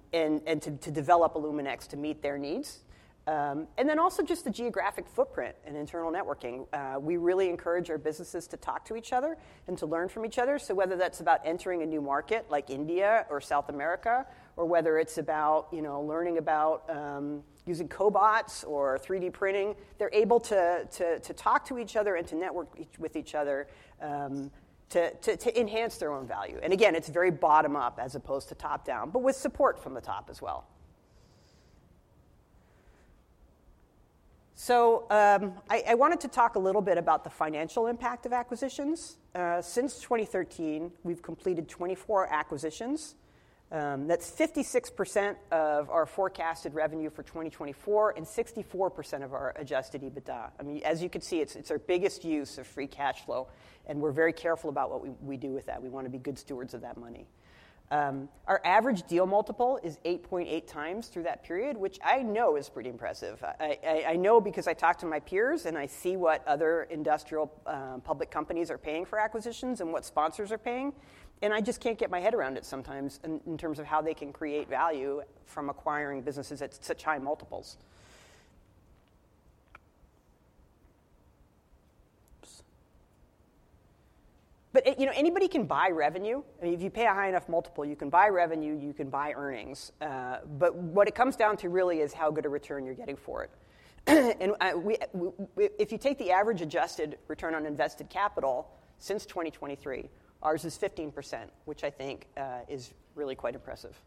[SPEAKER 12] to develop illumenX to meet their needs. And then also just the geographic footprint and internal networking. We really encourage our businesses to talk to each other and to learn from each other. So whether that's about entering a new market like India or South America, or whether it's about learning about using cobots or 3D printing, they're able to talk to each other and to network with each other to enhance their own value. And again, it's very bottom-up as opposed to top-down, but with support from the top as well. So I wanted to talk a little bit about the financial impact of acquisitions. Since 2013, we've completed 24 acquisitions. That's 56% of our forecasted revenue for 2024 and 64% of our Adjusted EBITDA. I mean, as you can see, it's our biggest use of free cash flow, and we're very careful about what we do with that. We want to be good stewards of that money. Our average deal multiple is 8.8 times through that period, which I know is pretty impressive. I know because I talk to my peers, and I see what other industrial public companies are paying for acquisitions and what sponsors are paying. And I just can't get my head around it sometimes in terms of how they can create value from acquiring businesses at such high multiples. But anybody can buy revenue. If you pay a high enough multiple, you can buy revenue, you can buy earnings. But what it comes down to really is how good a return you're getting for it. And if you take the average adjusted return on invested capital since 2023, ours is 15%, which I think is really quite impressive.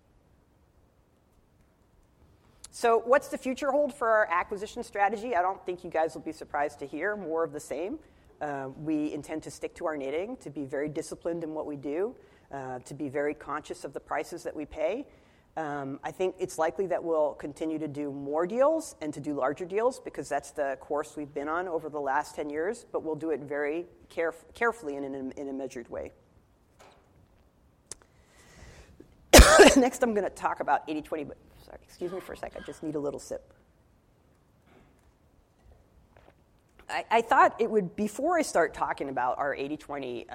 [SPEAKER 12] So what's the future hold for our acquisition strategy? I don't think you guys will be surprised to hear more of the same. We intend to stick to our knitting, to be very disciplined in what we do, to be very conscious of the prices that we pay. I think it's likely that we'll continue to do more deals and to do larger deals because that's the course we've been on over the last 10 years, but we'll do it very carefully and in a measured way. Next, I'm going to talk about 80/20. Sorry, excuse me for a sec. I just need a little sip. Before I start talking about our 80/20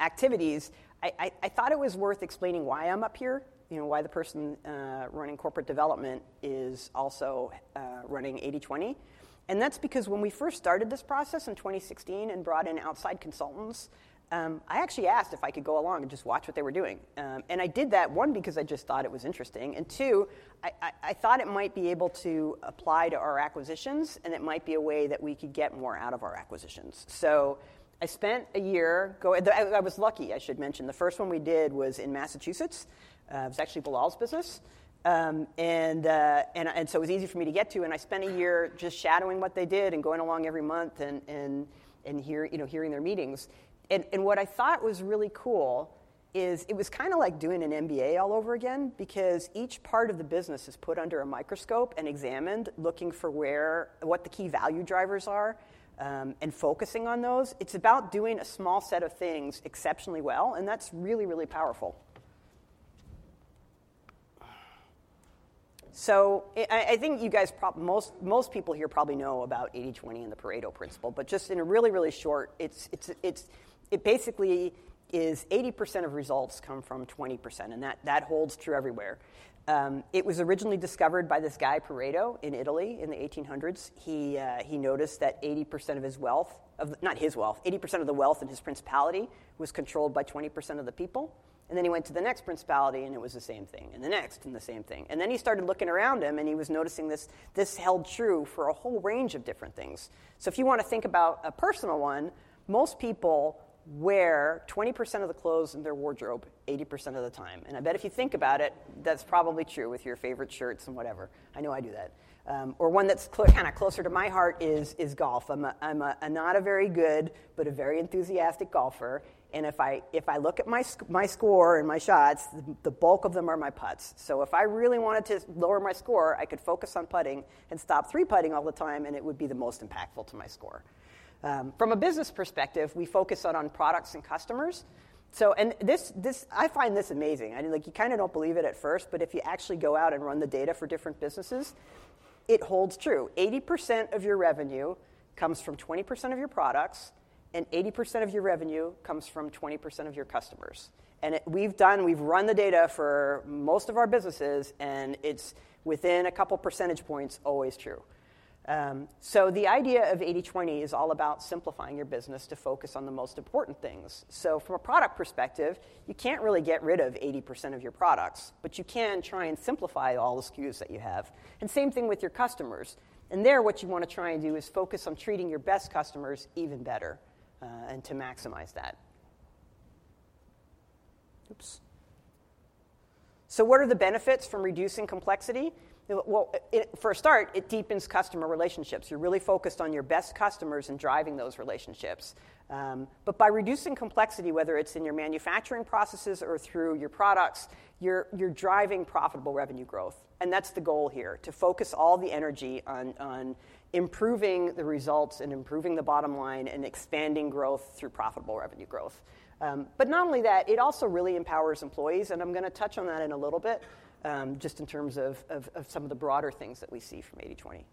[SPEAKER 12] activities, I thought it was worth explaining why I'm up here, why the person running Corporate Development is also running 80/20, and that's because when we first started this process in 2016 and brought in outside consultants, I actually asked if I could go along and just watch what they were doing, and I did that, one, because I just thought it was interesting, and two, I thought it might be able to apply to our acquisitions, and it might be a way that we could get more out of our acquisitions, so I spent a year. I was lucky, I should mention. The first one we did was in Massachusetts. It was actually Bilal's business, and so it was easy for me to get to. I spent a year just shadowing what they did and going along every month and hearing their meetings. What I thought was really cool is it was kind of like doing an MBA all over again because each part of the business is put under a microscope and examined, looking for what the key value drivers are and focusing on those. It's about doing a small set of things exceptionally well, and that's really, really powerful. So I think most people here probably know about 80/20 and the Pareto Principle. But just in a really, really short, it basically is 80% of results come from 20%, and that holds true everywhere. It was originally discovered by this guy, Pareto, in Italy in the 1800s. He noticed that 80% of his wealth, not his wealth, 80% of the wealth in his principality, was controlled by 20% of the people. And then he went to the next principality, and it was the same thing. And the next, and the same thing. And then he started looking around him, and he was noticing this held true for a whole range of different things. So if you want to think about a personal one, most people wear 20% of the clothes in their wardrobe 80% of the time. And I bet if you think about it, that's probably true with your favorite shirts and whatever. I know I do that. Or one that's kind of closer to my heart is golf. I'm not a very good golfer, but a very enthusiastic golfer. And if I look at my score and my shots, the bulk of them are my putts. So if I really wanted to lower my score, I could focus on putting and stop three-putting all the time, and it would be the most impactful to my score. From a business perspective, we focus on products and customers. And I find this amazing. You kind of don't believe it at first, but if you actually go out and run the data for different businesses, it holds true. 80% of your revenue comes from 20% of your products, and 80% of your revenue comes from 20% of your customers. And we've run the data for most of our businesses, and it's, within a couple of percentage points, always true. So the idea of 80/20 is all about simplifying your business to focus on the most important things. From a product perspective, you can't really get rid of 80% of your products, but you can try and simplify all the SKUs that you have. Same thing with your customers. There, what you want to try and do is focus on treating your best customers even better and to maximize that. Oops. What are the benefits from reducing complexity? For a start, it deepens customer relationships. You're really focused on your best customers and driving those relationships. By reducing complexity, whether it's in your manufacturing processes or through your products, you're driving profitable revenue growth. That's the goal here, to focus all the energy on improving the results and improving the bottom line and expanding growth through profitable revenue growth. Not only that, it also really empowers employees. I'm going to touch on that in a little bit just in terms of some of the broader things that we see from 80/20.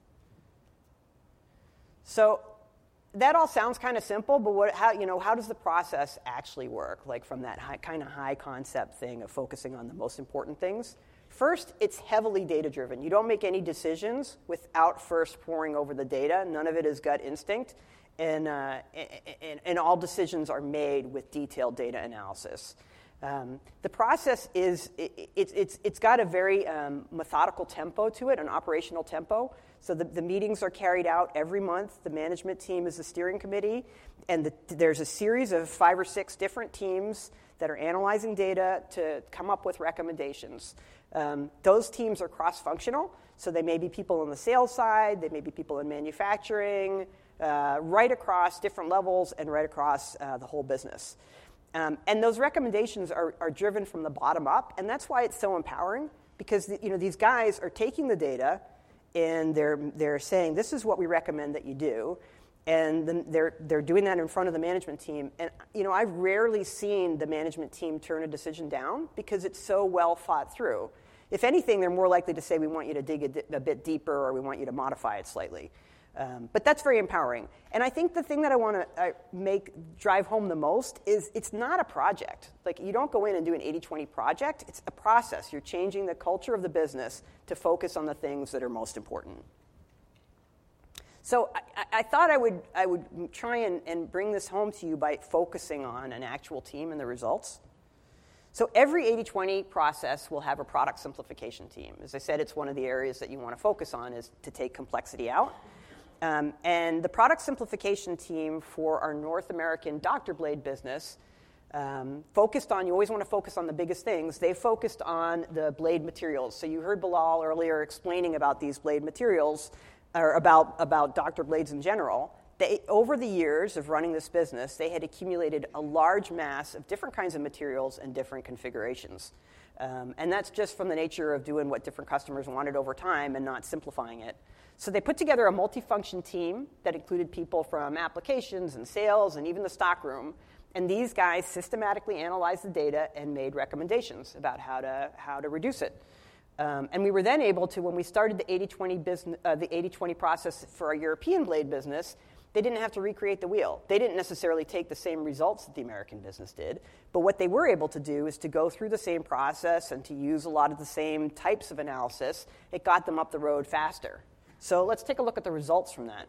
[SPEAKER 12] That all sounds kind of simple, but how does the process actually work from that kind of high-concept thing of focusing on the most important things? First, it's heavily data-driven. You don't make any decisions without first pouring over the data. None of it is gut instinct. All decisions are made with detailed data analysis. The process has a very methodical tempo to it, an operational tempo. The meetings are carried out every month. The management team is a steering committee, and there's a series of five or six different teams that are analyzing data to come up with recommendations. Those teams are cross-functional, so they may be people on the sales side, they may be people in manufacturing, right across different levels and right across the whole business. And those recommendations are driven from the bottom up. And that's why it's so empowering because these guys are taking the data and they're saying, "This is what we recommend that you do." And they're doing that in front of the management team. And I've rarely seen the management team turn a decision down because it's so well thought through. If anything, they're more likely to say, "We want you to dig a bit deeper," or, "We want you to modify it slightly." But that's very empowering. And I think the thing that I want to drive home the most is it's not a project. You don't go in and do an 80/20 project. It's a process. You're changing the culture of the business to focus on the things that are most important. So I thought I would try and bring this home to you by focusing on an actual team and the results. So every 80/20 process will have a product simplification team. As I said, it's one of the areas that you want to focus on is to take complexity out. And the product simplification team for our North American doctor blade business focused on—you always want to focus on the biggest things. They focused on the blade materials. So you heard Bilal earlier explaining about these blade materials or about doctor blades in general. Over the years of running this business, they had accumulated a large mass of different kinds of materials and different configurations. And that's just from the nature of doing what different customers wanted over time and not simplifying it. They put together a multi-function team that included people from applications and sales and even the stockroom. These guys systematically analyzed the data and made recommendations about how to reduce it. We were then able to, when we started the 80/20 process for our European Blade business, they didn't have to recreate the wheel. They didn't necessarily take the same results that the American business did. But what they were able to do is to go through the same process and to use a lot of the same types of analysis. It got them up the road faster. Let's take a look at the results from that.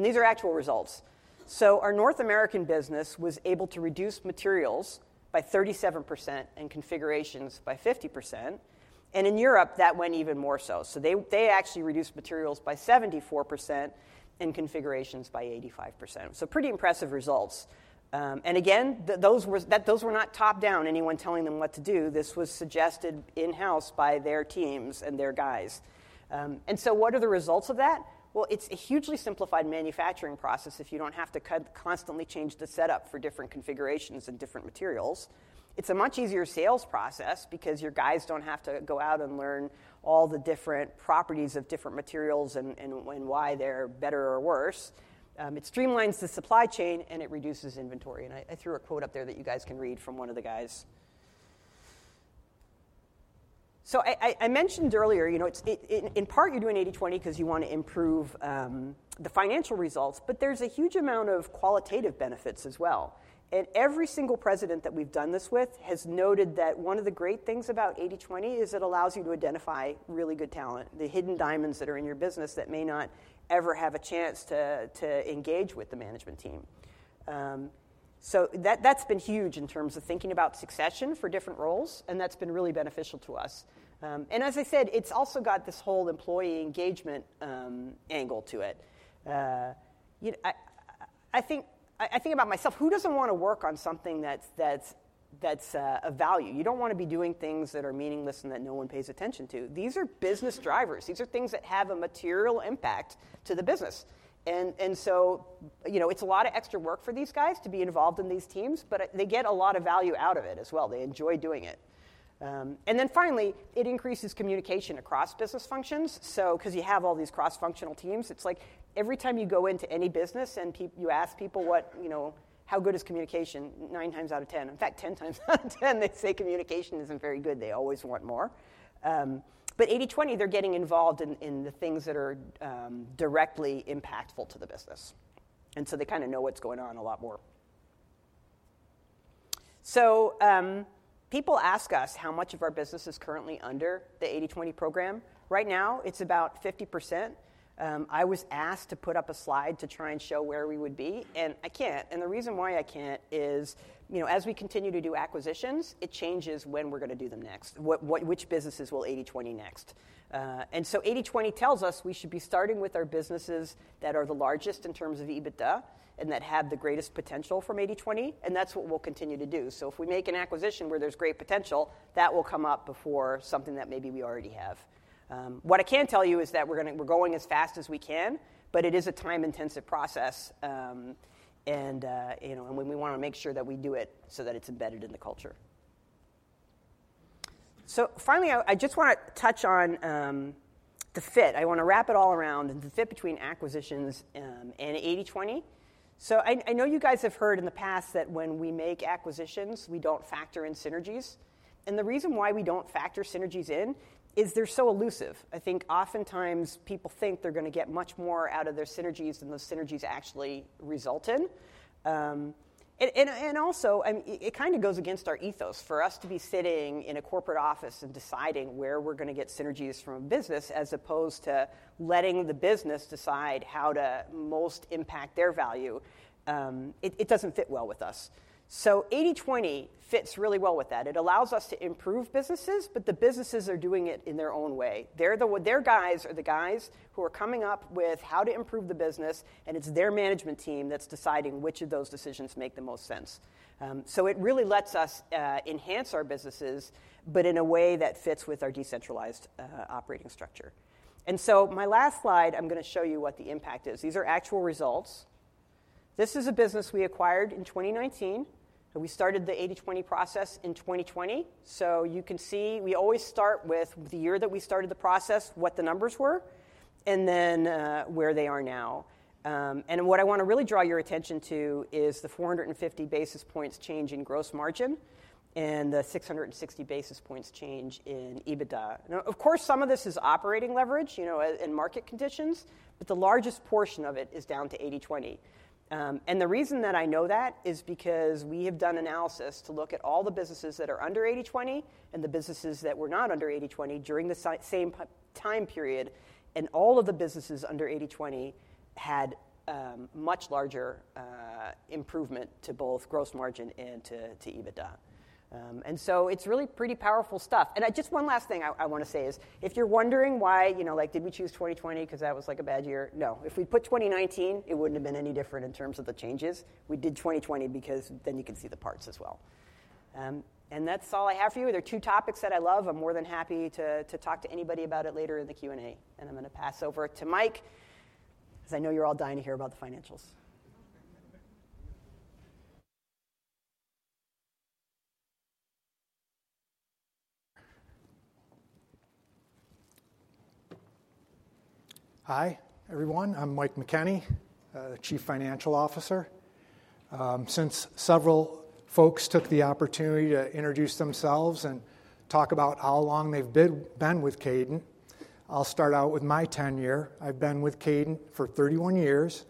[SPEAKER 12] These are actual results. Our North American business was able to reduce materials by 37% and configurations by 50%. In Europe, that went even more so. So they actually reduced materials by 74% and configurations by 85%. So pretty impressive results. And again, those were not top-down, anyone telling them what to do. This was suggested in-house by their teams and their guys. And so what are the results of that? Well, it's a hugely simplified manufacturing process if you don't have to constantly change the setup for different configurations and different materials. It's a much easier sales process because your guys don't have to go out and learn all the different properties of different materials and why they're better or worse. It streamlines the supply chain and it reduces inventory. And I threw a quote up there that you guys can read from one of the guys. So I mentioned earlier, in part, you're doing 80/20 because you want to improve the financial results, but there's a huge amount of qualitative benefits as well. Every single President that we've done this with has noted that one of the great things about 80/20 is it allows you to identify really good talent, the hidden diamonds that are in your business that may not ever have a chance to engage with the management team. That's been huge in terms of thinking about succession for different roles, and that's been really beneficial to us. As I said, it's also got this whole employee engagement angle to it. I think about myself, who doesn't want to work on something that's of value? You don't want to be doing things that are meaningless and that no one pays attention to. These are business drivers. These are things that have a material impact to the business. And so it's a lot of extra work for these guys to be involved in these teams, but they get a lot of value out of it as well. They enjoy doing it. And then finally, it increases communication across business functions. So because you have all these cross-functional teams, it's like every time you go into any business and you ask people, "How good is communication?" 9 times out of 10. In fact, 10 times out of 10, they say communication isn't very good. They always want more. But 80/20, they're getting involved in the things that are directly impactful to the business. And so they kind of know what's going on a lot more. So people ask us how much of our business is currently under the 80/20 program. Right now, it's about 50%.
[SPEAKER 1] I was asked to put up a slide to try and show where we would be, and I can't, and the reason why I can't is as we continue to do acquisitions, it changes when we're going to do them next, which businesses will 80/20 next, and so 80/20 tells us we should be starting with our businesses that are the largest in terms of EBITDA and that have the greatest potential from 80/20, and that's what we'll continue to do, so if we make an acquisition where there's great potential, that will come up before something that maybe we already have. What I can tell you is that we're going as fast as we can, but it is a time-intensive process, and we want to make sure that we do it so that it's embedded in the culture, so finally, I just want to touch on the fit. I want to wrap it all around and the fit between acquisitions and 80/20. So I know you guys have heard in the past that when we make acquisitions, we don't factor in synergies. And the reason why we don't factor synergies in is they're so elusive. I think oftentimes people think they're going to get much more out of their synergies than those synergies actually result in. And also, it kind of goes against our ethos. For us to be sitting in a corporate office and deciding where we're going to get synergies from a business as opposed to letting the business decide how to most impact their value, it doesn't fit well with us. So 80/20 fits really well with that. It allows us to improve businesses, but the businesses are doing it in their own way. Their guys are the guys who are coming up with how to improve the business, and it's their management team that's deciding which of those decisions make the most sense. So it really lets us enhance our businesses, but in a way that fits with our decentralized operating structure. And so my last slide, I'm going to show you what the impact is. These are actual results. This is a business we acquired in 2019. We started the 80/20 process in 2020. So you can see we always start with the year that we started the process, what the numbers were, and then where they are now. And what I want to really draw your attention to is the 450 basis points change in gross margin and the 660 basis points change in EBITDA. Now, of course, some of this is operating leverage in market conditions, but the largest portion of it is down to 80/20. And the reason that I know that is because we have done analysis to look at all the businesses that are under 80/20 and the businesses that were not under 80/20 during the same time period. And all of the businesses under 80/20 had much larger improvement to both gross margin and to EBITDA. And so it's really pretty powerful stuff. And just one last thing I want to say is if you're wondering why did we choose 2020 because that was a bad year? No. If we'd put 2019, it wouldn't have been any different in terms of the changes. We did 2020 because then you can see the parts as well. And that's all I have for you. There are two topics that I love. I'm more than happy to talk to anybody about it later in the Q&A, and I'm going to pass over to Mike because I know you're all dying to hear about the financials.
[SPEAKER 13] Hi, everyone. I'm Mike McKenney, Chief Financial Officer. Since several folks took the opportunity to introduce themselves and talk about how long they've been with Kadant, I'll start out with my tenure. I've been with Kadant for 31 years.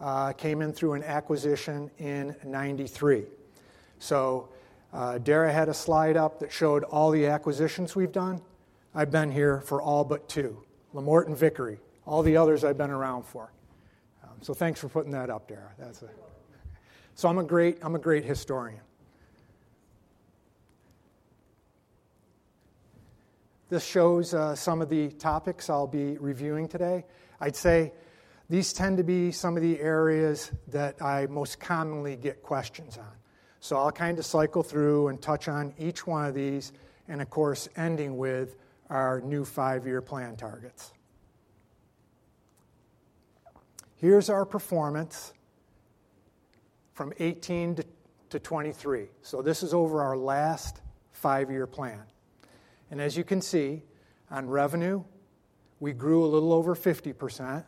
[SPEAKER 13] I came in through an acquisition in 1993. So Dara had a slide up that showed all the acquisitions we've done. I've been here for all but two, Lamort and Vickery, all the others I've been around for. So thanks for putting that up, Dara. So I'm a great historian. This shows some of the topics I'll be reviewing today. I'd say these tend to be some of the areas that I most commonly get questions on. So I'll kind of cycle through and touch on each one of these and, of course, ending with our new five-year plan targets. Here's our performance from 2018 to 2023. So this is over our last five-year plan. And as you can see, on revenue, we grew a little over 50%.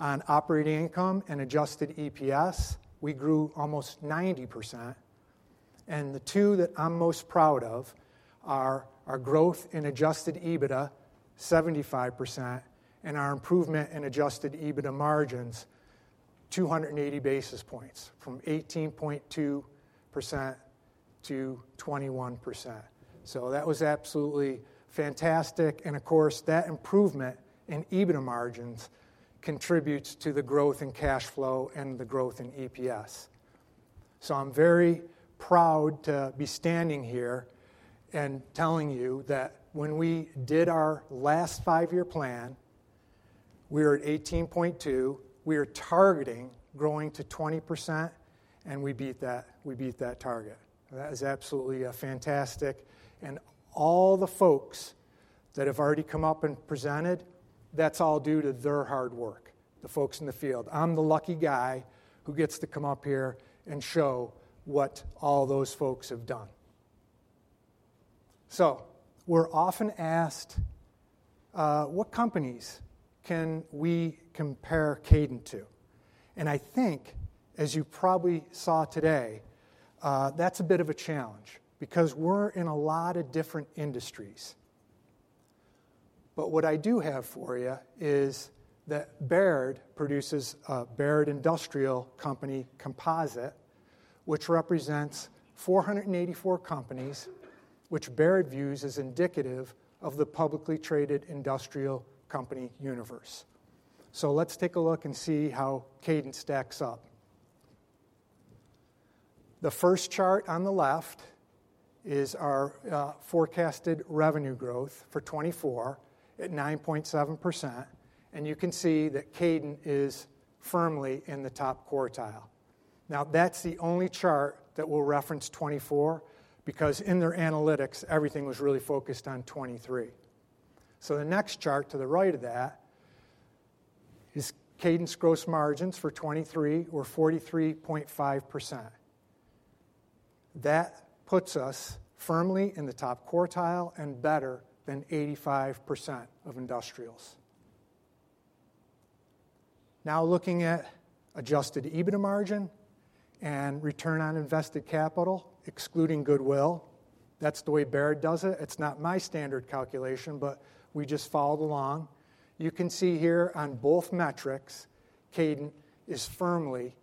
[SPEAKER 13] On operating income and Adjusted EPS, we grew almost 90%. And the two that I'm most proud of are our growth in Adjusted EBITDA, 75%, and our improvement in Adjusted EBITDA margins, 280 basis points from 18.2% to 21%. So that was absolutely fantastic. And of course, that improvement in EBITDA margins contributes to the growth in cash flow and the growth in EPS. So I'm very proud to be standing here and telling you that when we did our last five-year plan, we were at 18.2. We are targeting growing to 20%, and we beat that target. That is absolutely fantastic. And all the folks that have already come up and presented, that's all due to their hard work, the folks in the field. I'm the lucky guy who gets to come up here and show what all those folks have done. So we're often asked, "What companies can we compare Kadant to?" And I think, as you probably saw today, that's a bit of a challenge because we're in a lot of different industries. But what I do have for you is that Baird produces Baird Industrial Company Composite, which represents 484 companies, which Baird views as indicative of the publicly traded industrial company universe. So let's take a look and see how Kadant stacks up. The first chart on the left is our forecasted revenue growth for 2024 at 9.7%. And you can see that Kadant is firmly in the top quartile. Now, that's the only chart that will reference 2024 because in their analytics, everything was really focused on 2023. The next chart to the right of that is Kadant's gross margins for 2023 were 43.5%. That puts us firmly in the top quartile and better than 85% of industrials. Now, looking at adjusted EBITDA margin and return on invested capital, excluding goodwill, that's the way Baird does it. It's not my standard calculation, but we just followed along. You can see here on both metrics, Kadant is firmly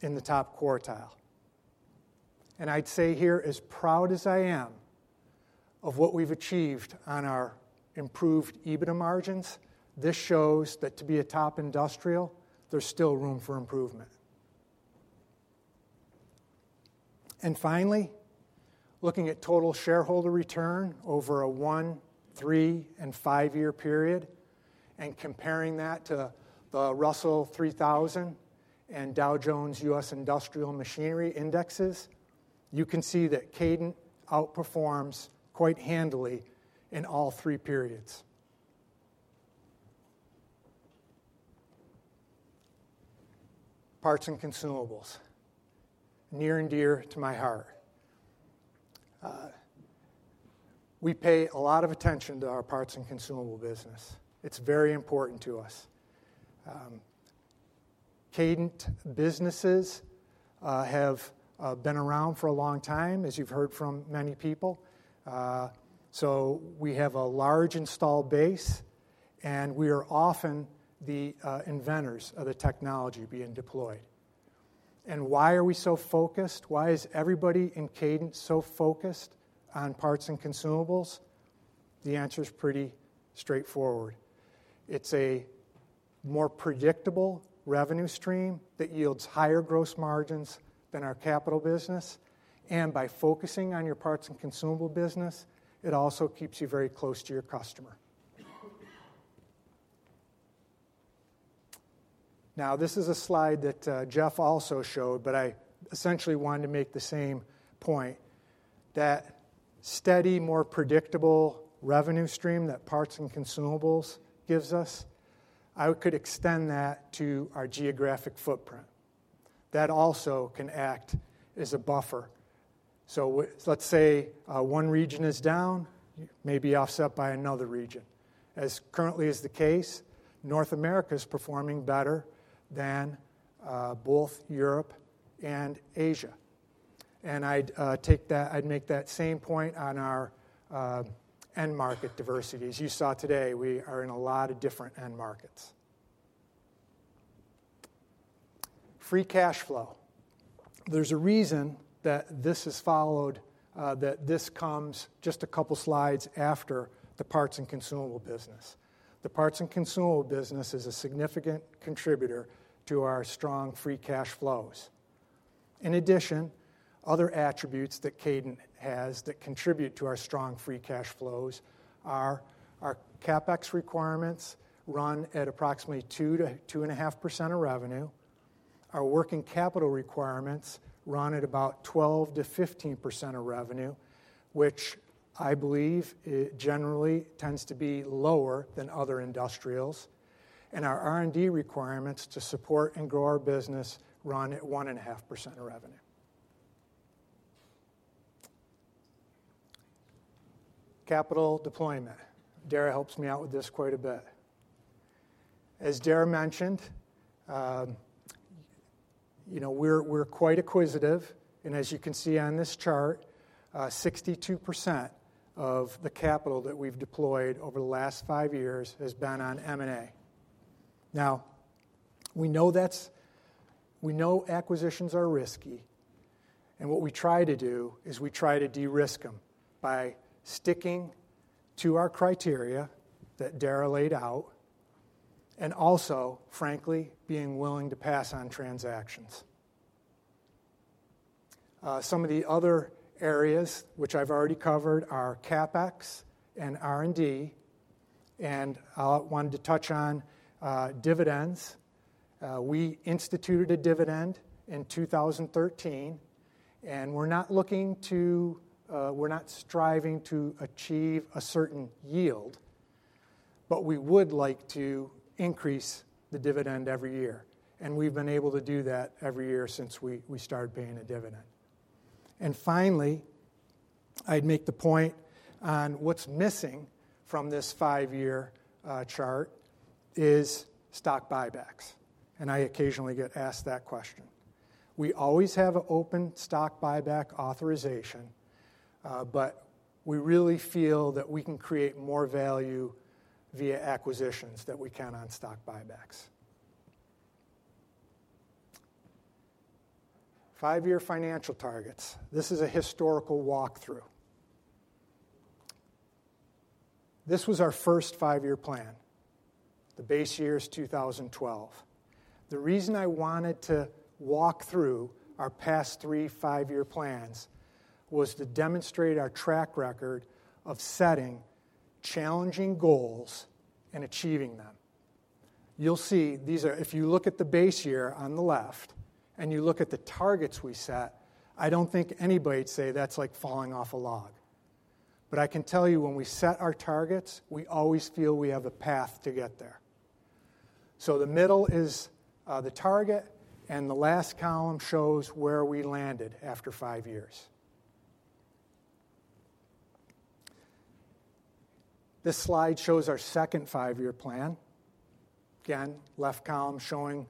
[SPEAKER 13] in the top quartile. I'd say here, as proud as I am of what we've achieved on our improved EBITDA margins, this shows that to be a top industrial, there's still room for improvement. Finally, looking at total shareholder return over a one, three, and five-year period and comparing that to the Russell 3000 and Dow Jones US Industrial Machinery Indexes, you can see that Kadant outperforms quite handily in all three periods. Parts and consumables, near and dear to my heart. We pay a lot of attention to our parts and consumable business. It's very important to us. Kadant businesses have been around for a long time, as you've heard from many people, so we have a large installed base, and we are often the inventors of the technology being deployed, and why are we so focused? Why is everybody in Kadant so focused on parts and consumables? The answer is pretty straightforward. It's a more predictable revenue stream that yields higher gross margins than our capital business, and by focusing on your parts and consumable business, it also keeps you very close to your customer. Now, this is a slide that Jeff also showed, but I essentially wanted to make the same point that steady, more predictable revenue stream that parts and consumables gives us. I could extend that to our geographic footprint. That also can act as a buffer. So let's say one region is down, maybe offset by another region. As currently is the case, North America is performing better than both Europe and Asia. And I'd make that same point on our end market diversity. As you saw today, we are in a lot of different end markets. Free cash flow. There's a reason that this comes just a couple of slides after the parts and consumable business. The parts and consumable business is a significant contributor to our strong free cash flows. In addition, other attributes that Kadant has that contribute to our strong free cash flows are our CapEx requirements run at approximately 2-2.5% of revenue. Our working capital requirements run at about 12-15% of revenue, which I believe generally tends to be lower than other industrials. Our R&D requirements to support and grow our business run at 1.5% of revenue. Capital deployment. Dara helps me out with this quite a bit. As Dara mentioned, we're quite acquisitive, and as you can see on this chart, 62% of the capital that we've deployed over the last five years has been on M&A. Now, we know acquisitions are risky, and what we try to do is we try to de-risk them by sticking to our criteria that Dara laid out and also, frankly, being willing to pass on transactions. Some of the other areas which I've already covered are CapEx and R&D. And I wanted to touch on dividends. We instituted a dividend in 2013, and we're not striving to achieve a certain yield, but we would like to increase the dividend every year. And we've been able to do that every year since we started paying a dividend. And finally, I'd make the point on what's missing from this five-year chart is stock buybacks. And I occasionally get asked that question. We always have an open stock buyback authorization, but we really feel that we can create more value via acquisitions that we can on stock buybacks. Five-year financial targets. This is a historical walkthrough. This was our first five-year plan. The base year is 2012. The reason I wanted to walk through our past three five-year plans was to demonstrate our track record of setting challenging goals and achieving them. You'll see these are if you look at the base year on the left and you look at the targets we set, I don't think anybody would say that's like falling off a log. But I can tell you when we set our targets, we always feel we have a path to get there. So the middle is the target, and the last column shows where we landed after five years. This slide shows our second five-year plan. Again, left column showing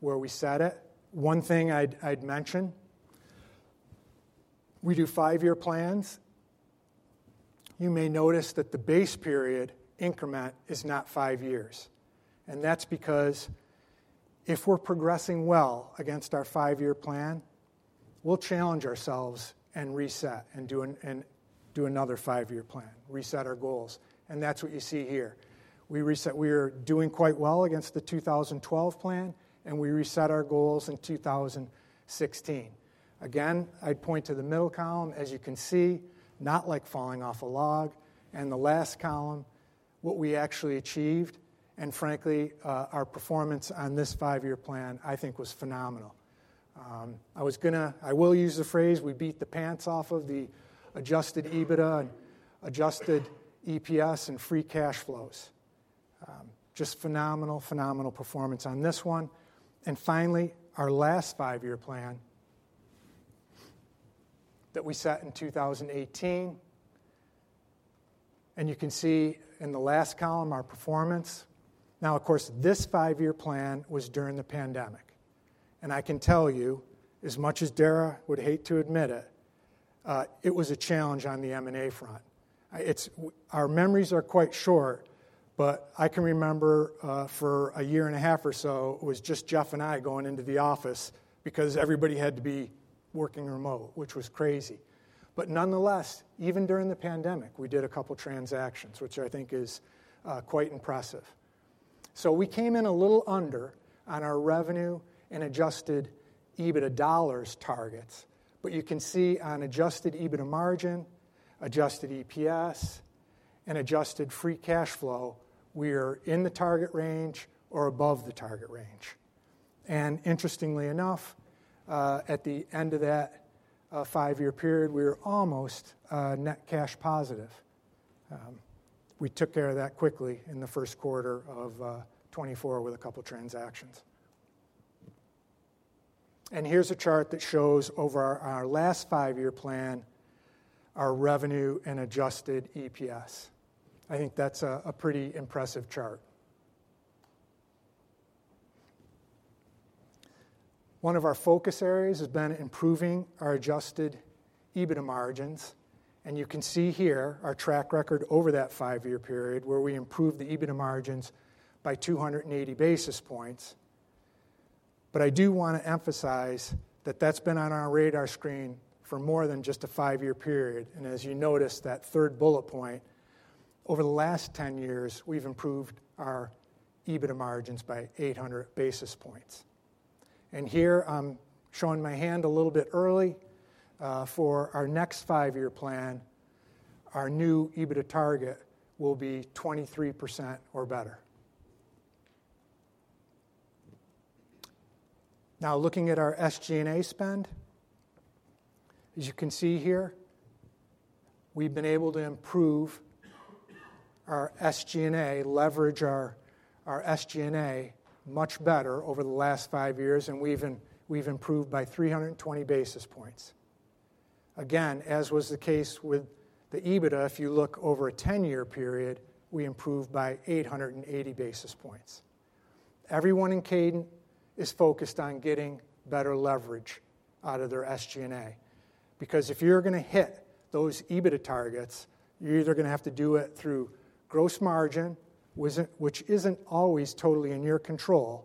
[SPEAKER 13] where we set it. One thing I'd mention, we do five-year plans. You may notice that the base period increment is not five years. That's because if we're progressing well against our five-year plan, we'll challenge ourselves and reset and do another five-year plan, reset our goals. That's what you see here. We are doing quite well against the 2012 plan, and we reset our goals in 2016. Again, I'd point to the middle column, as you can see, not like falling off a log. The last column, what we actually achieved, and frankly, our performance on this five-year plan, I think was phenomenal. I will use the phrase, "We beat the pants off of the Adjusted EBITDA and Adjusted EPS and free cash flows." Just phenomenal, phenomenal performance on this one. Finally, our last five-year plan that we set in 2018. You can see in the last column our performance. Now, of course, this five-year plan was during the pandemic. I can tell you, as much as Dara would hate to admit it, it was a challenge on the M&A front. Our memories are quite short, but I can remember for a year and a half or so, it was just Jeff and I going into the office because everybody had to be working remote, which was crazy. Nonetheless, even during the pandemic, we did a couple of transactions, which I think is quite impressive. We came in a little under on our revenue and adjusted EBITDA dollars targets. You can see on adjusted EBITDA margin, adjusted EPS, and adjusted free cash flow, we are in the target range or above the target range. Interestingly enough, at the end of that five-year period, we were almost net cash positive. We took care of that quickly in the first quarter of 2024 with a couple of transactions, and here's a chart that shows over our last five-year plan our revenue and adjusted EPS. I think that's a pretty impressive chart. One of our focus areas has been improving our adjusted EBITDA margins, and you can see here our track record over that five-year period where we improved the EBITDA margins by 280 basis points, but I do want to emphasize that that's been on our radar screen for more than just a five-year period, and as you noticed that third bullet point, over the last 10 years, we've improved our EBITDA margins by 800 basis points, and here, I'm showing my hand a little bit early. For our next five-year plan, our new EBITDA target will be 23% or better. Now, looking at our SG&A spend, as you can see here, we've been able to improve our SG&A, leverage our SG&A much better over the last five years, and we've improved by 320 basis points. Again, as was the case with the EBITDA, if you look over a 10-year period, we improved by 880 basis points. Everyone in Kadant is focused on getting better leverage out of their SG&A because if you're going to hit those EBITDA targets, you're either going to have to do it through gross margin, which isn't always totally in your control,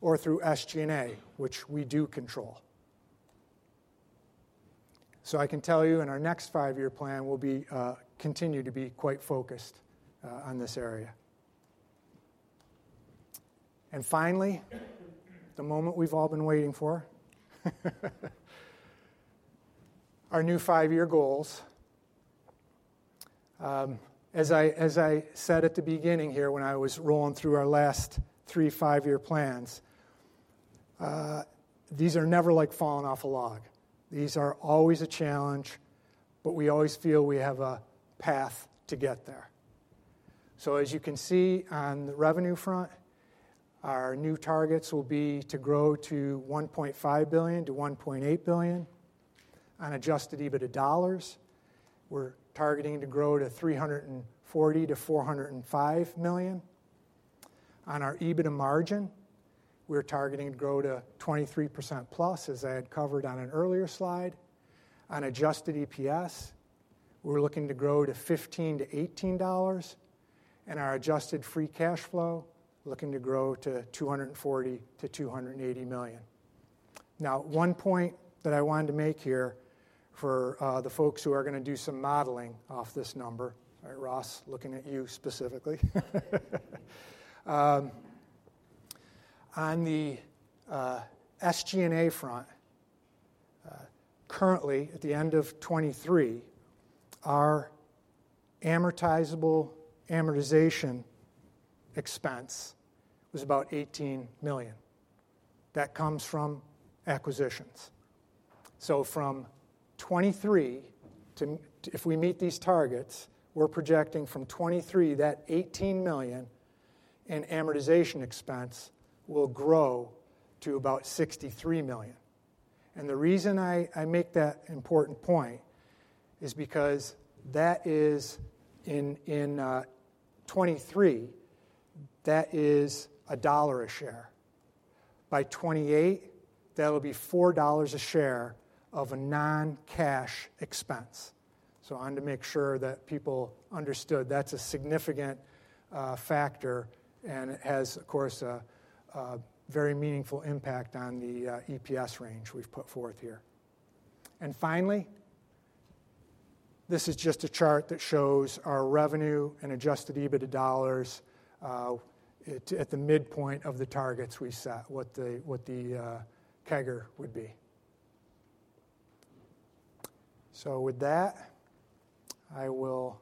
[SPEAKER 13] or through SG&A, which we do control. So I can tell you in our next five-year plan, we'll continue to be quite focused on this area. And finally, the moment we've all been waiting for, our new five-year goals. As I said at the beginning here when I was rolling through our last three five-year plans, these are never like falling off a log. These are always a challenge, but we always feel we have a path to get there. So as you can see on the revenue front, our new targets will be to grow to $1.5 billion-$1.8 billion. On adjusted EBITDA dollars, we're targeting to grow to $340 million-$405 million. On our EBITDA margin, we're targeting to grow to 23% plus, as I had covered on an earlier slide. On adjusted EPS, we're looking to grow to $15-$18. And our adjusted free cash flow, looking to grow to $240 million-$280 million. Now, one point that I wanted to make here for the folks who are going to do some modeling off this number, all right, Ross, looking at you specifically. On the SG&A front, currently, at the end of 2023, our amortizable amortization expense was about $18 million. That comes from acquisitions. So from 2023, if we meet these targets, we're projecting from 2023 that $18 million in amortization expense will grow to about $63 million. And the reason I make that important point is because that is in 2023, that is $1 a share. By 2028, that'll be $4 a share of a non-cash expense. So I wanted to make sure that people understood that's a significant factor and it has, of course, a very meaningful impact on the EPS range we've put forth here. And finally, this is just a chart that shows our revenue and adjusted EBITDA dollars at the midpoint of the targets we set, what the CAGR would be. So with that, I will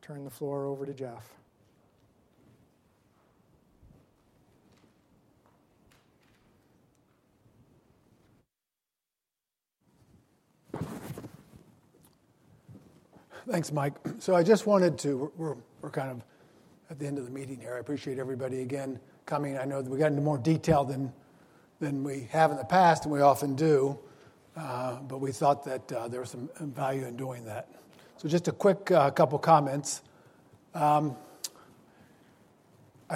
[SPEAKER 13] turn the floor over to Jeff.
[SPEAKER 2] Thanks, Mike. So, I just wanted to. We're kind of at the end of the meeting here. I appreciate everybody again coming. I know we got into more detail than we have in the past, and we often do, but we thought that there was some value in doing that, so just a quick couple of comments. I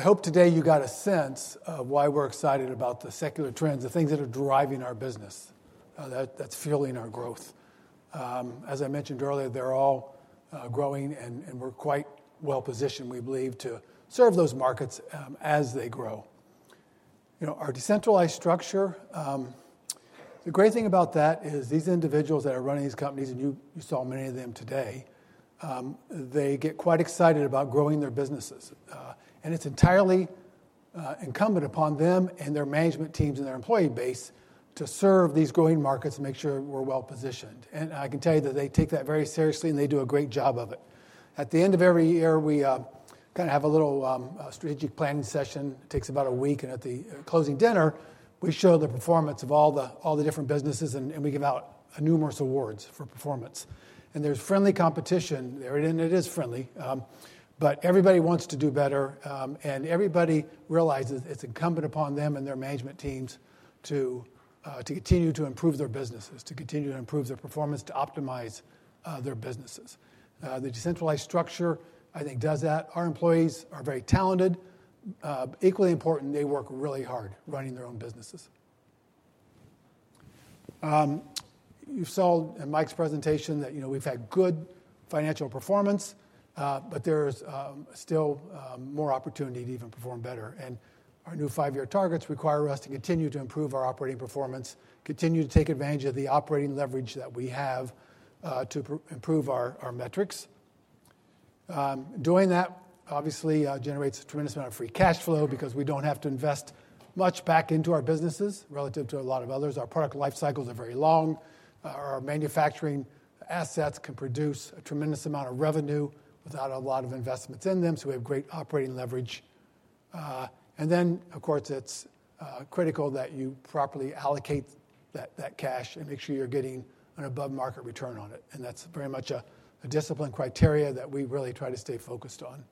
[SPEAKER 2] hope today you got a sense of why we're excited about the secular trends, the things that are driving our business, that's fueling our growth. As I mentioned earlier, they're all growing, and we're quite well positioned, we believe, to serve those markets as they grow. Our decentralized structure. The great thing about that is these individuals that are running these companies, and you saw many of them today. They get quite excited about growing their businesses. And it's entirely incumbent upon them and their management teams and their employee base to serve these growing markets and make sure we're well positioned. And I can tell you that they take that very seriously, and they do a great job of it. At the end of every year, we kind of have a little strategic planning session. It takes about a week. And at the closing dinner, we show the performance of all the different businesses, and we give out numerous awards for performance. And there's friendly competition there, and it is friendly, but everybody wants to do better. And everybody realizes it's incumbent upon them and their management teams to continue to improve their businesses, to continue to improve their performance, to optimize their businesses. The decentralized structure, I think, does that. Our employees are very talented. Equally important, they work really hard running their own businesses. You saw in Mike's presentation that we've had good financial performance, but there's still more opportunity to even perform better, and our new five-year targets require us to continue to improve our operating performance, continue to take advantage of the operating leverage that we have to improve our metrics. Doing that, obviously, generates a tremendous amount of free cash flow because we don't have to invest much back into our businesses relative to a lot of others. Our product lifecycles are very long. Our manufacturing assets can produce a tremendous amount of revenue without a lot of investments in them, so we have great operating leverage, and then, of course, it's critical that you properly allocate that cash and make sure you're getting an above-market return on it, and that's very much a discipline criteria that we really try to stay focused on.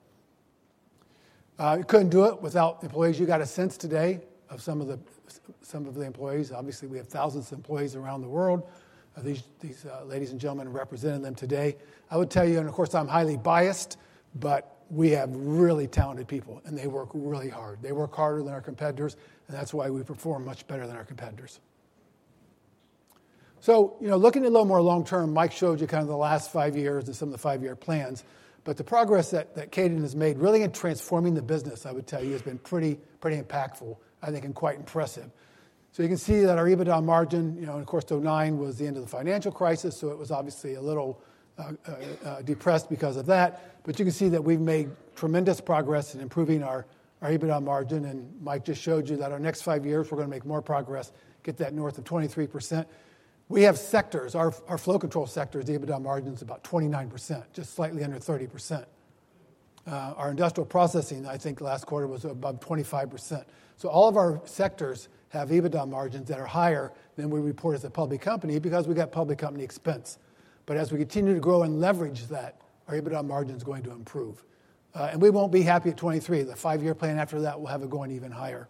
[SPEAKER 2] Couldn't do it without employees. You got a sense today of some of the employees. Obviously, we have thousands of employees around the world. These ladies and gentlemen represented them today. I would tell you, and of course, I'm highly biased, but we have really talented people, and they work really hard. They work harder than our competitors, and that's why we perform much better than our competitors. So looking a little more long-term, Mike showed you kind of the last five years and some of the five-year plans. But the progress that Kadant has made really in transforming the business, I would tell you, has been pretty impactful, I think, and quite impressive. So you can see that our EBITDA margin, and of course, 2009 was the end of the financial crisis, so it was obviously a little depressed because of that. But you can see that we've made tremendous progress in improving our EBITDA margin. And Mike just showed you that our next five years, we're going to make more progress, get that north of 23%. We have sectors. Our flow control sectors, the EBITDA margin is about 29%, just slightly under 30%. Our Industrial Processing, I think last quarter was above 25%. So all of our sectors have EBITDA margins that are higher than we report as a public company because we got public company expense. But as we continue to grow and leverage that, our EBITDA margin is going to improve. And we won't be happy at 23%. The five-year plan after that will have it going even higher.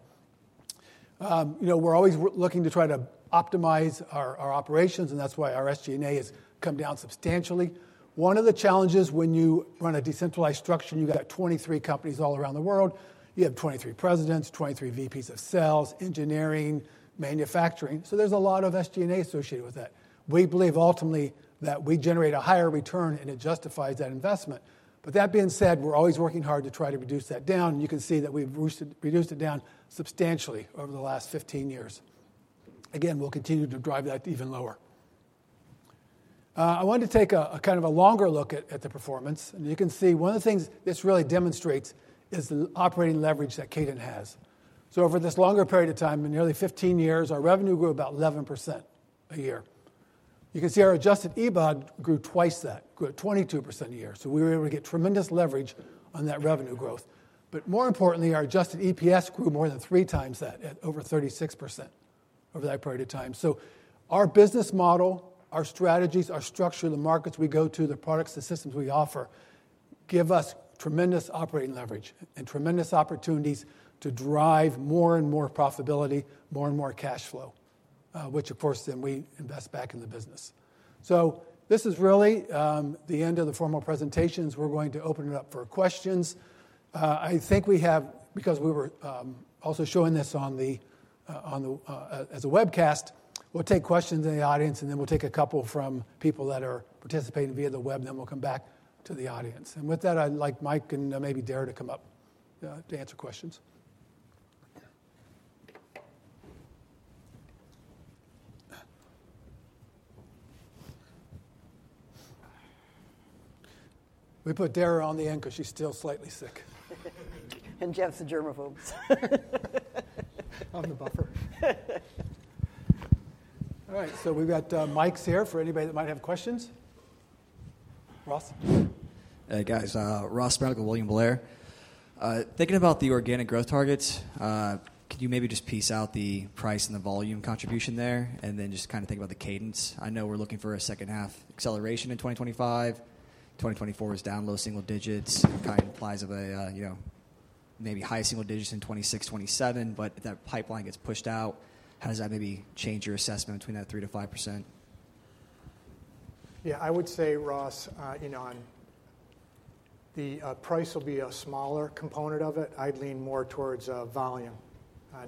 [SPEAKER 2] We're always looking to try to optimize our operations, and that's why our SG&A has come down substantially. One of the challenges when you run a decentralized structure, and you've got 23 companies all around the world, you have 23 presidents, 23 VPs of sales, engineering, manufacturing. So there's a lot of SG&A associated with that. We believe ultimately that we generate a higher return, and it justifies that investment, but that being said, we're always working hard to try to reduce that down, and you can see that we've reduced it down substantially over the last 15 years. Again, we'll continue to drive that even lower. I wanted to take a kind of a longer look at the performance, and you can see one of the things this really demonstrates is the operating leverage that Kadant has, so over this longer period of time, in nearly 15 years, our revenue grew about 11% a year. You can see our Adjusted EBITDA grew twice that, grew at 22% a year. So we were able to get tremendous leverage on that revenue growth. But more importantly, our Adjusted EPS grew more than three times that at over 36% over that period of time. So our business model, our strategies, our structure, the markets we go to, the products, the systems we offer give us tremendous operating leverage and tremendous opportunities to drive more and more profitability, more and more cash flow, which, of course, then we invest back in the business. So this is really the end of the formal presentations. We're going to open it up for questions. I think we have, because we were also showing this as a webcast, we'll take questions in the audience, and then we'll take a couple from people that are participating via the web, and then we'll come back to the audience. And with that, I'd like Mike and maybe Dara to come up to answer questions. We put Dara on the end because she's still slightly sick. And Jeff's a germaphobe. On the buffer. All right, so we've got Mike here for anybody that might have questions. Ross?
[SPEAKER 14] Hey, guys. Ross Sparenblek, William Blair. Thinking about the organic growth targets, could you maybe just piece out the price and the volume contribution there and then just kind of think about the cadence? I know we're looking for a second-half acceleration in 2025. 2024 is down low single digits. It kind of implies maybe high single digits in 2026, 2027, but if that pipeline gets pushed out, how does that maybe change your assessment between that 3%-5%? Yeah, I would say, Ross, the price will be a smaller component of it. I'd lean more towards volume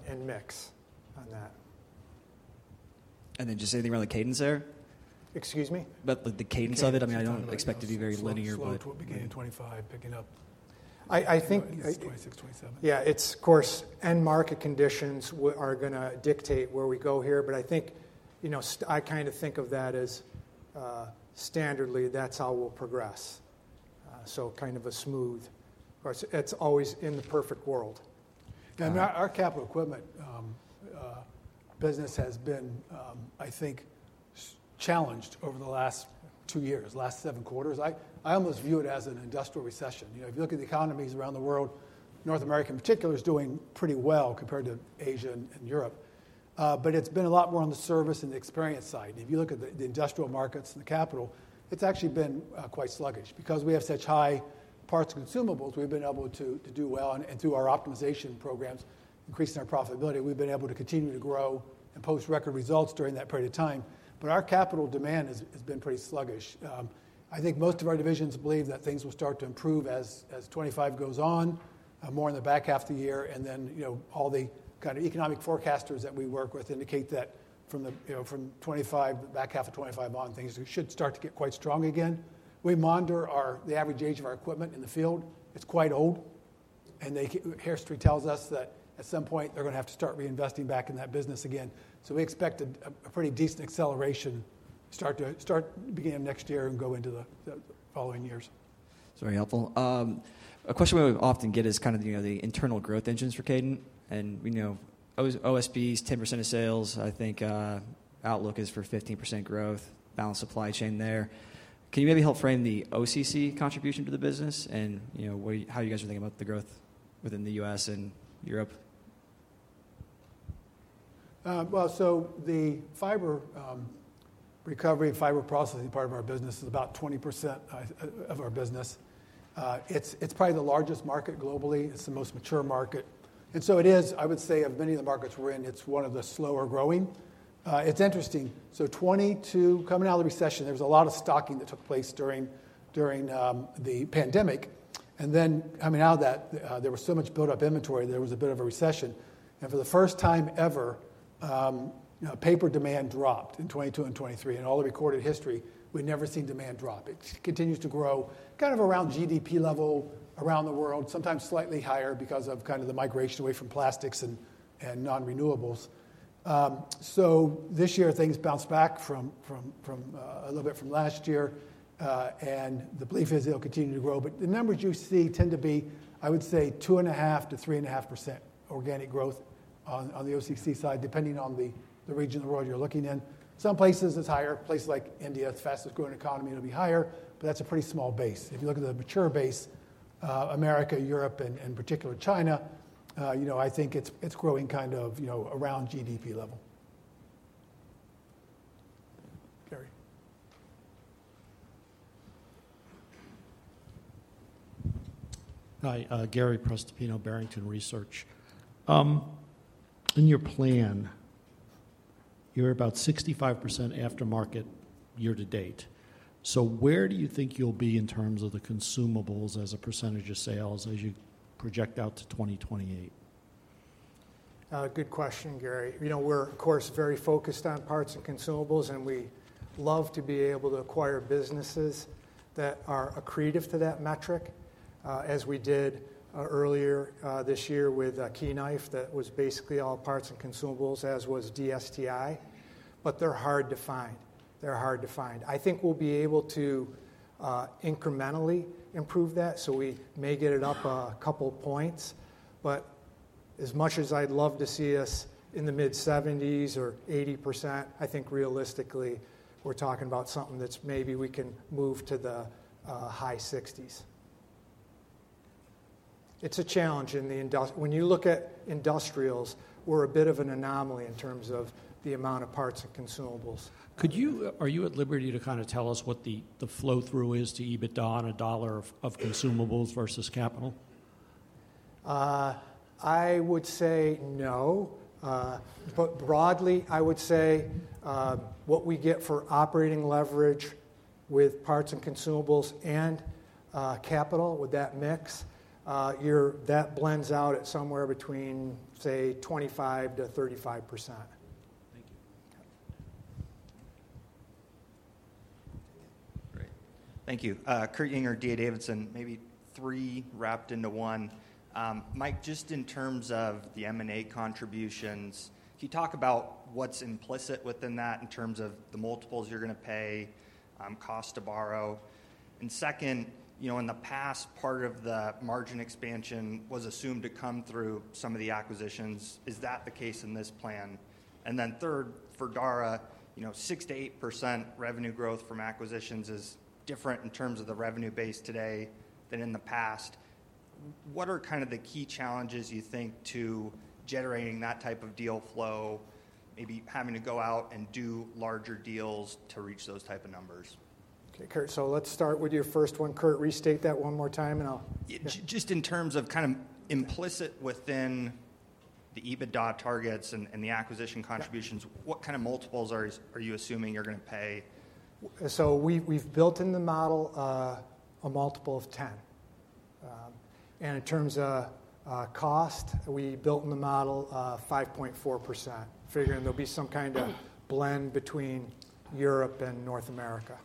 [SPEAKER 14] and mix on that. And then just anything around the cadence there?
[SPEAKER 2] Excuse me?
[SPEAKER 14] But the cadence of it? I mean, I don't expect to be very linear, but.
[SPEAKER 2] We'll slow it to a beginning of 2025, picking up. I think. 2026, 2027. Yeah, it's, of course, end market conditions are going to dictate where we go here. But I think I kind of think of that as standardly, that's how we'll progress. So kind of a smooth, it's always in the perfect world. Our capital equipment business has been, I think, challenged over the last two years, last seven quarters. I almost view it as an industrial recession. If you look at the economies around the world, North America in particular is doing pretty well compared to Asia and Europe, but it's been a lot more on the service and the experience side. If you look at the industrial markets and the capital, it's actually been quite sluggish. Because we have such high parts and consumables, we've been able to do well, and through our optimization programs, increasing our profitability, we've been able to continue to grow and post record results during that period of time, but our capital demand has been pretty sluggish. I think most of our divisions believe that things will start to improve as 2025 goes on, more in the back half of the year. And then all the kind of economic forecasters that we work with indicate that from 2025, the back half of 2025 on, things should start to get quite strong again. We monitor the average age of our equipment in the field. It's quite old. And the history tells us that at some point, they're going to have to start reinvesting back in that business again. So we expect a pretty decent acceleration to start beginning of next year and go into the following years.
[SPEAKER 14] It's very helpful. A question we often get is kind of the internal growth engines for Kadant. And OSB's 10% of sales. I think outlook is for 15% growth, balanced supply chain there. Can you maybe help frame the OCC contribution to the business and how you guys are thinking about the growth within the U.S. and Europe?
[SPEAKER 2] The fiber recovery and fiber processing part of our business is about 20% of our business. It's probably the largest market globally. It's the most mature market. It is, I would say, of many of the markets we're in, one of the slower growing. It's interesting. 2022, coming out of the recession, there was a lot of stocking that took place during the pandemic. Coming out of that, there was so much built-up inventory, there was a bit of a recession. For the first time ever, paper demand dropped in 2022 and 2023. In all the recorded history, we've never seen demand drop. It continues to grow kind of around GDP level around the world, sometimes slightly higher because of kind of the migration away from plastics and non-renewables. This year, things bounced back a little bit from last year. And the belief is it'll continue to grow. But the numbers you see tend to be, I would say, 2.5%-3.5% organic growth on the OCC side, depending on the region of the world you're looking in. Some places it's higher. Places like India, the fastest growing economy, it'll be higher. But that's a pretty small base. If you look at the mature base, America, Europe, and particularly China, I think it's growing kind of around GDP level. Gary.
[SPEAKER 15] Hi, Gary Prestopino, Barrington Research. In your plan, you're about 65% aftermarket year to date. So where do you think you'll be in terms of the consumables as a percentage of sales as you project out to 2028? Good question, Gary.
[SPEAKER 2] We're, of course, very focused on parts and consumables, and we love to be able to acquire businesses that are accretive to that metric, as we did earlier this year with Key Knife that was basically all parts and consumables, as was DSTI. But they're hard to find. They're hard to find. I think we'll be able to incrementally improve that. So we may get it up a couple points. But as much as I'd love to see us in the mid-70s or 80%, I think realistically, we're talking about something that maybe we can move to the high 60s. It's a challenge in the industry. When you look at industrials, we're a bit of an anomaly in terms of the amount of parts and consumables.
[SPEAKER 15] Are you at liberty to kind of tell us what the flow-through is to EBITDA on a dollar of consumables versus capital?
[SPEAKER 2] I would say no. But broadly, I would say what we get for operating leverage with parts and consumables and capital with that mix, that blends out at somewhere between, say, 25% to 35%.
[SPEAKER 15] Thank you. Great.
[SPEAKER 16] Thank you. Kurt Yinger, D.A. Davidson, maybe three wrapped into one. Mike, just in terms of the M&A contributions, can you talk about what's implicit within that in terms of the multiples you're going to pay, cost to borrow? And second, in the past, part of the margin expansion was assumed to come through some of the acquisitions. Is that the case in this plan? And then third, for Dara, 6% to 8% revenue growth from acquisitions is different in terms of the revenue base today than in the past. What are kind of the key challenges you think to generating that type of deal flow, maybe having to go out and do larger deals to reach those type of numbers?
[SPEAKER 2] Okay, Kurt, so let's start with your first one. Kurt, restate that one more time, and I'll.
[SPEAKER 16] Just in terms of kind of implicit within the EBITDA targets and the acquisition contributions, what kind of multiples are you assuming you're going to pay?
[SPEAKER 2] So we've built in the model a multiple of 10. And in terms of cost, we built in the model 5.4%, figuring there'll be some kind of blend between Europe and North America.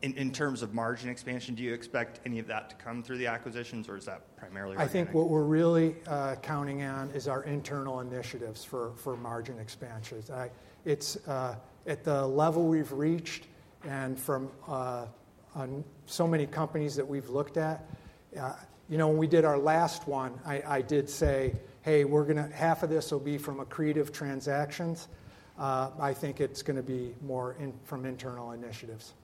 [SPEAKER 16] In terms of margin expansion, do you expect any of that to come through the acquisitions, or is that primarily?
[SPEAKER 2] I think what we're really counting on is our internal initiatives for margin expansions. It's at the level we've reached. From so many companies that we've looked at, when we did our last one, I did say, "Hey, half of this will be from accretive transactions." I think it's going to be more from internal initiatives.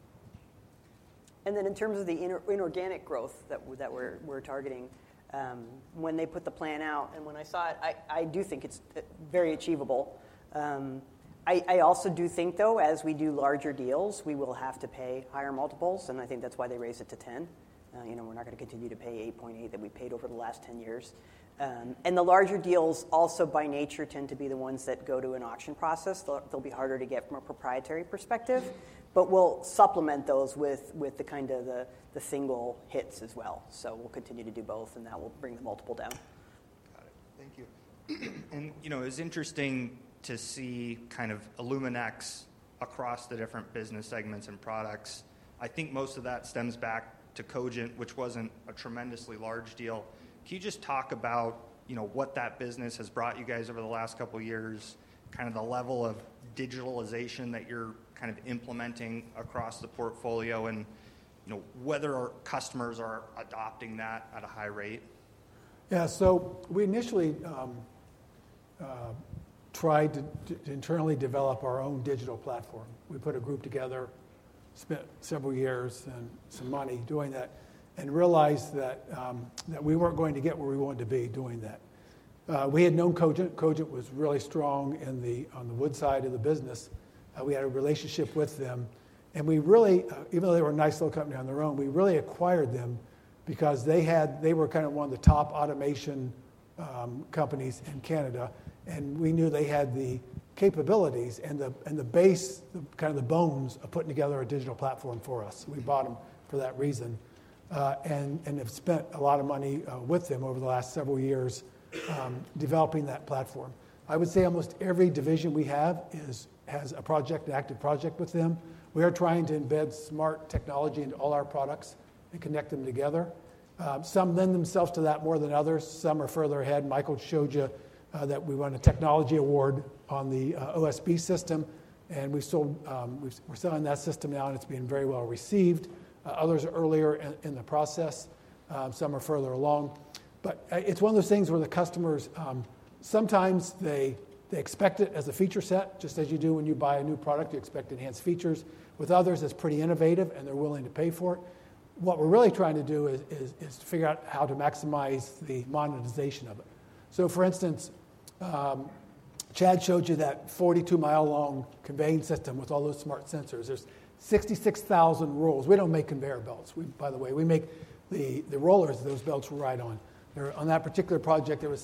[SPEAKER 12] And then in terms of the inorganic growth that we're targeting, when they put the plan out and when I saw it, I do think it's very achievable. I also do think, though, as we do larger deals, we will have to pay higher multiples. And I think that's why they raised it to 10. We're not going to continue to pay 8.8 that we paid over the last 10 years. And the larger deals also, by nature, tend to be the ones that go to an auction process. They'll be harder to get from a proprietary perspective. But we'll supplement those with the kind of the single hits as well. We'll continue to do both, and that will bring the multiple down.
[SPEAKER 16] Got it. Thank you. It was interesting to see kind of illumenX across the different business segments and products. I think most of that stems back to Cogent, which wasn't a tremendously large deal. Can you just talk about what that business has brought you guys over the last couple of years, kind of the level of digitalization that you're kind of implementing across the portfolio and whether our customers are adopting that at a high rate?
[SPEAKER 2] Yeah, so we initially tried to internally develop our own digital platform. We put a group together, spent several years and some money doing that, and realized that we weren't going to get where we wanted to be doing that. We had known Cogent. Cogent was really strong on the wood side of the business. We had a relationship with them, and even though they were a nice little company on their own, we really acquired them because they were kind of one of the top automation companies in Canada, and we knew they had the capabilities and the base, kind of the bones of putting together a digital platform for us. We bought them for that reason and have spent a lot of money with them over the last several years developing that platform. I would say almost every division we have has an active project with them. We are trying to embed smart technology into all our products and connect them together. Some lend themselves to that more than others. Some are further ahead. Michael showed you that we won a technology award on the OSB system, and we're selling that system now, and it's being very well received. Others are earlier in the process. Some are further along. But it's one of those things where the customers, sometimes they expect it as a feature set, just as you do when you buy a new product. You expect enhanced features. With others, it's pretty innovative, and they're willing to pay for it. What we're really trying to do is figure out how to maximize the monetization of it. So for instance, Chad showed you that 42-mile-long conveying system with all those smart sensors. There's 66,000 rolls. We don't make conveyor belts, by the way. We make the rollers that those belts will ride on. On that particular project, there were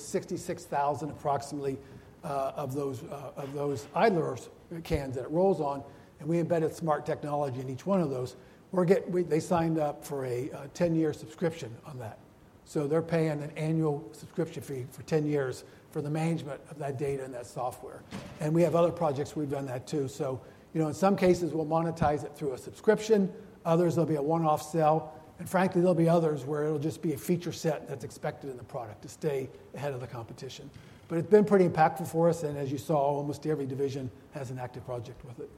[SPEAKER 2] approximately 66,000 of those idlers that it rolls on. And we embedded smart technology in each one of those. They signed up for a 10-year subscription on that. So they're paying an annual subscription fee for 10 years for the management of that data and that software. And we have other projects where we've done that too. So in some cases, we'll monetize it through a subscription. Others, there'll be a one-off sale. And frankly, there'll be others where it'll just be a feature set that's expected in the product to stay ahead of the competition. But it's been pretty impactful for us. And as you saw, almost every division has an active project with it.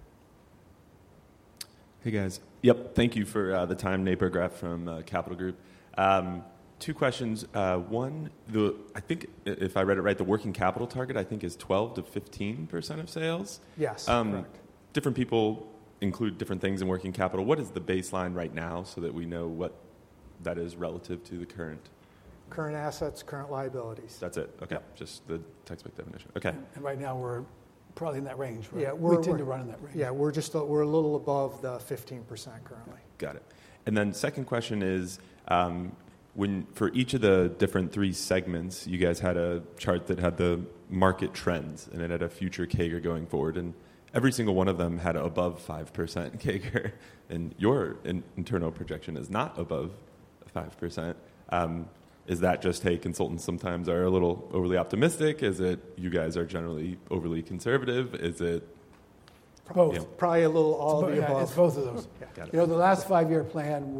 [SPEAKER 17] Hey, guys. Yep. Thank you for the time Nate Burggraf from Capital Group. Two questions. One, I think if I read it right, the working capital target, I think, is 12%-15% of sales. Yes, correct. Different people include different things in working capital. What is the baseline right now so that we know what that is relative to the current?
[SPEAKER 2] Current assets, current liabilities. That's it. Okay. Just the textbook definition. Okay. And right now, we're probably in that range. Yeah, we're a little bit running that range. Yeah, we're a little above the 15% currently.
[SPEAKER 17] Got it. And then second question is, for each of the different three segments, you guys had a chart that had the market trends, and it had a future CAGR going forward. And every single one of them had above 5% CAGR. And your internal projection is not above 5%. Is that just, hey, consultants sometimes are a little overly optimistic? Is it you guys are generally overly conservative? Is it?
[SPEAKER 2] Both. Probably a little all the above. It's both of those. The last five-year plan,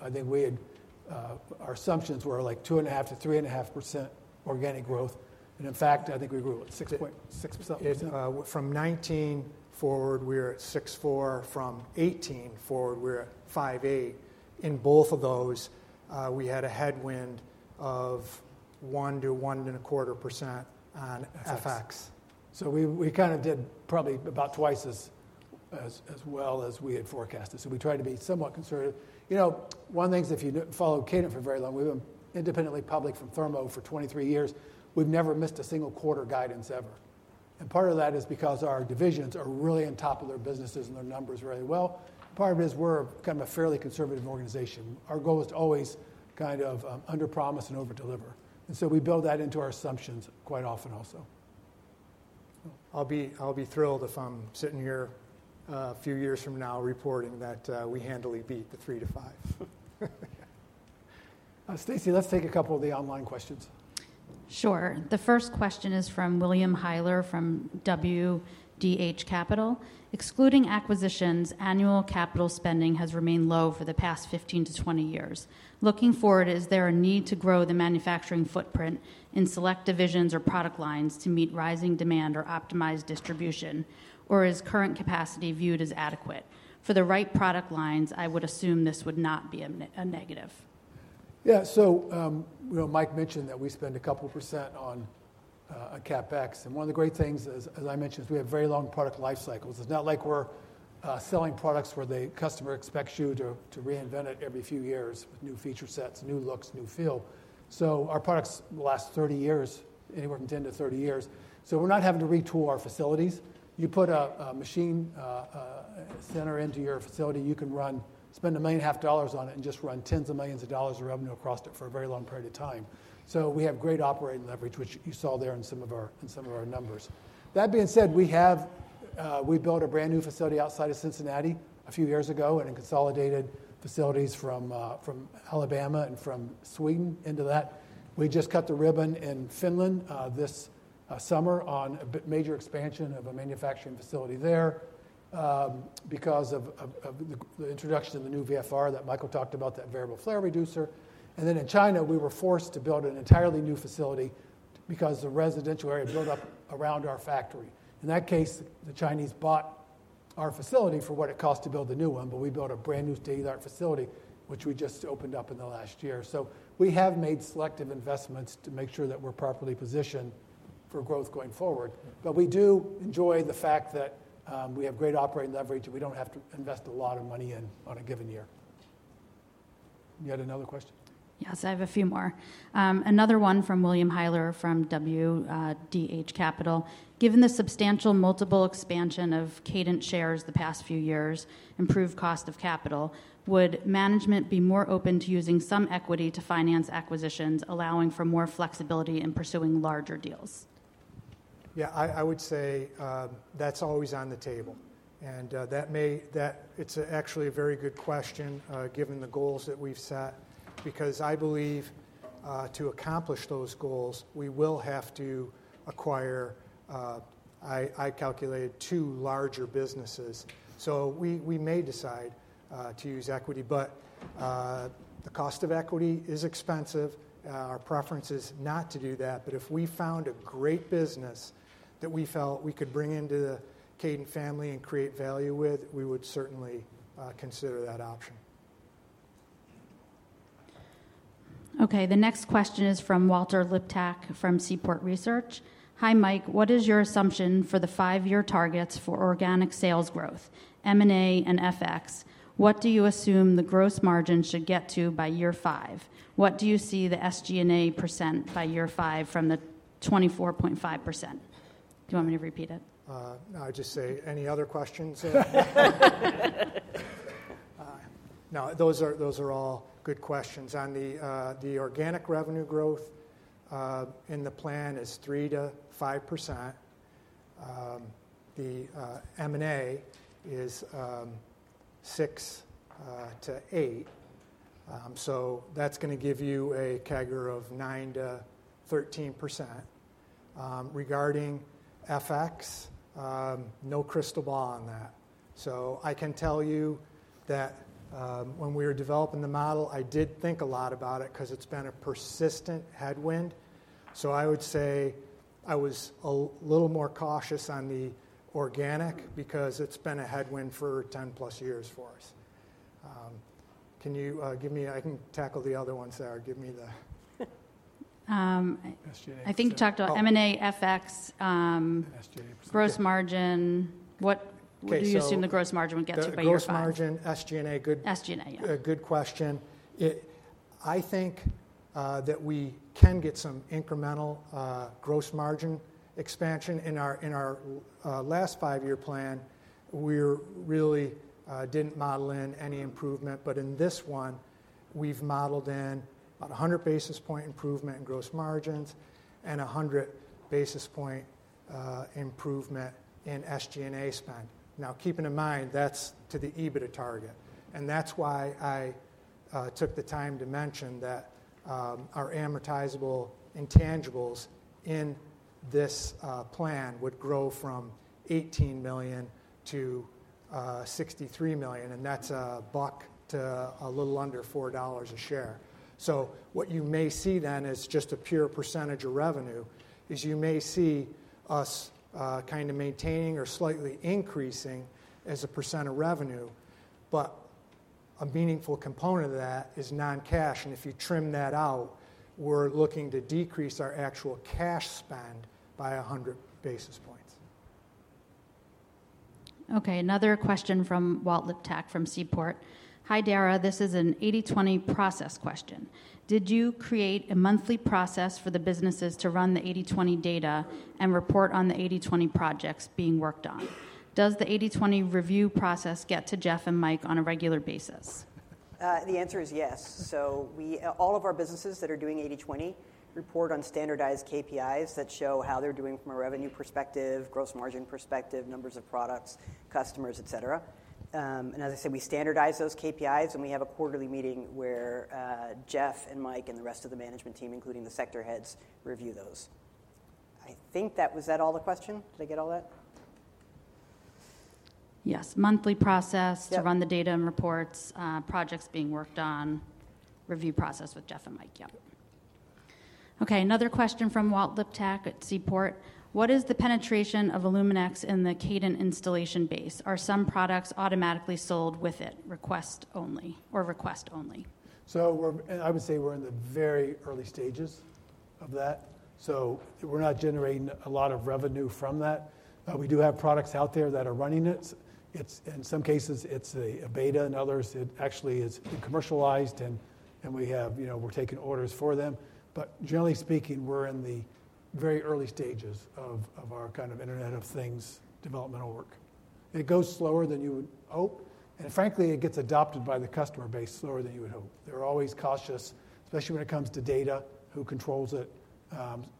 [SPEAKER 2] I think our assumptions were like 2.5%-3.5% organic growth. And in fact, I think we grew at 6.6%. From 2019 forward, we were at 6.4%. From 2018 forward, we were at 5.8%. In both of those, we had a headwind of 1%-1.25% on FX, so we kind of did probably about twice as well as we had forecasted, so we tried to be somewhat conservative. One of the things if you followed Kadant for very long, we've been independently public from Thermo for 23 years. We've never missed a single quarter guidance ever, and part of that is because our divisions are really on top of their businesses and their numbers very well. Part of it is we're kind of a fairly conservative organization. Our goal is to always kind of underpromise and overdeliver, and so we build that into our assumptions quite often also. I'll be thrilled if I'm sitting here a few years from now reporting that we handily beat the three to five. Stacy, let's take a couple of the online questions.
[SPEAKER 18] Sure. The first question is from William Hiler from WDH Capital. Excluding acquisitions, annual capital spending has remained low for the past 15-20 years. Looking forward, is there a need to grow the manufacturing footprint in select divisions or product lines to meet rising demand or optimize distribution? Or is current capacity viewed as adequate? For the right product lines, I would assume this would not be a negative. Yeah, so Mike mentioned that we spend a couple% on CapEx.
[SPEAKER 2] One of the great things, as I mentioned, is we have very long product life cycles. It's not like we're selling products where the customer expects you to reinvent it every few years with new feature sets, new looks, new feel. So our products last 30 years, anywhere from 10-30 years. So we're not having to retool our facilities. You put a machine center into your facility, you can spend $1.5 million on it and just run tens of millions of dollars of revenue across it for a very long period of time. So we have great operating leverage, which you saw there in some of our numbers. That being said, we built a brand new facility outside of Cincinnati a few years ago and consolidated facilities from Alabama and from Sweden into that. We just cut the ribbon in Finland this summer on a major expansion of a manufacturing facility there because of the introduction of the new VFR that Michael talked about, that variable flare reducer. And then in China, we were forced to build an entirely new facility because the residential area built up around our factory. In that case, the Chinese bought our facility for what it cost to build the new one, but we built a brand new state-of-the-art facility, which we just opened up in the last year. So we have made selective investments to make sure that we're properly positioned for growth going forward. But we do enjoy the fact that we have great operating leverage and we don't have to invest a lot of money in on a given year. You had another question?
[SPEAKER 18] Yes, I have a few more. Another one from William Hiler from WDH Capital. Given the substantial multiple expansion of Kadant shares the past few years, improved cost of capital, would management be more open to using some equity to finance acquisitions, allowing for more flexibility in pursuing larger deals?
[SPEAKER 2] Yeah, I would say that's always on the table. It's actually a very good question given the goals that we've set, because I believe to accomplish those goals, we will have to acquire, I calculated, two larger businesses. So we may decide to use equity, but the cost of equity is expensive. Our preference is not to do that. But if we found a great business that we felt we could bring into the Kadant family and create value with, we would certainly consider that option.
[SPEAKER 18] Okay, the next question is from Walter Liptak from Seaport Research. Hi, Mike. What is your assumption for the five-year targets for organic sales growth, M&A and FX? What do you assume the gross margin should get to by year five? What do you see the SG&A percent by year five from the 24.5%? Do you want me to repeat it? I'll just say, any other questions?
[SPEAKER 2] No, those are all good questions. On the organic revenue growth, the plan is 3%-5%. The M&A is 6%-8%. So that's going to give you a CAGR of 9%-13%. Regarding FX, no crystal ball on that. So I can tell you that when we were developing the model, I did think a lot about it because it's been a persistent headwind. So I would say I was a little more cautious on the organic because it's been a headwind for 10-plus years for us. Can you give me? I can tackle the other ones there. Give me the SG&A. I think you talked about M&A, FX, gross margin. What do you assume the gross margin would get to by year five? Gross margin, SG&A, good question. I think that we can get some incremental gross margin expansion. In our last five-year plan, we really didn't model in any improvement. But in this one, we've modeled in about 100 basis point improvement in gross margins and 100 basis point improvement in SG&A spend. Now, keeping in mind, that's to the EBITDA target. And that's why I took the time to mention that our amortizable intangibles in this plan would grow from 18 million to 63 million. And that's $1 to a little under $4 a share. So what you may see then is just a pure percentage of revenue is you may see us kind of maintaining or slightly increasing as a % of revenue. But a meaningful component of that is non-cash. And if you trim that out, we're looking to decrease our actual cash spend by 100 basis points.
[SPEAKER 18] Okay, another question from Walter Liptak from Seaport. Hi, Dara. This is an 80/20 process question. Did you create a monthly process for the businesses to run the 80/20 data and report on the 80/20 projects being worked on? Does the 80/20 review process get to Jeff and Mike on a regular basis?
[SPEAKER 11] The answer is yes. So all of our businesses that are doing 80/20 report on standardized KPIs that show how they're doing from a revenue perspective, gross margin perspective, numbers of products, customers, etc. And as I said, we standardize those KPIs. And we have a quarterly meeting where Jeff and Mike and the rest of the management team, including the sector heads, review those. I think that was that all the question? Did I get all that?
[SPEAKER 18] Yes, monthly process to run the data and reports, projects being worked on, review process with Jeff and Mike. Yep. Okay, another question from Walt Liptak at Seaport. What is the penetration of illumenX in the Kadant installation base? Are some products automatically sold with it, request only or request only?
[SPEAKER 2] So I would say we're in the very early stages of that. So we're not generating a lot of revenue from that. We do have products out there that are running it. In some cases, it's a beta. In others, it actually is commercialized. And we're taking orders for them. But generally speaking, we're in the very early stages of our kind of Internet of Things developmental work. It goes slower than you would hope. And frankly, it gets adopted by the customer base slower than you would hope. They're always cautious, especially when it comes to data, who controls it,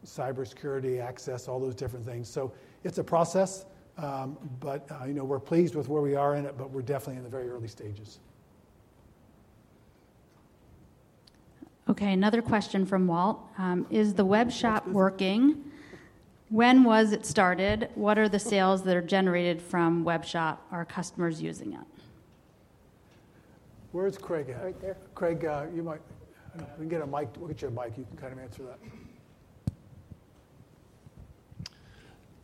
[SPEAKER 2] cybersecurity, access, all those different things. So it's a process. But we're pleased with where we are in it, but we're definitely in the very early stages.
[SPEAKER 18] Okay, another question from Walt. Is the web shop working? When was it started? What are the sales that are generated from web shop? Are customers using it?
[SPEAKER 2] Where's Craig at? Right there. Craig, you might get a mic. We'll get you a mic. You can kind of answer that.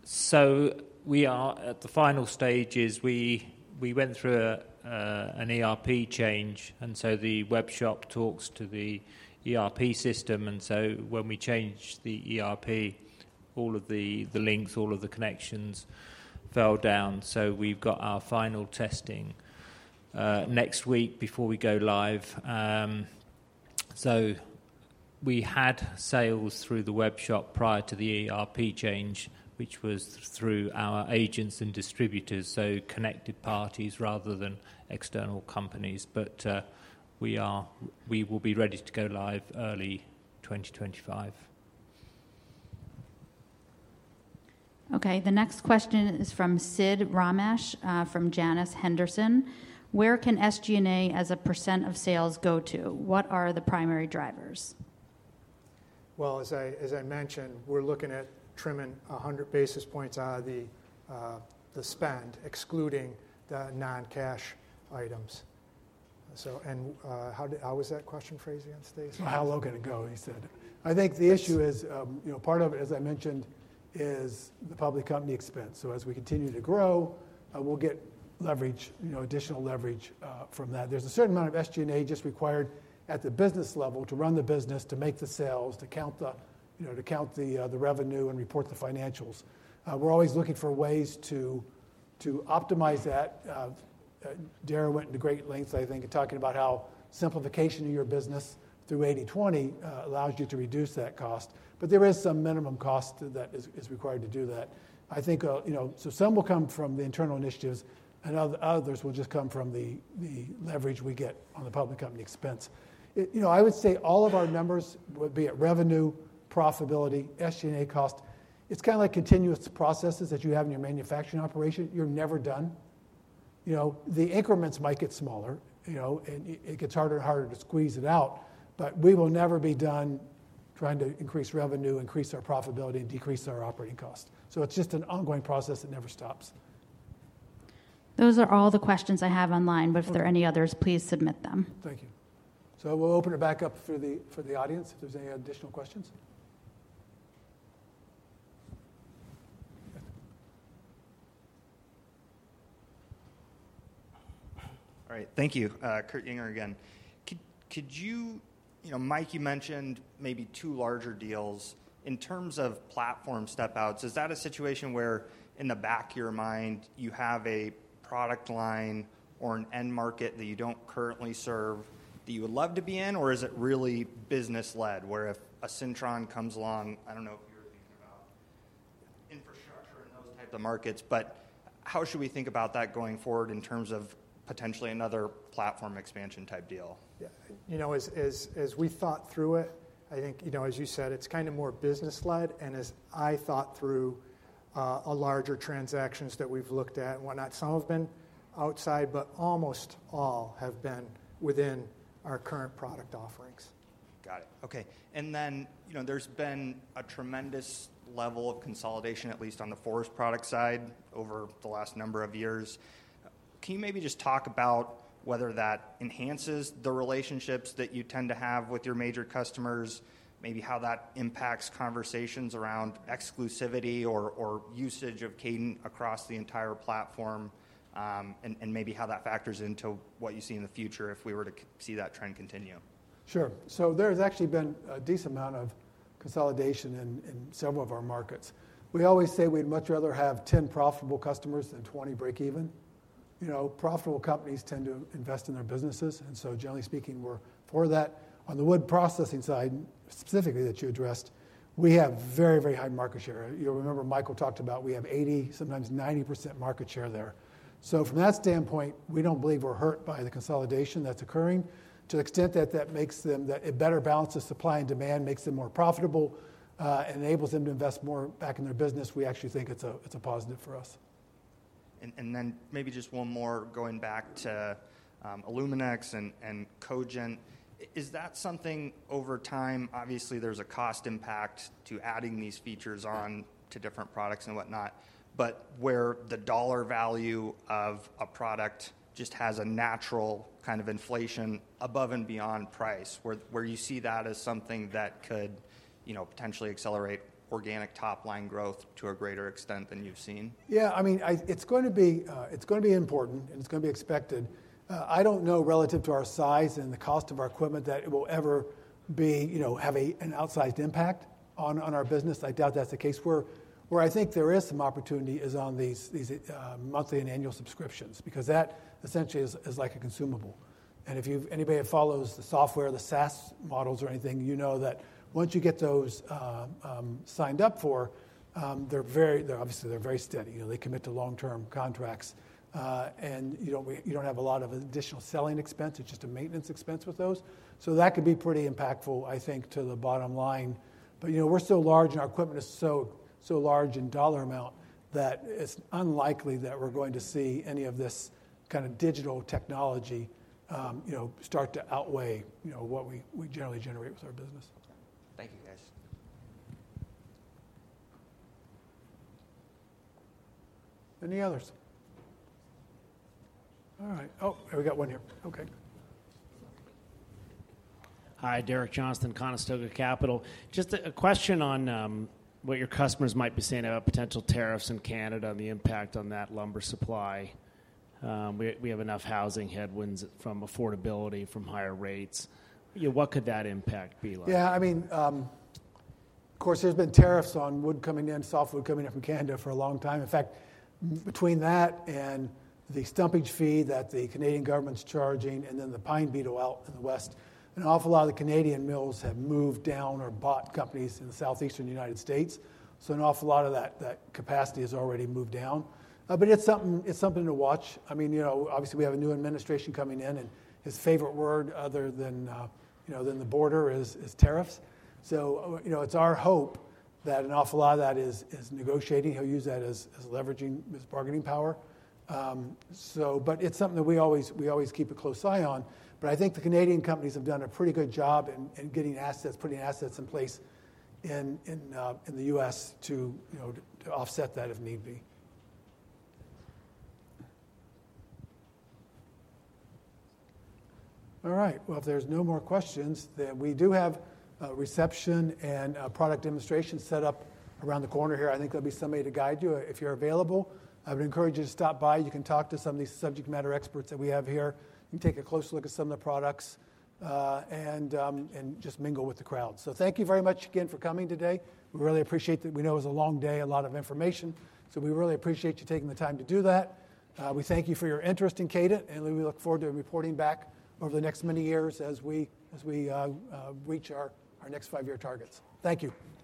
[SPEAKER 7] So we are at the final stages. We went through an ERP change. And so the web shop talks to the ERP system. And so when we changed the ERP, all of the links, all of the connections fell down. So we've got our final testing next week before we go live. So we had sales through the web shop prior to the ERP change, which was through our agents and distributors, so connected parties rather than external companies. But we will be ready to go live early 2025.
[SPEAKER 18] Okay, the next question is from Sid Ramesh from Janus Henderson. Where can SG&A as a % of sales go to? What are the primary drivers?
[SPEAKER 2] Well, as I mentioned, we're looking at trimming 100 basis points out of the spend, excluding the non-cash items. And how was that question phrased again, Stacy? How low can it go, he said? I think the issue is part of it, as I mentioned, is the public company expense. So as we continue to grow, we'll get additional leverage from that. There's a certain amount of SG&A just required at the business level to run the business, to make the sales, to count the revenue and report the financials. We're always looking for ways to optimize that. Dara went into great lengths, I think, talking about how simplification of your business through 80/20 allows you to reduce that cost. But there is some minimum cost that is required to do that. I think some will come from the internal initiatives, and others will just come from the leverage we get on the public company expense. I would say all of our numbers, be it revenue, profitability, SG&A cost, it's kind of like continuous processes that you have in your manufacturing operation. You're never done. The increments might get smaller, and it gets harder and harder to squeeze it out. But we will never be done trying to increase revenue, increase our profitability, and decrease our operating cost. So it's just an ongoing process that never stops.
[SPEAKER 18] Those are all the questions I have online. But if there are any others, please submit them. Thank you.
[SPEAKER 2] So we'll open it back up for the audience if there's any additional questions.
[SPEAKER 16] All right, thank you. Kurt Yinger again. Mike, you mentioned maybe two larger deals. In terms of platform step-outs, is that a situation where in the back of your mind you have a product line or an end market that you don't currently serve that you would love to be in? Or is it really business-led where if a Syntron comes along? I don't know if you were thinking about infrastructure and those types of markets. But how should we think about that going forward in terms of potentially another platform expansion type deal?
[SPEAKER 2] Yeah, as we thought through it, I think, as you said, it's kind of more business-led. As I thought through larger transactions that we've looked at and whatnot, some have been outside, but almost all have been within our current product offerings.
[SPEAKER 16] Got it. Okay. There has been a tremendous level of consolidation, at least on the forest products side, over the last number of years. Can you maybe just talk about whether that enhances the relationships that you tend to have with your major customers, maybe how that impacts conversations around exclusivity or usage of Kadant across the entire platform, and maybe how that factors into what you see in the future if we were to see that trend continue?
[SPEAKER 2] Sure. There has actually been a decent amount of consolidation in several of our markets. We always say we'd much rather have 10 profitable customers than 20 break even. Profitable companies tend to invest in their businesses. And so generally speaking, we're for that. On the wood processing side, specifically that you addressed, we have very, very high market share. You'll remember Michael talked about we have 80%, sometimes 90% market share there. So from that standpoint, we don't believe we're hurt by the consolidation that's occurring. To the extent that that makes it better balance supply and demand, makes them more profitable, and enables them to invest more back in their business, we actually think it's a positive for us.
[SPEAKER 16] And then maybe just one more going back to illumenX and Cogent. Is that something over time? Obviously, there's a cost impact to adding these features on to different products and whatnot. But where the dollar value of a product just has a natural kind of inflation above and beyond price, where you see that as something that could potentially accelerate organic top-line growth to a greater extent than you've seen?
[SPEAKER 2] Yeah, I mean, it's going to be important, and it's going to be expected. I don't know relative to our size and the cost of our equipment that it will ever have an outsized impact on our business. I doubt that's the case. Where I think there is some opportunity is on these monthly and annual subscriptions, because that essentially is like a consumable. And if anybody follows the software, the SaaS models, or anything, you know that once you get those signed up for, obviously, they're very steady. They commit to long-term contracts. And you don't have a lot of additional selling expense. It's just a maintenance expense with those. So that could be pretty impactful, I think, to the bottom line. But we're so large, and our equipment is so large in dollar amount that it's unlikely that we're going to see any of this kind of digital technology start to outweigh what we generally generate with our business.
[SPEAKER 16] Thank you, guys.
[SPEAKER 2] Any others? All right. Oh, we got one here. Okay.
[SPEAKER 19] Hi, Derek Johnston, Conestoga Capital. Just a question on what your customers might be saying about potential tariffs in Canada and the impact on that lumber supply. We have enough housing headwinds from affordability, from higher rates. What could that impact be like?
[SPEAKER 2] Yeah, I mean, of course, there's been tariffs on wood coming in, softwood coming in from Canada for a long time. In fact, between that and the stumpage fee that the Canadian government's charging, and then the pine beetle out in the west, an awful lot of the Canadian mills have moved down or bought companies in the southeastern United States, so an awful lot of that capacity has already moved down, but it's something to watch. I mean, obviously, we have a new administration coming in, and his favorite word other than the border is tariffs, so it's our hope that an awful lot of that is negotiating. He'll use that as leveraging, as bargaining power, but it's something that we always keep a close eye on, but I think the Canadian companies have done a pretty good job in getting assets, putting assets in place in the U.S. to offset that if need be. All right. If there's no more questions, then we do have reception and product demonstration set up around the corner here. I think there'll be somebody to guide you if you're available. I would encourage you to stop by. You can talk to some of these subject matter experts that we have here. You can take a closer look at some of the products and just mingle with the crowd. So thank you very much again for coming today. We really appreciate that. We know it was a long day, a lot of information. So we really appreciate you taking the time to do that. We thank you for your interest in Kadant. And we look forward to reporting back over the next many years as we reach our next five-year targets. Thank you.